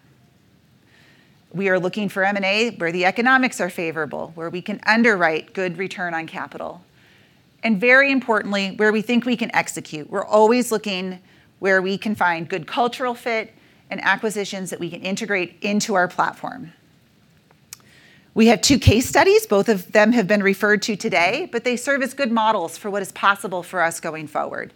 We are looking for M&A where the economics are favorable, where we can underwrite good return on capital, and very importantly, where we think we can execute. We're always looking where we can find good cultural fit and acquisitions that we can integrate into our platform. We have two case studies. Both of them have been referred to today, but they serve as good models for what is possible for us going forward.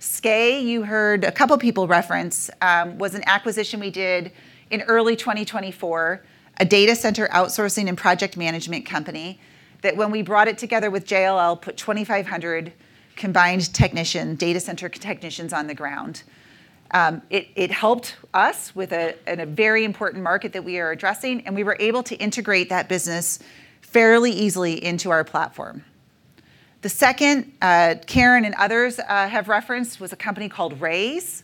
SKAE, you heard a couple of people reference was an acquisition we did in early 2024, a data center outsourcing and project management company that when we brought it together with JLL, put 2,500 combined data center technicians on the ground. It helped us with a very important market that we are addressing, and we were able to integrate that business fairly easily into our platform. The second, Karen and others have referenced was a company called Raise,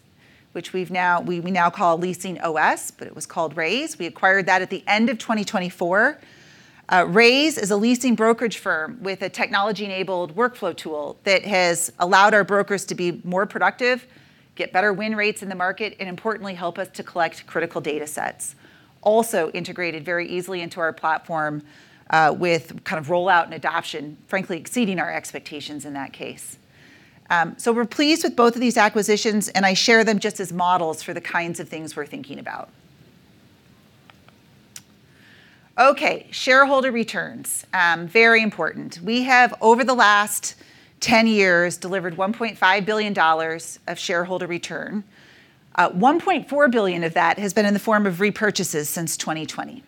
which we now call LeasingOS, but it was called Raise. We acquired that at the end of 2024. Raise is a leasing brokerage firm with a technology-enabled workflow tool that has allowed our brokers to be more productive, get better win rates in the market, and importantly, help us to collect critical datasets. Integrated very easily into our platform, with kind of rollout and adoption, frankly, exceeding our expectations in that case. We're pleased with both of these acquisitions, and I share them just as models for the kinds of things we're thinking about. Okay, shareholder returns, very important. We have, over the last 10 years, delivered $1.5 billion of shareholder return. 1.4 Billion of that has been in the form of repurchases since 2020.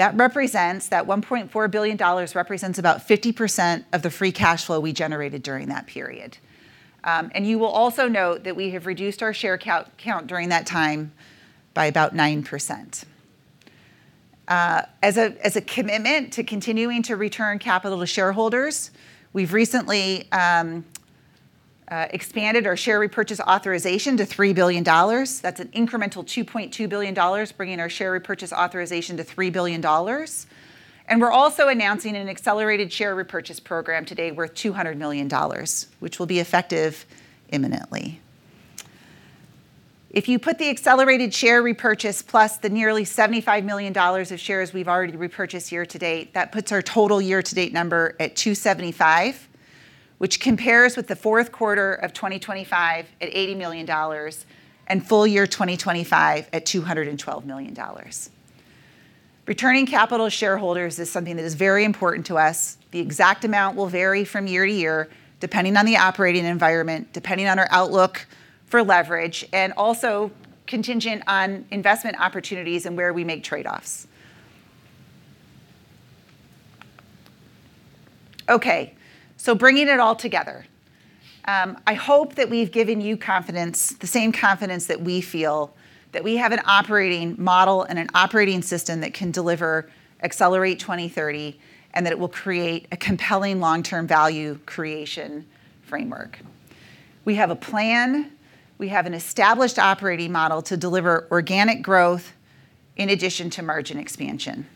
That represents $1.4 billion represents about 50% of the free cash flow we generated during that period. You will also note that we have reduced our share count during that time by about 9%. As a commitment to continuing to return capital to shareholders, we've recently expanded our share repurchase authorization to $3 billion. That's an incremental $2.2 billion, bringing our share repurchase authorization to $3 billion. We're also announcing an accelerated share repurchase program today worth $200 million, which will be effective imminently. If you put the accelerated share repurchase plus the nearly $75 million of shares we've already repurchased year to date, that puts our total year to date number at $275 million, which compares with the fourth quarter of 2025 at $80 million and full year 2025 at $212 million. Returning capital to shareholders is something that is very important to us. The exact amount will vary from year-to-year, depending on the operating environment, depending on our outlook for leverage, and also contingent on investment opportunities and where we make trade-offs. Okay, bringing it all together. I hope that we've given you confidence, the same confidence that we feel that we have an operating model and an operating system that can deliver Accelerate 2030, and that it will create a compelling long-term value creation framework. We have a plan. We have an established operating model to deliver organic growth in addition to margin expansion.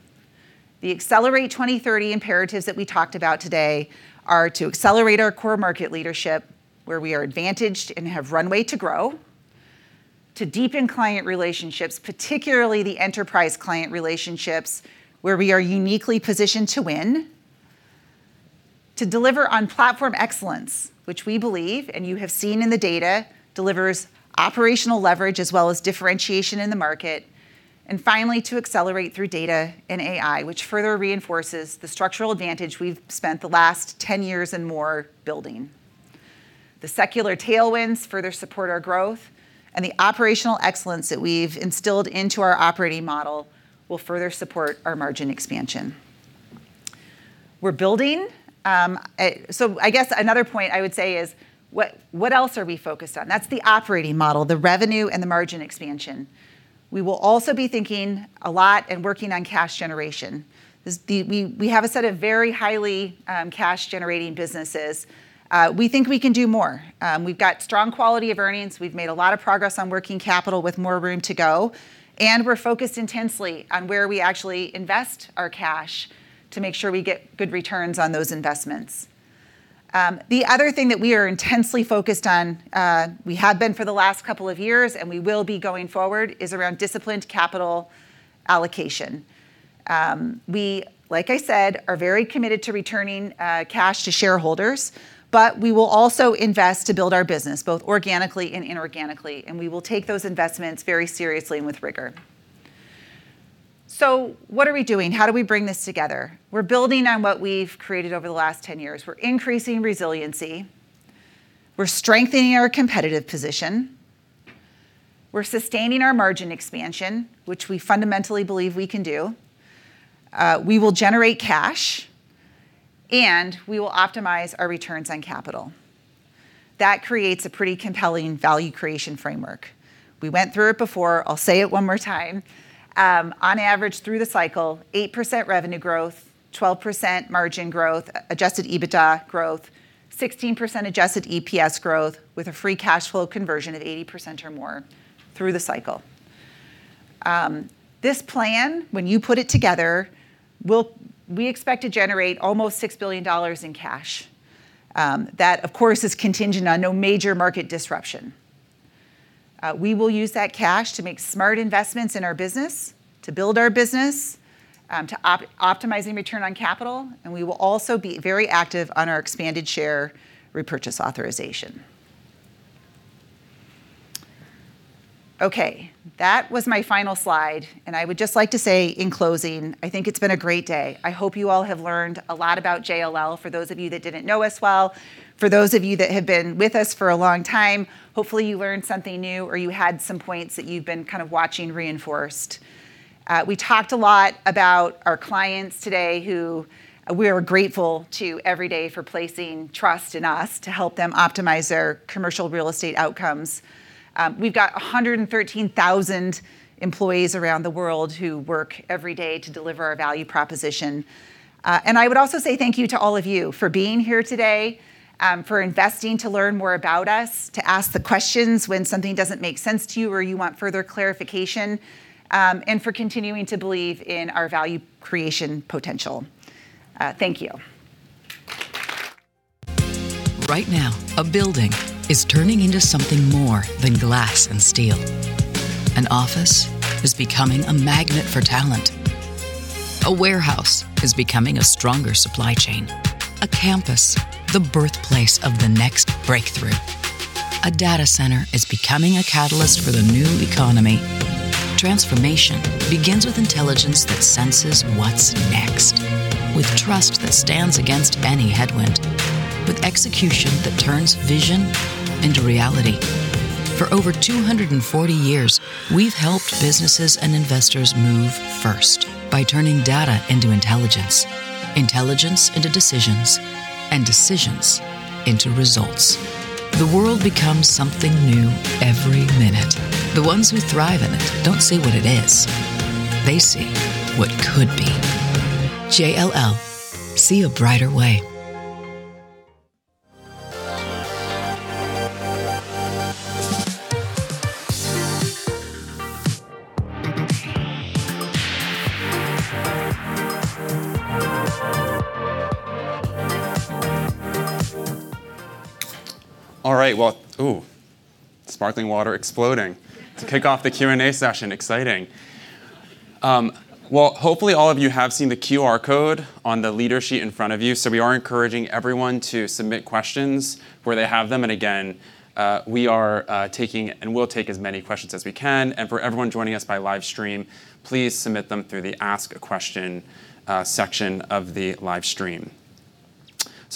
The Accelerate 2030 imperatives that we talked about today are to accelerate our core market leadership where we are advantaged and have runway to grow. To deepen client relationships, particularly the enterprise client relationships where we are uniquely positioned to win. To deliver on platform excellence, which we believe and you have seen in the data, delivers operational leverage as well as differentiation in the market. Finally, to accelerate through data and AI, which further reinforces the structural advantage we've spent the last 10 years and more building. The secular tailwinds further support our growth, and the operational excellence that we've instilled into our operating model will further support our margin expansion. I guess another point I would say is what else are we focused on? That's the operating model, the revenue and the margin expansion. We will also be thinking a lot and working on cash generation. We have a set of very highly cash-generating businesses. We think we can do more. We've got strong quality of earnings. We've made a lot of progress on working capital with more room to go, and we're focused intensely on where we actually invest our cash to make sure we get good returns on those investments. The other thing that we are intensely focused on, we have been for the last couple of years, and we will be going forward, is around disciplined capital allocation. We, like I said, are very committed to returning cash to shareholders, but we will also invest to build our business both organically and inorganically, and we will take those investments very seriously and with rigor. What are we doing? How do we bring this together? We're building on what we've created over the last 10 years. We're increasing resiliency. We're strengthening our competitive position. We're sustaining our margin expansion, which we fundamentally believe we can do. We will generate cash, and we will optimize our returns on capital. That creates a pretty compelling value creation framework. We went through it before. I'll say it one more time. On average through the cycle, 8% revenue growth, 12% margin growth, Adjusted EBITDA growth, 16% Adjusted EPS growth with a free cash flow conversion at 80% or more through the cycle. This plan, when you put it together, we expect to generate almost $6 billion in cash. That, of course, is contingent on no major market disruption. We will use that cash to make smart investments in our business, to build our business, to optimizing return on capital, and we will also be very active on our expanded share repurchase authorization. Okay. That was my final slide. I would just like to say in closing, I think it's been a great day. I hope you all have learned a lot about JLL, for those of you that didn't know us well. For those of you that have been with us for a long time, hopefully, you learned something new or you had some points that you've been kind of watching reinforced. We talked a lot about our clients today who we are grateful to every day for placing trust in us to help them optimize their commercial real estate outcomes. We've got 113,000 employees around the world who work every day to deliver our value proposition. I would also say thank you to all of you for being here today, for investing to learn more about us, to ask the questions when something doesn't make sense to you or you want further clarification, and for continuing to believe in our value creation potential. Thank you. Right now, a building is turning into something more than glass and steel. An office is becoming a magnet for talent. A warehouse is becoming a stronger supply chain. A campus, the birthplace of the next breakthrough. A data center is becoming a catalyst for the new economy. Transformation begins with intelligence that senses what's next, with trust that stands against any headwind, with execution that turns vision into reality. For over 240 years, we've helped businesses and investors move first by turning data into intelligence into decisions, and decisions into results. The world becomes something new every minute. The ones who thrive in it don't see what it is. They see what could be. JLL, see a brighter way. All right. Well, ooh, sparkling water exploding to kick off the Q&A session. Exciting. Well, hopefully, all of you have seen the QR code on the leader sheet in front of you. We are encouraging everyone to submit questions where they have them. Again, we are taking and will take as many questions as we can. For everyone joining us by live stream, please submit them through the Ask a Question section of the live stream.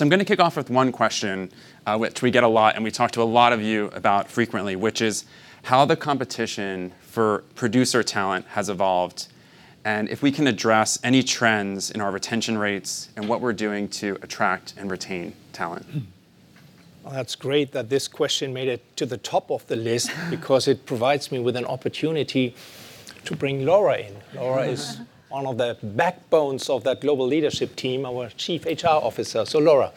I'm gonna kick off with one question, which we get a lot, and we talk to a lot of you about frequently, which is how the competition for producer talent has evolved, and if we can address any trends in our retention rates and what we're doing to attract and retain talent. Well, that's great that this question made it to the top of the list because it provides me with an opportunity to bring Laura in. Laura is one of the backbones of that global leadership team, our Chief HR Officer. Laura.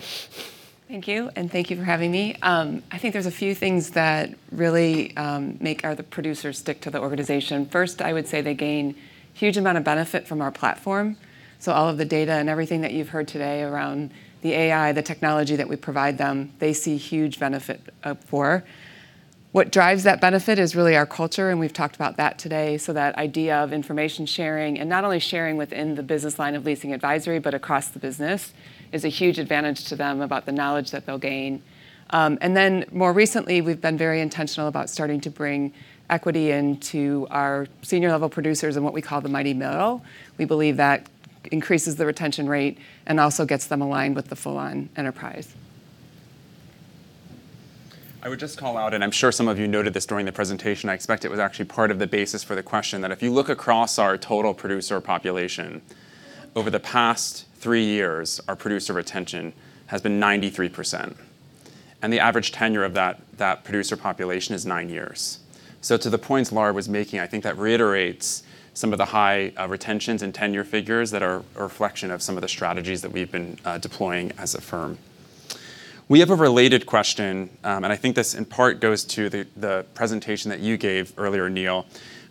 Thank you, and thank you for having me. I think there's a few things that really make our producers stick to the organization. First, I would say they gain huge amount of benefit from our platform, so all of the data and everything that you've heard today around the AI, the technology that we provide them, they see huge benefit for. What drives that benefit is really our culture, and we've talked about that today, so that idea of information sharing. Not only sharing within the business line of Leasing Advisory, but across the business is a huge advantage to them about the knowledge that they'll gain. Then more recently, we've been very intentional about starting to bring equity into our senior level producers in what we call the Mighty Middle. We believe that increases the retention rate and also gets them aligned with the full-on enterprise. I would just call out, and I'm sure some of you noted this during the presentation. I expect it was actually part of the basis for the question that if you look across our total producer population, over the past three years, our producer retention has been 93%, and the average tenure of that producer population is nine years. To the points Laura was making, I think that reiterates some of the high retentions and tenure figures that are a reflection of some of the strategies that we've been deploying as a firm. We have a related question, and I think this in part goes to the presentation that you gave earlier, Neil,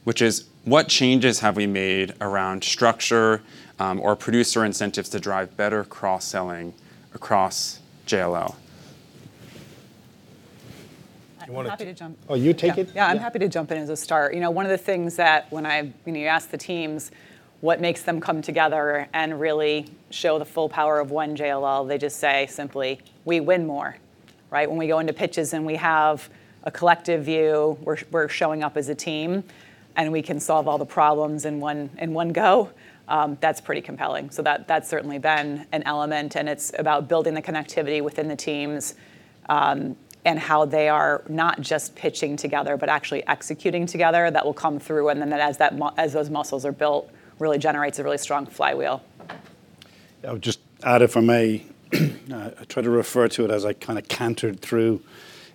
which is what changes have we made around structure or producer incentives to drive better cross-selling across JLL? I'm happy to jump. Oh, you take it? Yeah. Yeah. Yeah, I'm happy to jump in as a start. You know, one of the things that when you ask the teams what makes them come together and really show the full power of One JLL, they just say simply, "We win more." Right? When we go into pitches and we have a collective view, we're showing up as a team, and we can solve all the problems in one go, that's pretty compelling. That, that's certainly been an element, and it's about building the connectivity within the teams, and how they are not just pitching together, but actually executing together. That will come through, and then as those muscles are built, really generates a really strong flywheel. I would just add, if I may, I try to refer to it as I kind of cantered through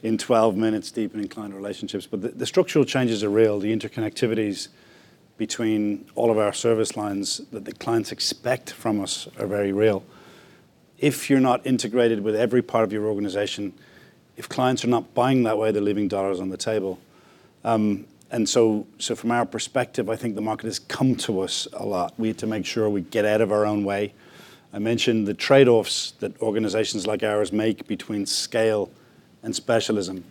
in 12 minutes deep in client relationships. The structural changes are real. The interconnectivities between all of our service lines that the clients expect from us are very real. If you're not integrated with every part of your organization, if clients are not buying that way, they're leaving dollars on the table. From our perspective, I think the market has come to us a lot. We had to make sure we get out of our own way. I mentioned the trade-offs that organizations like ours make between scale and specialism,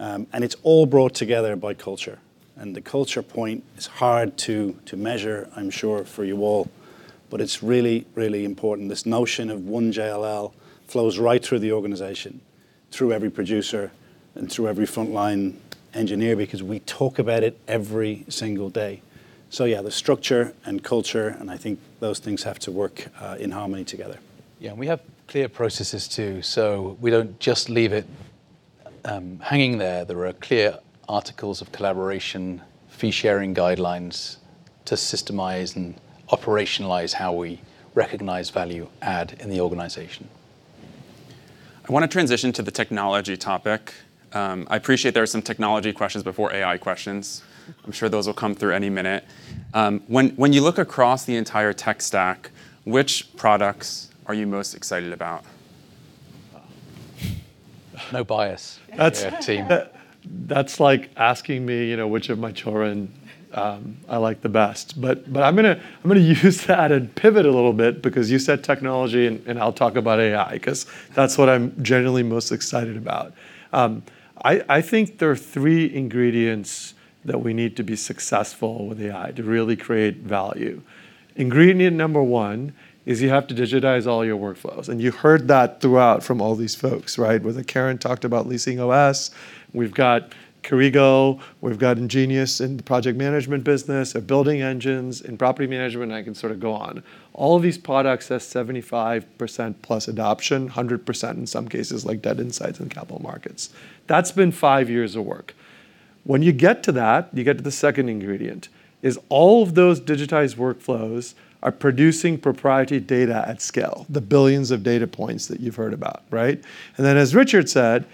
and it's all brought together by culture, and the culture point is hard to measure, I'm sure, for you all, but it's really, really important. This notion of One JLL flows right through the organization, through every producer and through every frontline engineer because we talk about it every single day. Yeah, the structure and culture, and I think those things have to work in harmony together. Yeah, we have clear processes too, so we don't just leave it hanging there. There are clear articles of collaboration, fee-sharing guidelines to systemize and operationalize how we recognize value add in the organization. I wanna transition to the technology topic. I appreciate there are some technology questions before AI questions. I'm sure those will come through any minute. When you look across the entire tech stack, which products are you most excited about? No bias to our team. That's like asking me, you know, which of my children I like the best. I'm gonna use that and pivot a little bit because you said technology and I'll talk about AI 'cause that's what I'm generally most excited about. I think there are three ingredients that we need to be successful with AI to really create value. Ingredient number one is you have to digitize all your workflows, and you heard that throughout from all these folks, right? Whether Karen talked about LeasingOS, we've got Corrigo, we've got Ingenious in the project management business or Building Engines in property management. I can sort of go on. All of these products have 75% plus adoption, 100% in some cases like Debt Insights and Capital Markets. That's been five years of work. When you get to that, you get to the second ingredient, is all of those digitized workflows are producing proprietary data at scale, the billions of data points that you've heard about, right? As Richard said,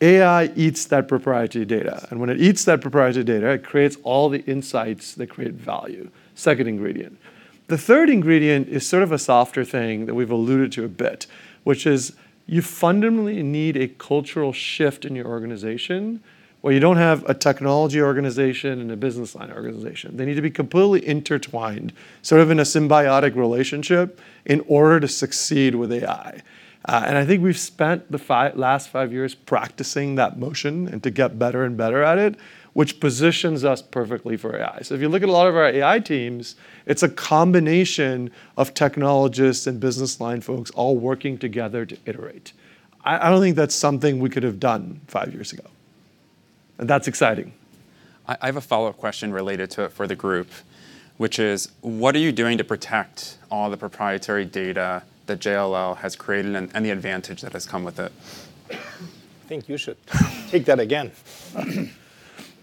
AI eats that proprietary data. When it eats that proprietary data, it creates all the insights that create value. Second ingredient. The third ingredient is sort of a softer thing that we've alluded to a bit, which is you fundamentally need a cultural shift in your organization where you don't have a technology organization and a business line organization. They need to be completely intertwined, sort of in a symbiotic relationship in order to succeed with AI. I think we've spent the last five years practicing that motion and to get better and better at it, which positions us perfectly for AI. If you look at a lot of our AI teams, it's a combination of technologists and business line folks all working together to iterate. I don't think that's something we could have done five years ago. That's exciting. I have a follow-up question related to it for the group, which is: What are you doing to protect all the proprietary data that JLL has created and the advantage that has come with it? I think you should take that again.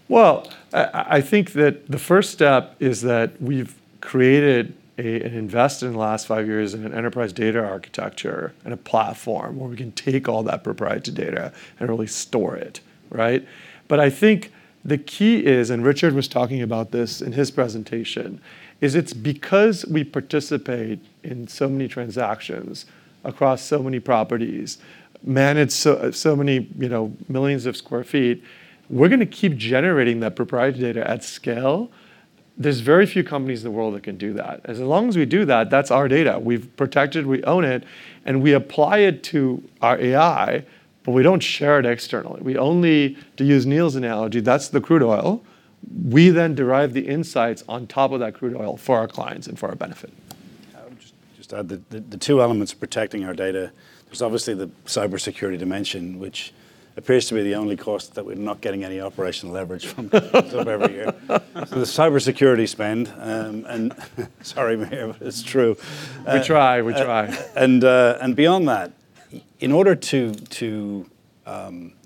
Well, I think that the first step is that we've created an investment in the last five years in an enterprise data architecture and a platform where we can take all that proprietary data and really store it, right? I think the key is, and Richard was talking about this in his presentation, is it's because we participate in so many transactions across so many properties, manage so many, you know, millions of square feet, we're gonna keep generating that proprietary data at scale. There are very few companies in the world that can do that. As long as we do that's our data. We've protected, we own it, and we apply it to our AI, but we don't share it externally. We only, to use Neil's analogy, that's the crude oil. We derive the insights on top of that crude oil for our clients and for our benefit. I would just add the two elements protecting our data. There's obviously the cybersecurity dimension, which appears to be the only cost that we're not getting any operational leverage from, as of every year. The cybersecurity spend, and sorry, Mihir, but it's true. We try. Beyond that, in order to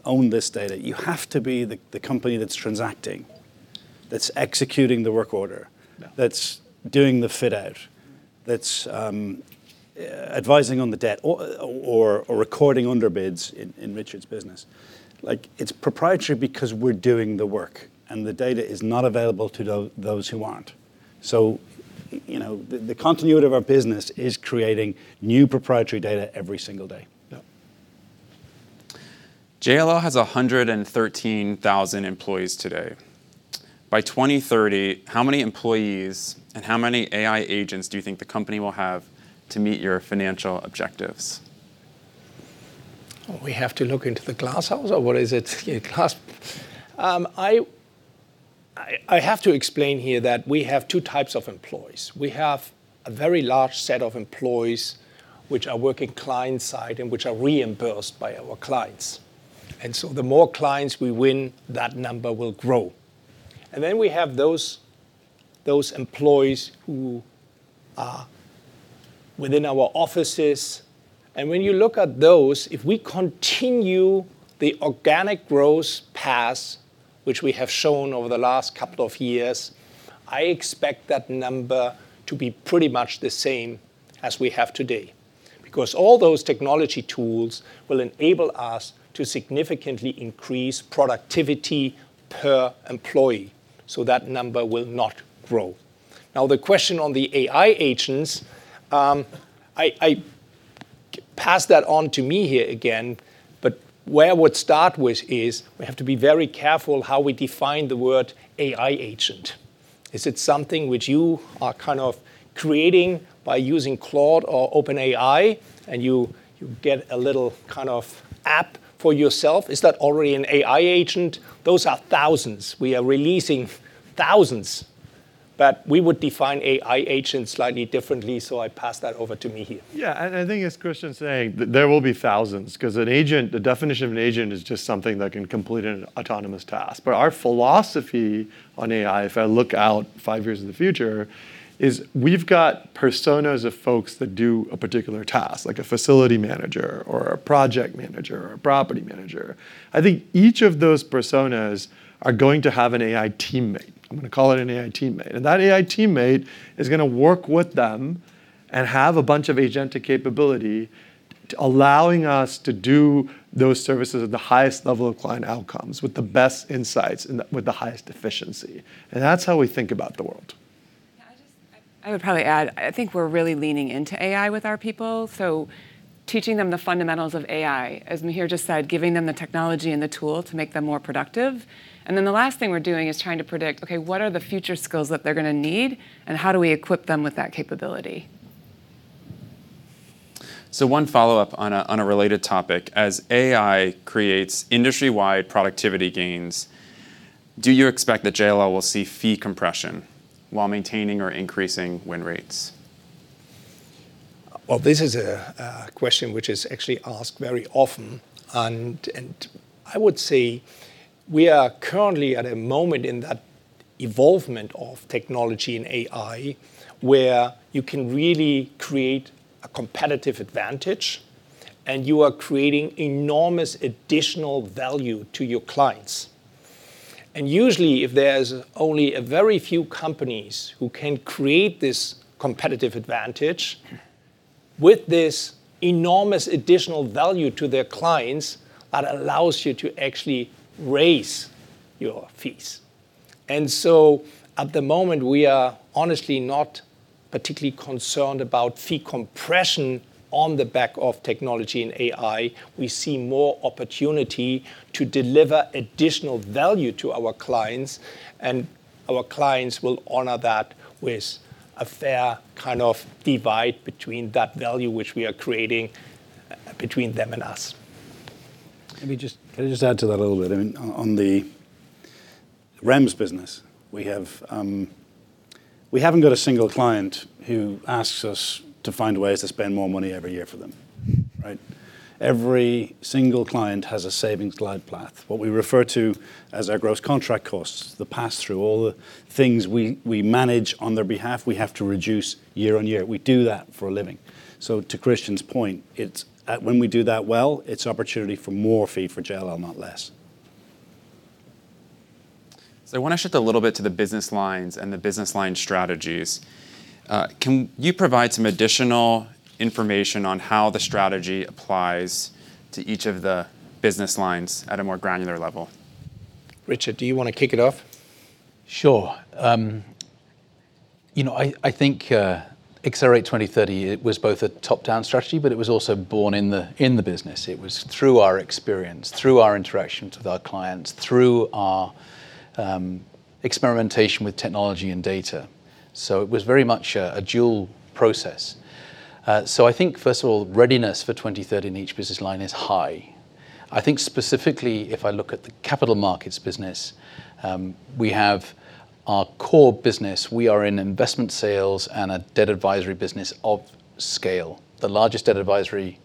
own this data, you have to be the company that's transacting, that's executing the work order. Yeah.... that's doing the fit out, advising on the debt or recording under bids in Richard's business. Like, it's proprietary because we're doing the work, and the data is not available to those who aren't. You know, the continuity of our business is creating new proprietary data every single day. Yeah. JLL has 113,000 employees today. By 2030, how many employees and how many AI agents do you think the company will have to meet your financial objectives? I have to explain here that we have two types of employees. We have a very large set of employees which are working client side and which are reimbursed by our clients. The more clients we win, that number will grow. We have those employees who are within our offices. When you look at those, if we continue the organic growth path which we have shown over the last couple of years, I expect that number to be pretty much the same as we have today. Because all those technology tools will enable us to significantly increase productivity per employee, so that number will not grow. Now, the question on the AI agents, pass that on to me here again, but where I would start with is we have to be very careful how we define the word AI agent. Is it something which you are kind of creating by using Claude or OpenAI, and you get a little kind of app for yourself? Is that already an AI agent? Those are thousands. We are releasing thousands. We would define AI agent slightly differently, so I pass that over to Mihir. Yeah. I think as Christian is saying, there will be thousands 'cause an agent, the definition of an agent is just something that can complete an autonomous task. Our philosophy on AI, if I look out five years in the future, is we've got personas of folks that do a particular task, like a facility manager or a project manager or a property manager. I think each of those personas are going to have an AI teammate. I'm gonna call it an AI teammate. That AI teammate is gonna work with them and have a bunch of agentic capability, allowing us to do those services at the highest level of client outcomes with the best insights and with the highest efficiency. That's how we think about the world. I would probably add, I think we're really leaning into AI with our people, so teaching them the fundamentals of AI. As Mihir just said, giving them the technology and the tool to make them more productive. The last thing we're doing is trying to predict, okay, what are the future skills that they're gonna need, and how do we equip them with that capability? One follow-up on a related topic. As AI creates industry-wide productivity gains, do you expect that JLL will see fee compression while maintaining or increasing win rates? Well, this is a question which is actually asked very often and I would say we are currently at a moment in that evolution of technology and AI where you can really create a competitive advantage, and you are creating enormous additional value to your clients. Usually, if there's only a very few companies who can create this competitive advantage with this enormous additional value to their clients, that allows you to actually raise your fees. At the moment, we are honestly not particularly concerned about fee compression on the back of technology and AI. We see more opportunity to deliver additional value to our clients, and our clients will honor that with a fair kind of divide between that value which we are creating between them and us. Let me just add to that a little bit? I mean, on the REMS business, we haven't got a single client who asks us to find ways to spend more money every year for them. Right? Every single client has a savings glide path. What we refer to as our gross contract costs, the pass-through, all the things we manage on their behalf, we have to reduce year-on-year. We do that for a living. To Christian's point, it's when we do that well, it's opportunity for more fee for JLL, not less. I want to shift a little bit to the business lines and the business line strategies. Can you provide some additional information on how the strategy applies to each of the business lines at a more granular level? Richard, do you want to kick it off? Sure. You know, I think Accelerate 2030, it was both a top-down strategy, but it was also born in the business. It was through our experience, through our interactions with our clients, through our experimentation with technology and data. It was very much a dual process. I think, first of all, readiness for 2030 in each business line is high. I think specifically, if I look at the Capital Markets business, we have our core business. We are in investment sales and a debt advisory business of scale, the largest debt advisory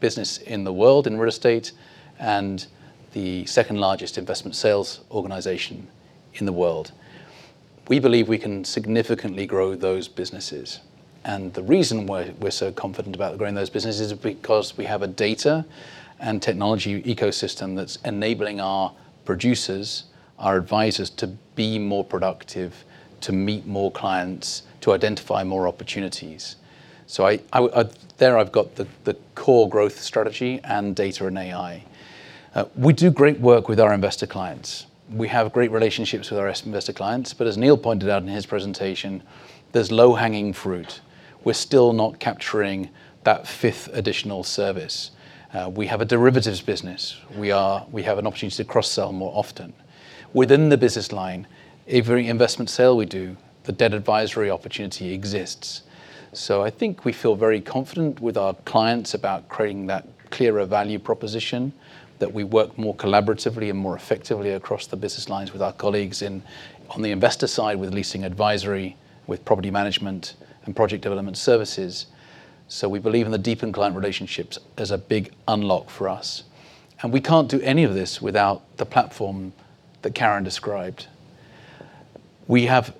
business in the world in real estate, and the second-largest investment sales organization in the world. We believe we can significantly grow those businesses. The reason why we're so confident about growing those businesses is because we have a data and technology ecosystem that's enabling our producers, our advisors, to be more productive, to meet more clients, to identify more opportunities. I have the core growth strategy and data and AI. We do great work with our investor clients. We have great relationships with our investor clients. As Neil pointed out in his presentation, there's low-hanging fruit. We're still not capturing that fifth additional service. We have a derivatives business. We have an opportunity to cross-sell more often. Within the business line, every investment sale we do, the debt advisory opportunity exists. I think we feel very confident with our clients about creating that clearer value proposition, that we work more collaboratively and more effectively across the business lines with our colleagues in, on the investor side with Leasing Advisory, with Property Management, and Project and Development Services. We believe in the deepened client relationships as a big unlock for us. We can't do any of this without the platform that Karen described. We have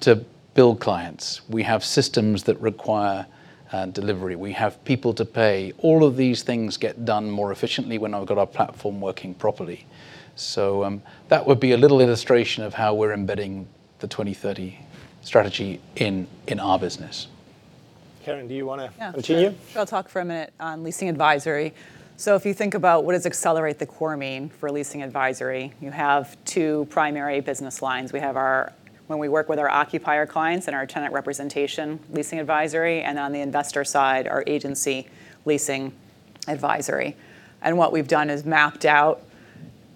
to bill clients. We have systems that require delivery. We have people to pay. All of these things get done more efficiently when we've got our platform working properly. That would be a little illustration of how we're embedding the 2030 strategy in our business. Karen, do you wanna- Yeah. Continue? Sure. I'll talk for a minute on Leasing Advisory. If you think about what does accelerate the core mean for Leasing Advisory, you have two primary business lines. We have our. When we work with our occupier clients and our tenant representation, Leasing Advisory, and on the investor side, our Agency Leasing Advisory. What we've done is mapped out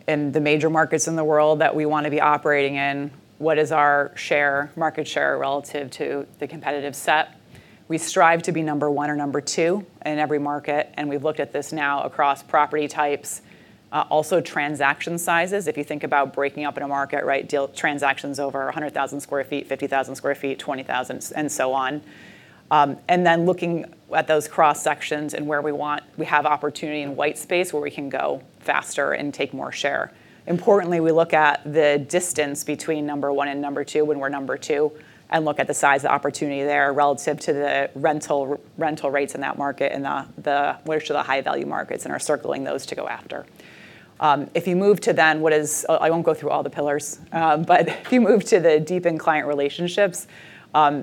in the major markets in the world that we wanna be operating in, what is our share, market share relative to the competitive set. We strive to be number one or number two in every market, and we've looked at this now across property types, also transaction sizes. If you think about breaking up in a market, right, deal transactions over 100,000 sq ft, 50,000 sq ft, 20,000, and so on. Looking at those cross-sections and where we have opportunity and white space where we can go faster and take more share. Importantly, we look at the distance between number one and number two when we're number two and look at the size of opportunity there relative to the rental rates in that market and the high-value markets and we're circling those to go after. If you move to what is, I won't go through all the pillars. If you move to deepen client relationships,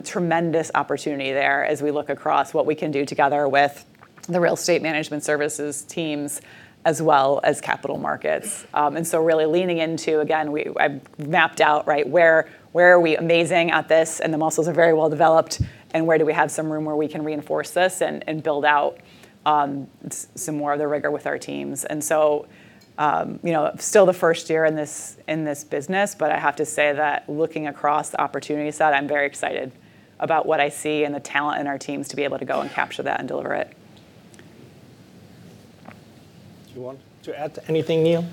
tremendous opportunity there as we look across what we can do together with the Real Estate Management Services teams as well as Capital Markets. Really leaning into, again, I've mapped out, right, where are we amazing at this, and the muscles are very well developed, and where do we have some room where we can reinforce this and build out some more of the rigor with our teams. You know, still the first year in this business, but I have to say that looking across the opportunity set, I'm very excited about what I see and the talent in our teams to be able to go and capture that and deliver it. Do you want to add anything, Neil?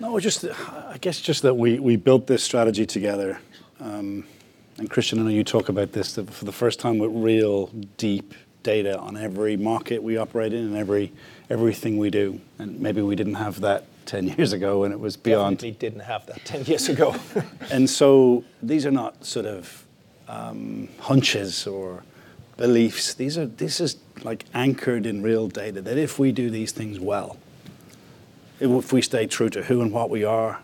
No, just, I guess just that we built this strategy together. Christian, I know you talk about this for the first time with real deep data on every market we operate in and everything we do, and maybe we didn't have that ten years ago when it was Beyond. Definitely didn't have that 10 years ago. These are not sort of. Hunches or beliefs. This is, like, anchored in real data, that if we do these things well, if we stay true to who and what we are,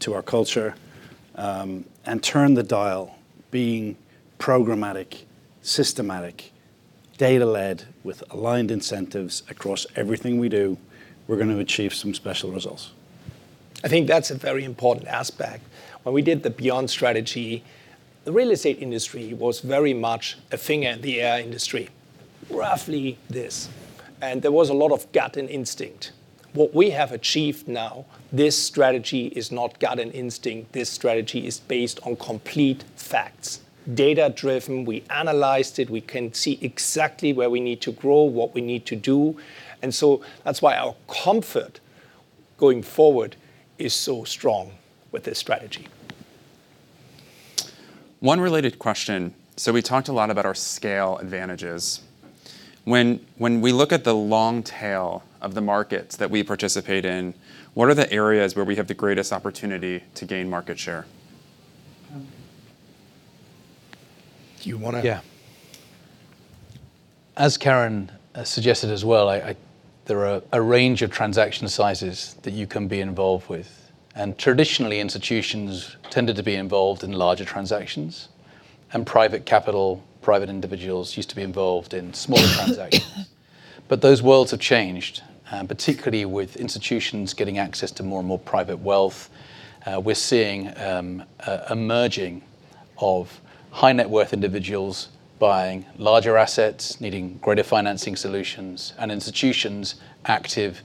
to our culture, and turn the dial, being programmatic, systematic, data-led, with aligned incentives across everything we do, we're gonna achieve some special results. I think that's a very important aspect. When we did the Beyond strategy, the real estate industry was very much a finger in the air industry. Roughly this. There was a lot of gut and instinct. What we have achieved now, this strategy is not gut and instinct. This strategy is based on complete facts. Data-driven, we analyzed it, we can see exactly where we need to grow, what we need to do. That's why our comfort going forward is so strong with this strategy. One related question. We talked a lot about our scale advantages. When we look at the long tail of the markets that we participate in, what are the areas where we have the greatest opportunity to gain market share? Do you wanna- Yeah. As Karen suggested as well, there are a range of transaction sizes that you can be involved with. Traditionally, institutions tended to be involved in larger transactions, and private capital, private individuals used to be involved in smaller transactions. Those worlds have changed, particularly with institutions getting access to more and more private wealth. We're seeing a merging of high net worth individuals buying larger assets, needing greater financing solutions, and institutions active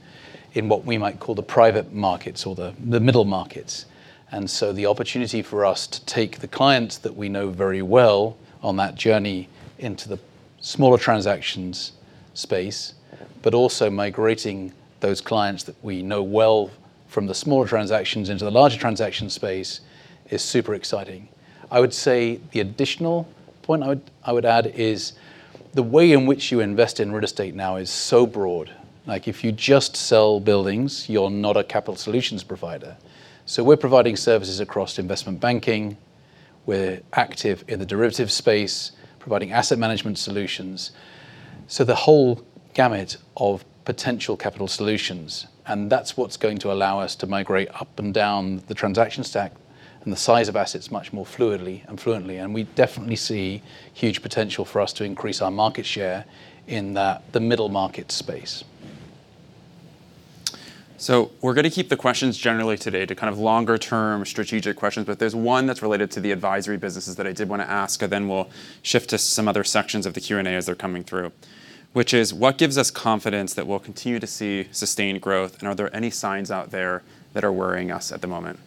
in what we might call the private markets or the middle markets. The opportunity for us to take the clients that we know very well on that journey into the smaller transactions space, but also migrating those clients that we know well from the smaller transactions into the larger transaction space is super exciting. I would say the additional point I would add is the way in which you invest in real estate now is so broad. Like, if you just sell buildings, you're not a capital solutions provider. We're providing services across investment banking, we're active in the derivative space, providing asset management solutions. The whole gamut of potential capital solutions, and that's what's going to allow us to migrate up and down the transaction stack and the size of assets much more fluidly and fluently, and we definitely see huge potential for us to increase our market share in that, the middle market space. We're gonna keep the questions generally today to kind of longer term strategic questions, but there's one that's related to the advisory businesses that I did wanna ask, and then we'll shift to some other sections of the Q&A as they're coming through, which is: What gives us confidence that we'll continue to see sustained growth, and are there any signs out there that are worrying us at the moment?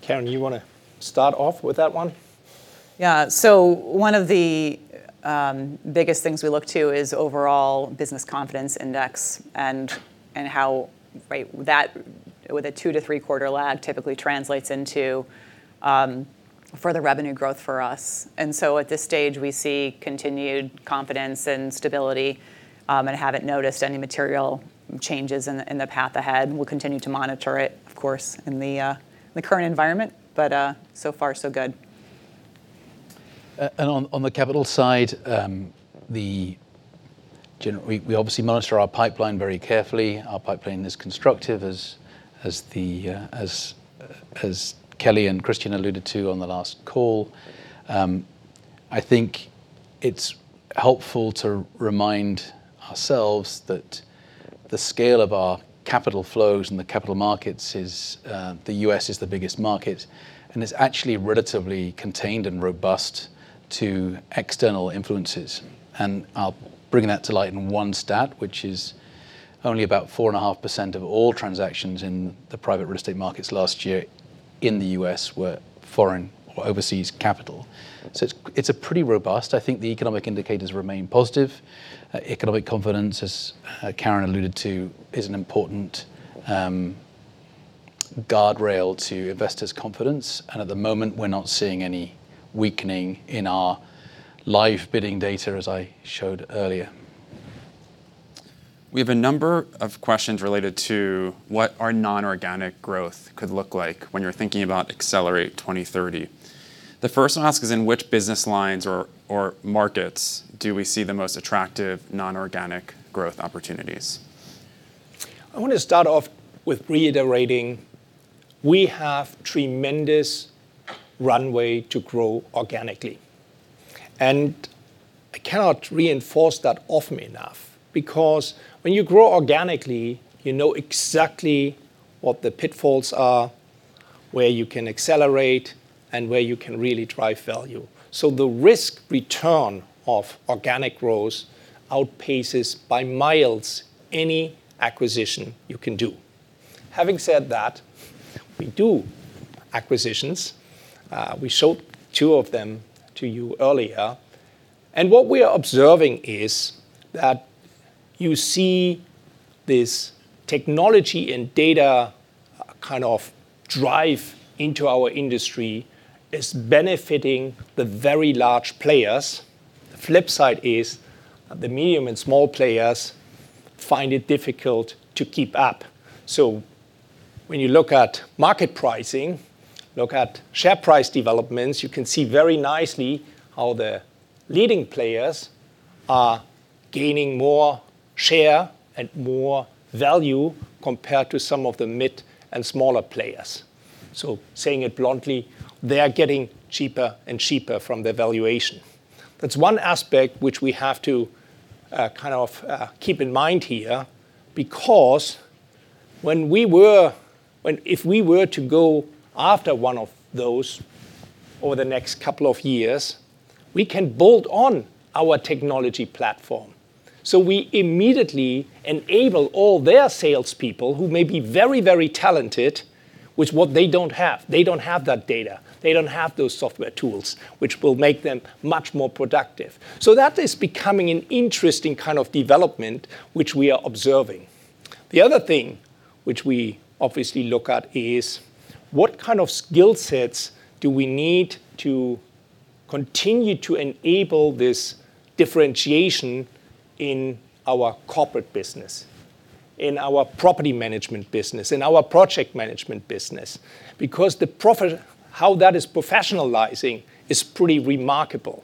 Karen, you wanna start off with that one? Yeah. One of the biggest things we look to is overall business confidence index and how, right, that with a 2- to 3-quarter lag typically translates into further revenue growth for us. At this stage, we see continued confidence and stability and haven't noticed any material changes in the path ahead. We'll continue to monitor it, of course, in the current environment, but so far so good. On the capital side, we obviously monitor our pipeline very carefully. Our pipeline is constructive as Kelly and Christian alluded to on the last call. I think it's helpful to remind ourselves that the scale of our capital flows and the capital markets is the U.S. is the biggest market, and it's actually relatively contained and robust to external influences. I'll bring that to light in one stat, which is only about 4.5% of all transactions in the private real estate markets last year in the U.S. were foreign or overseas capital. It's a pretty robust. I think the economic indicators remain positive. Economic confidence, as Karen alluded to, is an important guardrail to investors' confidence. At the moment, we're not seeing any weakening in our live bidding data, as I showed earlier. We have a number of questions related to what our non-organic growth could look like when you're thinking about Accelerate 2030. The first one I'll ask is, in which business lines or markets do we see the most attractive non-organic growth opportunities? I want to start off with reiterating we have tremendous runway to grow organically. I cannot reinforce that often enough because when you grow organically, you know exactly what the pitfalls are, where you can accelerate, and where you can really drive value. The risk-return of organic growth outpaces by miles any acquisition you can do. Having said that, we do acquisitions. We showed two of them to you earlier. What we are observing is that you see this technology and data kind of drive into our industry is benefiting the very large players. The flip side is the medium and small players find it difficult to keep up. When you look at market pricing, look at share price developments, you can see very nicely how the leading players are gaining more share and more value compared to some of the mid and smaller players. Saying it bluntly, they are getting cheaper and cheaper from their valuation. That's one aspect which we have to kind of keep in mind here, because if we were to go after one of those over the next couple of years, we can bolt on our technology platform. We immediately enable all their salespeople, who may be very, very talented, with what they don't have. They don't have that data. They don't have those software tools which will make them much more productive. That is becoming an interesting kind of development which we are observing. The other thing which we obviously look at is what kind of skill sets do we need to continue to enable this differentiation in our corporate business, in our property management business, in our project management business? Because the way that is professionalizing is pretty remarkable.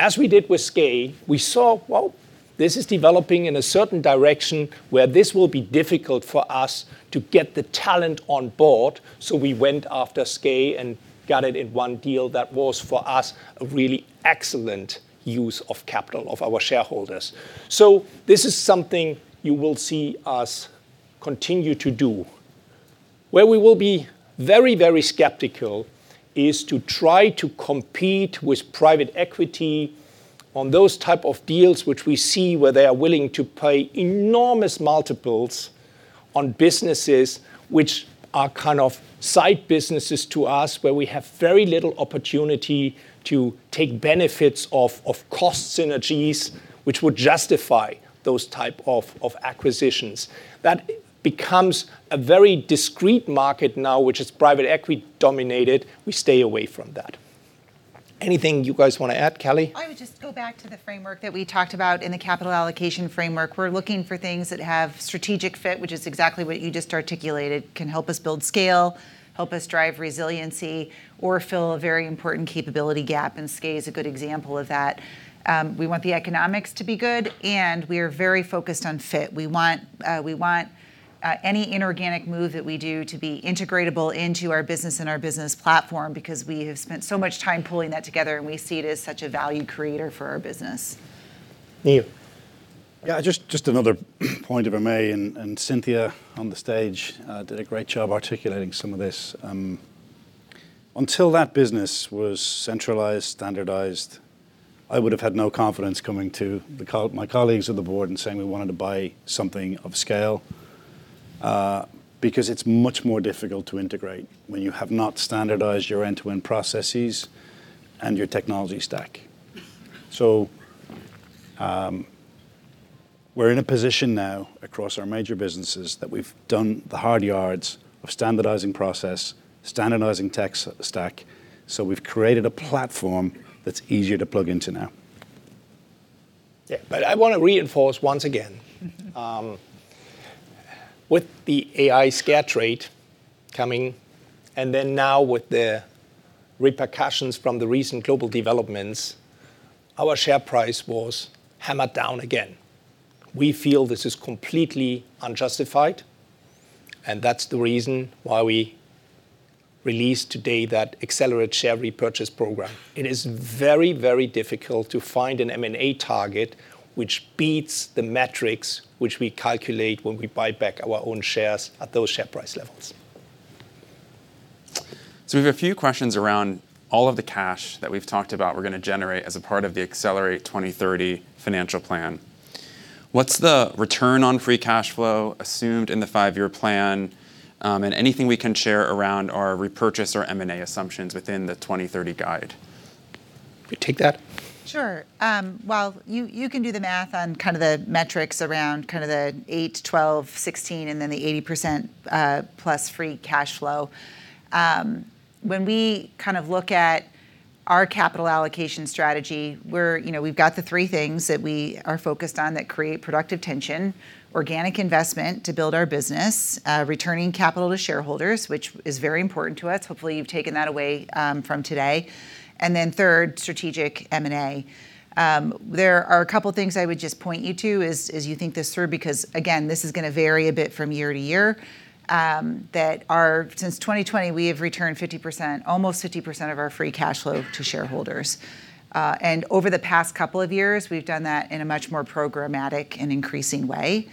As we did with SKAE, we saw this is developing in a certain direction where this will be difficult for us to get the talent on board. We went after SKAE and got it in one deal. That was, for us, a really excellent use of capital of our shareholders. This is something you will see us continue to do. Where we will be very, very skeptical is to try to compete with private equity on those type of deals which we see where they are willing to pay enormous multiples on businesses which are kind of side businesses to us, where we have very little opportunity to take benefits of cost synergies which would justify those type of acquisitions. That becomes a very discrete market now, which is private equity dominated. We stay away from that. Anything you guys wanna add? Kelly? I would just go back to the framework that we talked about in the capital allocation framework. We're looking for things that have strategic fit, which is exactly what you just articulated, can help us build scale, help us drive resiliency, or fill a very important capability gap, and SKAE is a good example of that. We want the economics to be good, and we are very focused on fit. We want any inorganic move that we do to be integratable into our business and our business platform because we have spent so much time pulling that together, and we see it as such a value creator for our business. Neil. Yeah, just another point if I may, and Cynthia on the stage did a great job articulating some of this. Until that business was centralized, standardized, I would've had no confidence coming to my colleagues of the board and saying we wanted to buy something of scale, because it's much more difficult to integrate when you have not standardized your end-to-end processes and your technology stack. We're in a position now across our major businesses that we've done the hard yards of standardizing process, standardizing tech stack, so we've created a platform that's easier to plug into now. Yeah, I wanna reinforce once again. With the AI scare trade coming, and then now with the repercussions from the recent global developments, our share price was hammered down again. We feel this is completely unjustified, and that's the reason why we released today that accelerated share repurchase program. It is very, very difficult to find an M&A target which beats the metrics which we calculate when we buy back our own shares at those share price levels. We have a few questions around all of the cash that we've talked about we're gonna generate as a part of the Accelerate 2030 financial plan. What's the return on free cash flow assumed in the five-year plan, and anything we can share around our repurchase or M&A assumptions within the 2030 guide? You take that? Sure. Well, you can do the math on kind of the metrics around kind of the 8%, 12%, 16%, and then the 80% plus free cash flow. When we kind of look at our capital allocation strategy, we're, you know, we've got the three things that we are focused on that create productive tension. Organic investment to build our business, returning capital to shareholders, which is very important to us, hopefully you've taken that away from today, and then third, strategic M&A. There are a couple things I would just point you to as you think this through, because again, this is gonna vary a bit from year-to-year, that since 2020, we have returned 50%, almost 50% of our free cash flow to shareholders. Over the past couple of years, we've done that in a much more programmatic and increasing way.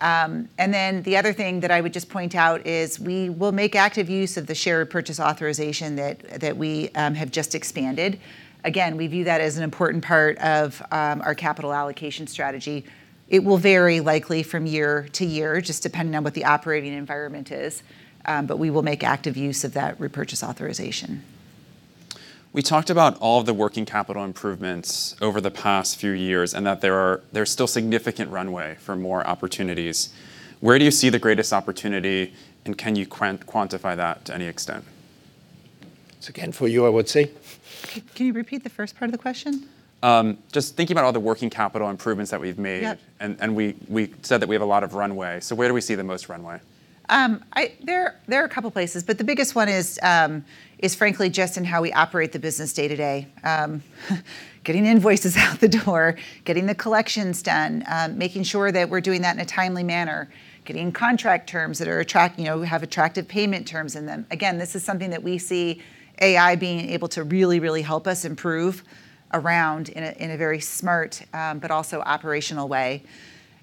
Then the other thing that I would just point out is we will make active use of the share repurchase authorization that we have just expanded. Again, we view that as an important part of our capital allocation strategy. It will vary likely from year-to-year, just depending on what the operating environment is, but we will make active use of that repurchase authorization. We talked about all the working capital improvements over the past few years, and there's still significant runway for more opportunities. Where do you see the greatest opportunity, and can you quantify that to any extent? It's again for you, I would say. Can you repeat the first part of the question? Just thinking about all the working capital improvements that we've made. Yep we said that we have a lot of runway. Where do we see the most runway? There are a couple of places, but the biggest one is frankly just in how we operate the business day-to-day. Getting invoices out the door, getting the collections done, making sure that we're doing that in a timely manner, getting contract terms that are you know, have attractive payment terms in them. Again, this is something that we see AI being able to really help us improve around in a very smart, but also operational way.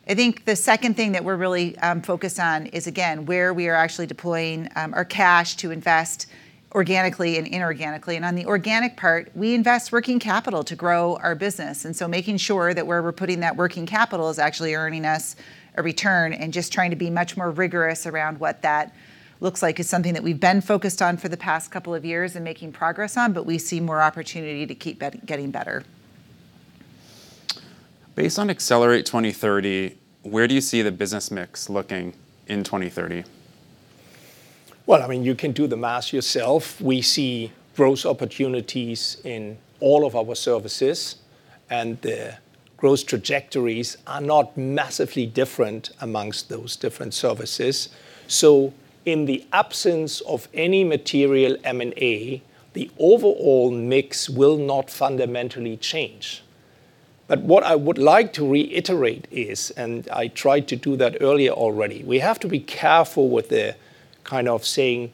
I think the second thing that we're really focused on is, again, where we are actually deploying our cash to invest organically and inorganically. On the organic part, we invest working capital to grow our business. Making sure that where we're putting that working capital is actually earning us a return and just trying to be much more rigorous around what that looks like is something that we've been focused on for the past couple of years and making progress on, but we see more opportunity to keep getting better. Based on Accelerate 2030, where do you see the business mix looking in 2030? Well, I mean, you can do the math yourself. We see growth opportunities in all of our services, and the growth trajectories are not massively different amongst those different services. In the absence of any material M&A, the overall mix will not fundamentally change. What I would like to reiterate is, and I tried to do that earlier already, we have to be careful with the kind of saying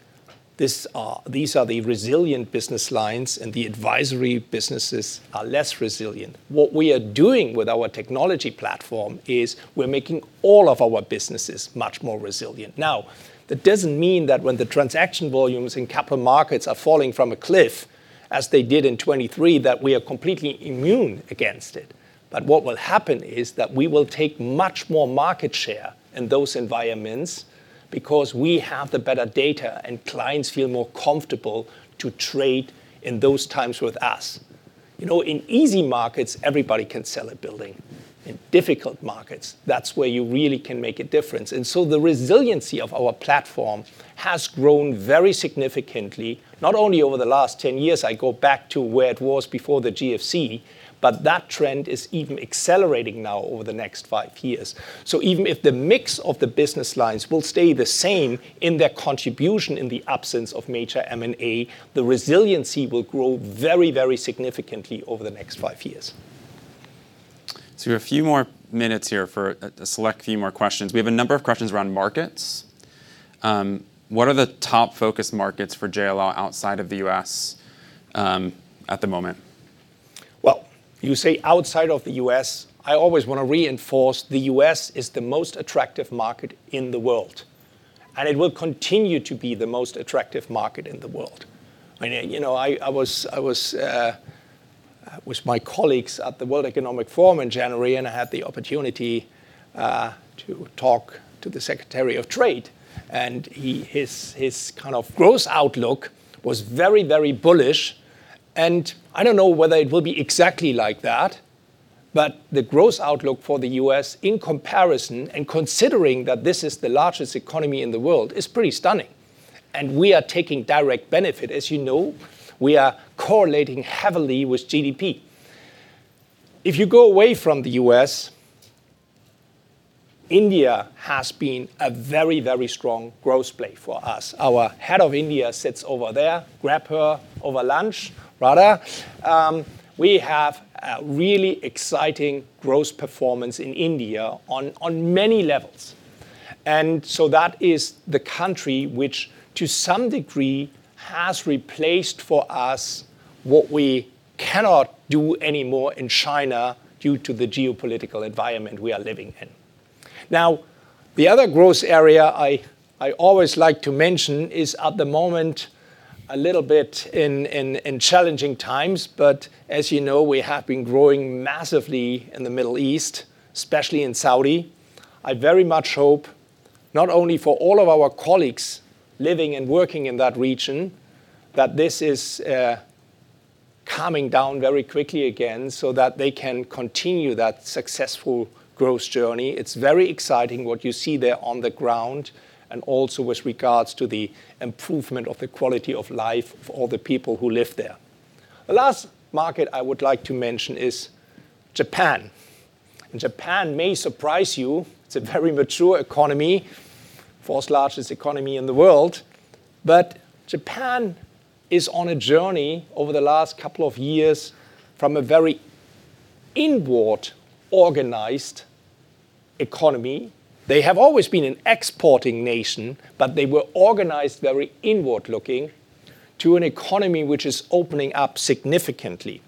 these are the resilient business lines and the advisory businesses are less resilient. What we are doing with our technology platform is we're making all of our businesses much more resilient. Now, that doesn't mean that when the transaction volumes in capital markets are falling from a cliff, as they did in 2023, that we are completely immune against it. What will happen is that we will take much more market share in those environments because we have the better data, and clients feel more comfortable to trade in those times with us. You know, in easy markets, everybody can sell a building. In difficult markets, that's where you really can make a difference. The resiliency of our platform has grown very significantly, not only over the last 10 years, I go back to where it was before the GFC, but that trend is even accelerating now over the next five years. Even if the mix of the business lines will stay the same in their contribution in the absence of major M&A, the resiliency will grow very, very significantly over the next five years. We have a few more minutes here for a select few more questions. We have a number of questions around markets. What are the top focus markets for JLL outside of the U.S., at the moment? Well, you say outside of the U.S., I always wanna reinforce the U.S. is the most attractive market in the world, and it will continue to be the most attractive market in the world. I mean, you know, I was with my colleagues at the World Economic Forum in January, and I had the opportunity to talk to the Secretary of Trade. His kind of growth outlook was very, very bullish. I don't know whether it will be exactly like that, but the growth outlook for the U.S. in comparison, and considering that this is the largest economy in the world, is pretty stunning. We are taking direct benefit. As you know, we are correlating heavily with GDP. If you go away from the U.S., India has been a very, very strong growth play for us. Our head of India sits over there. Grab her over lunch, Radha. We have a really exciting growth performance in India on many levels. That is the country which, to some degree, has replaced for us what we cannot do anymore in China due to the geopolitical environment we are living in. Now, the other growth area I always like to mention is, at the moment, a little bit in challenging times, but as you know, we have been growing massively in the Middle East, especially in Saudi. I very much hope, not only for all of our colleagues living and working in that region, that this is calming down very quickly again so that they can continue that successful growth journey. It's very exciting what you see there on the ground and also with regards to the improvement of the quality of life for all the people who live there. The last market I would like to mention is Japan. Japan may surprise you. It's a very mature economy, fourth largest economy in the world. Japan is on a journey over the last couple of years from a very inward-organized economy. They have always been an exporting nation, but they were organized very inward-looking to an economy which is opening up significantly.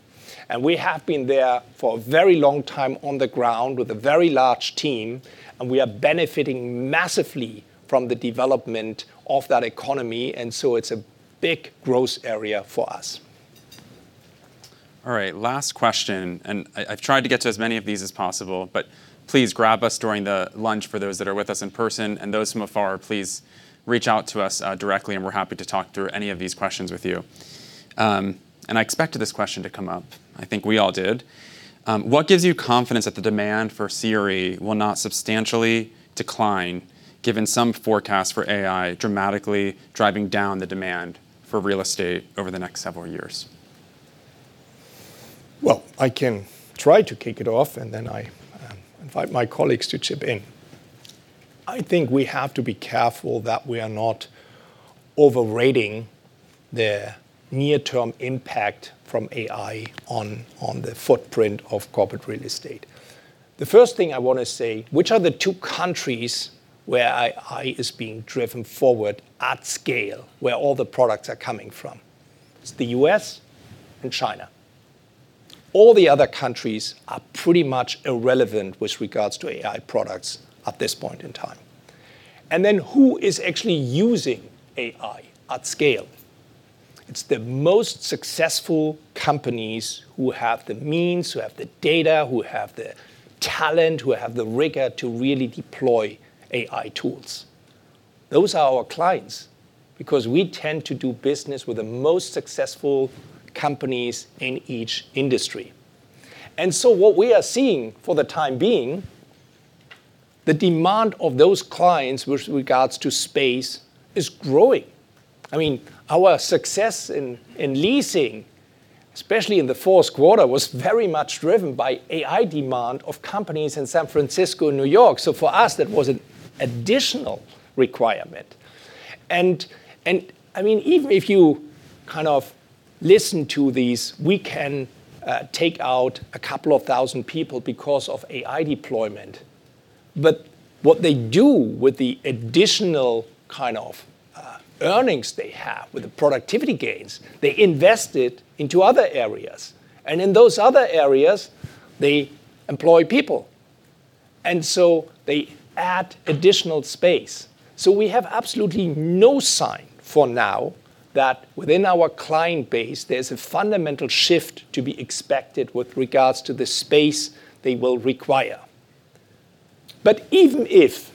We have been there for a very long time on the ground with a very large team, and we are benefiting massively from the development of that economy. It's a big growth area for us. All right. Last question. I've tried to get to as many of these as possible, but please grab us during the lunch for those that are with us in person, and those from afar, please reach out to us directly, and we're happy to talk through any of these questions with you. I expected this question to come up. I think we all did. What gives you confidence that the demand for CRE will not substantially decline given some forecasts for AI dramatically driving down the demand for real estate over the next several years? Well, I can try to kick it off, and then I invite my colleagues to chip in. I think we have to be careful that we are not overrating the near-term impact from AI on the footprint of corporate real estate. The first thing I wanna say, which are the two countries where AI is being driven forward at scale, where all the products are coming from? It's the U.S. and China. All the other countries are pretty much irrelevant with regard to AI products at this point in time. Who is actually using AI at scale? It's the most successful companies who have the means, who have the data, who have the talent, who have the rigor to really deploy AI tools. Those are our clients because we tend to do business with the most successful companies in each industry. What we are seeing for the time being, the demand of those clients with regards to space is growing. I mean, our success in leasing, especially in the fourth quarter, was very much driven by AI demand of companies in San Francisco and New York. For us, that was an additional requirement. I mean, even if you kind of listen to these, we can take out a couple of thousand people because of AI deployment, but what they do with the additional kind of earnings they have, with the productivity gains, they invest it into other areas. In those other areas, they employ people. They add additional space. We have absolutely no sign for now that within our client base there's a fundamental shift to be expected with regards to the space they will require. Even if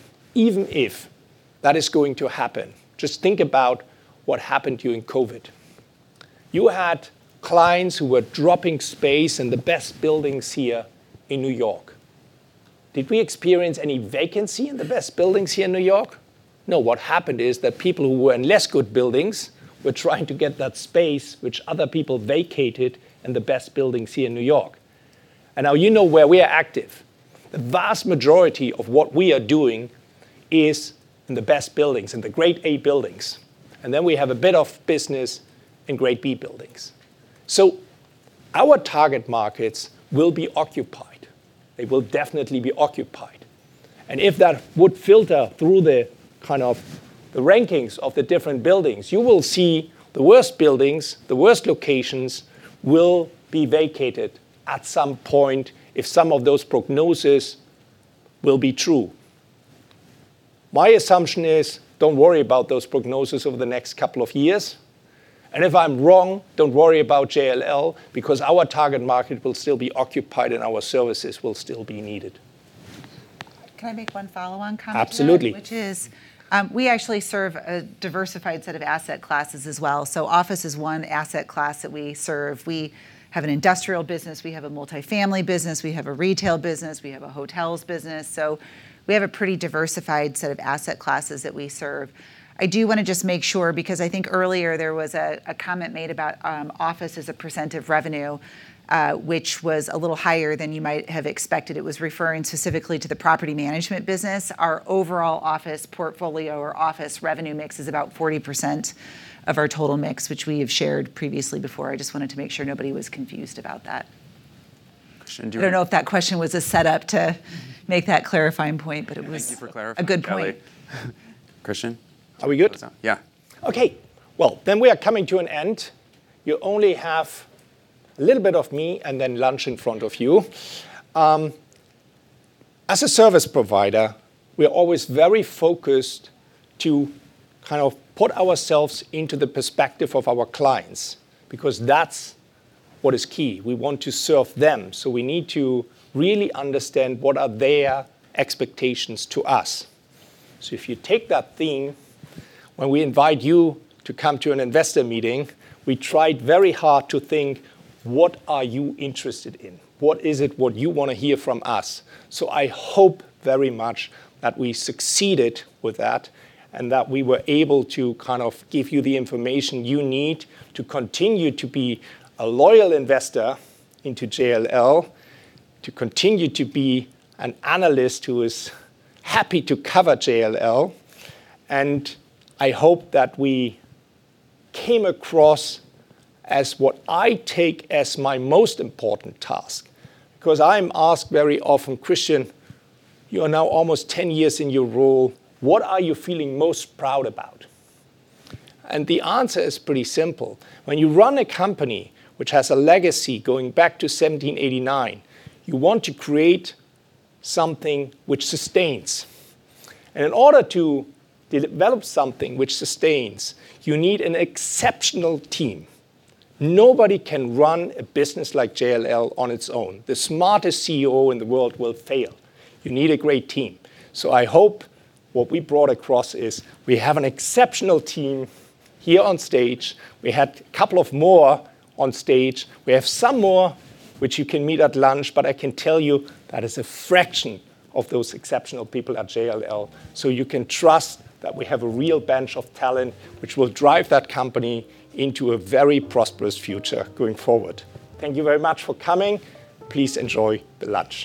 that is going to happen, just think about what happened during COVID. You had clients who were dropping space in the best buildings here in New York. Did we experience any vacancy in the best buildings here in New York? No. What happened is that people who were in less good buildings were trying to get that space which other people vacated in the best buildings here in New York. Now you know where we are active. The vast majority of what we are doing is in the best buildings, in the grade A buildings, and then we have a bit of business in grade B buildings. Our target markets will be occupied. They will definitely be occupied. If that would filter through the kind of the rankings of the different buildings, you will see the worst buildings, the worst locations will be vacated at some point if some of those prognoses will be true. My assumption is don't worry about those prognoses over the next couple of years. If I'm wrong, don't worry about JLL because our target market will still be occupied and our services will still be needed. Can I make one follow-on comment there? Absolutely. Which is, we actually serve a diversified set of asset classes as well, so office is one asset class that we serve. We have an industrial business. We have a multifamily business. We have a retail business. We have a hotels business. So we have a pretty diversified set of asset classes that we serve. I do wanna just make sure, because I think earlier there was a comment made about office as a percent of revenue, which was a little higher than you might have expected. It was referring specifically to the property management business. Our overall office portfolio or office revenue mix is about 40% of our total mix, which we have shared previously before. I just wanted to make sure nobody was confused about that. Christian, do you? I don't know if that question was a setup to make that clarifying point, but it was. Thank you for clarifying, Kelly. A good point. Christian? Are we good? Yeah. Okay. Well, we are coming to an end. You only have a little bit of me and then lunch in front of you. As a service provider, we are always very focused to kind of put ourselves into the perspective of our clients because that's what is key. We want to serve them, so we need to really understand what are their expectations of us. If you take that theme, when we invite you to come to an investor meeting, we tried very hard to think, what are you interested in? What is it that you wanna hear from us? I hope very much that we succeeded with that and that we were able to kind of give you the information you need to continue to be a loyal investor into JLL, to continue to be an analyst who is happy to cover JLL, and I hope that we came across as what I take as my most important task. 'Cause I am asked very often, "Christian, you are now almost 10 years in your role. What are you feeling most proud about?" The answer is pretty simple. When you run a company which has a legacy going back to 1789, you want to create something which sustains. In order to develop something which sustains, you need an exceptional team. Nobody can run a business like JLL on its own. The smartest CEO in the world will fail. You need a great team. I hope what we brought across is we have an exceptional team here on stage. We had a couple more on stage. We have some more which you can meet at lunch, but I can tell you that is a fraction of those exceptional people at JLL. You can trust that we have a real bench of talent which will drive that company into a very prosperous future going forward. Thank you very much for coming. Please enjoy the lunch.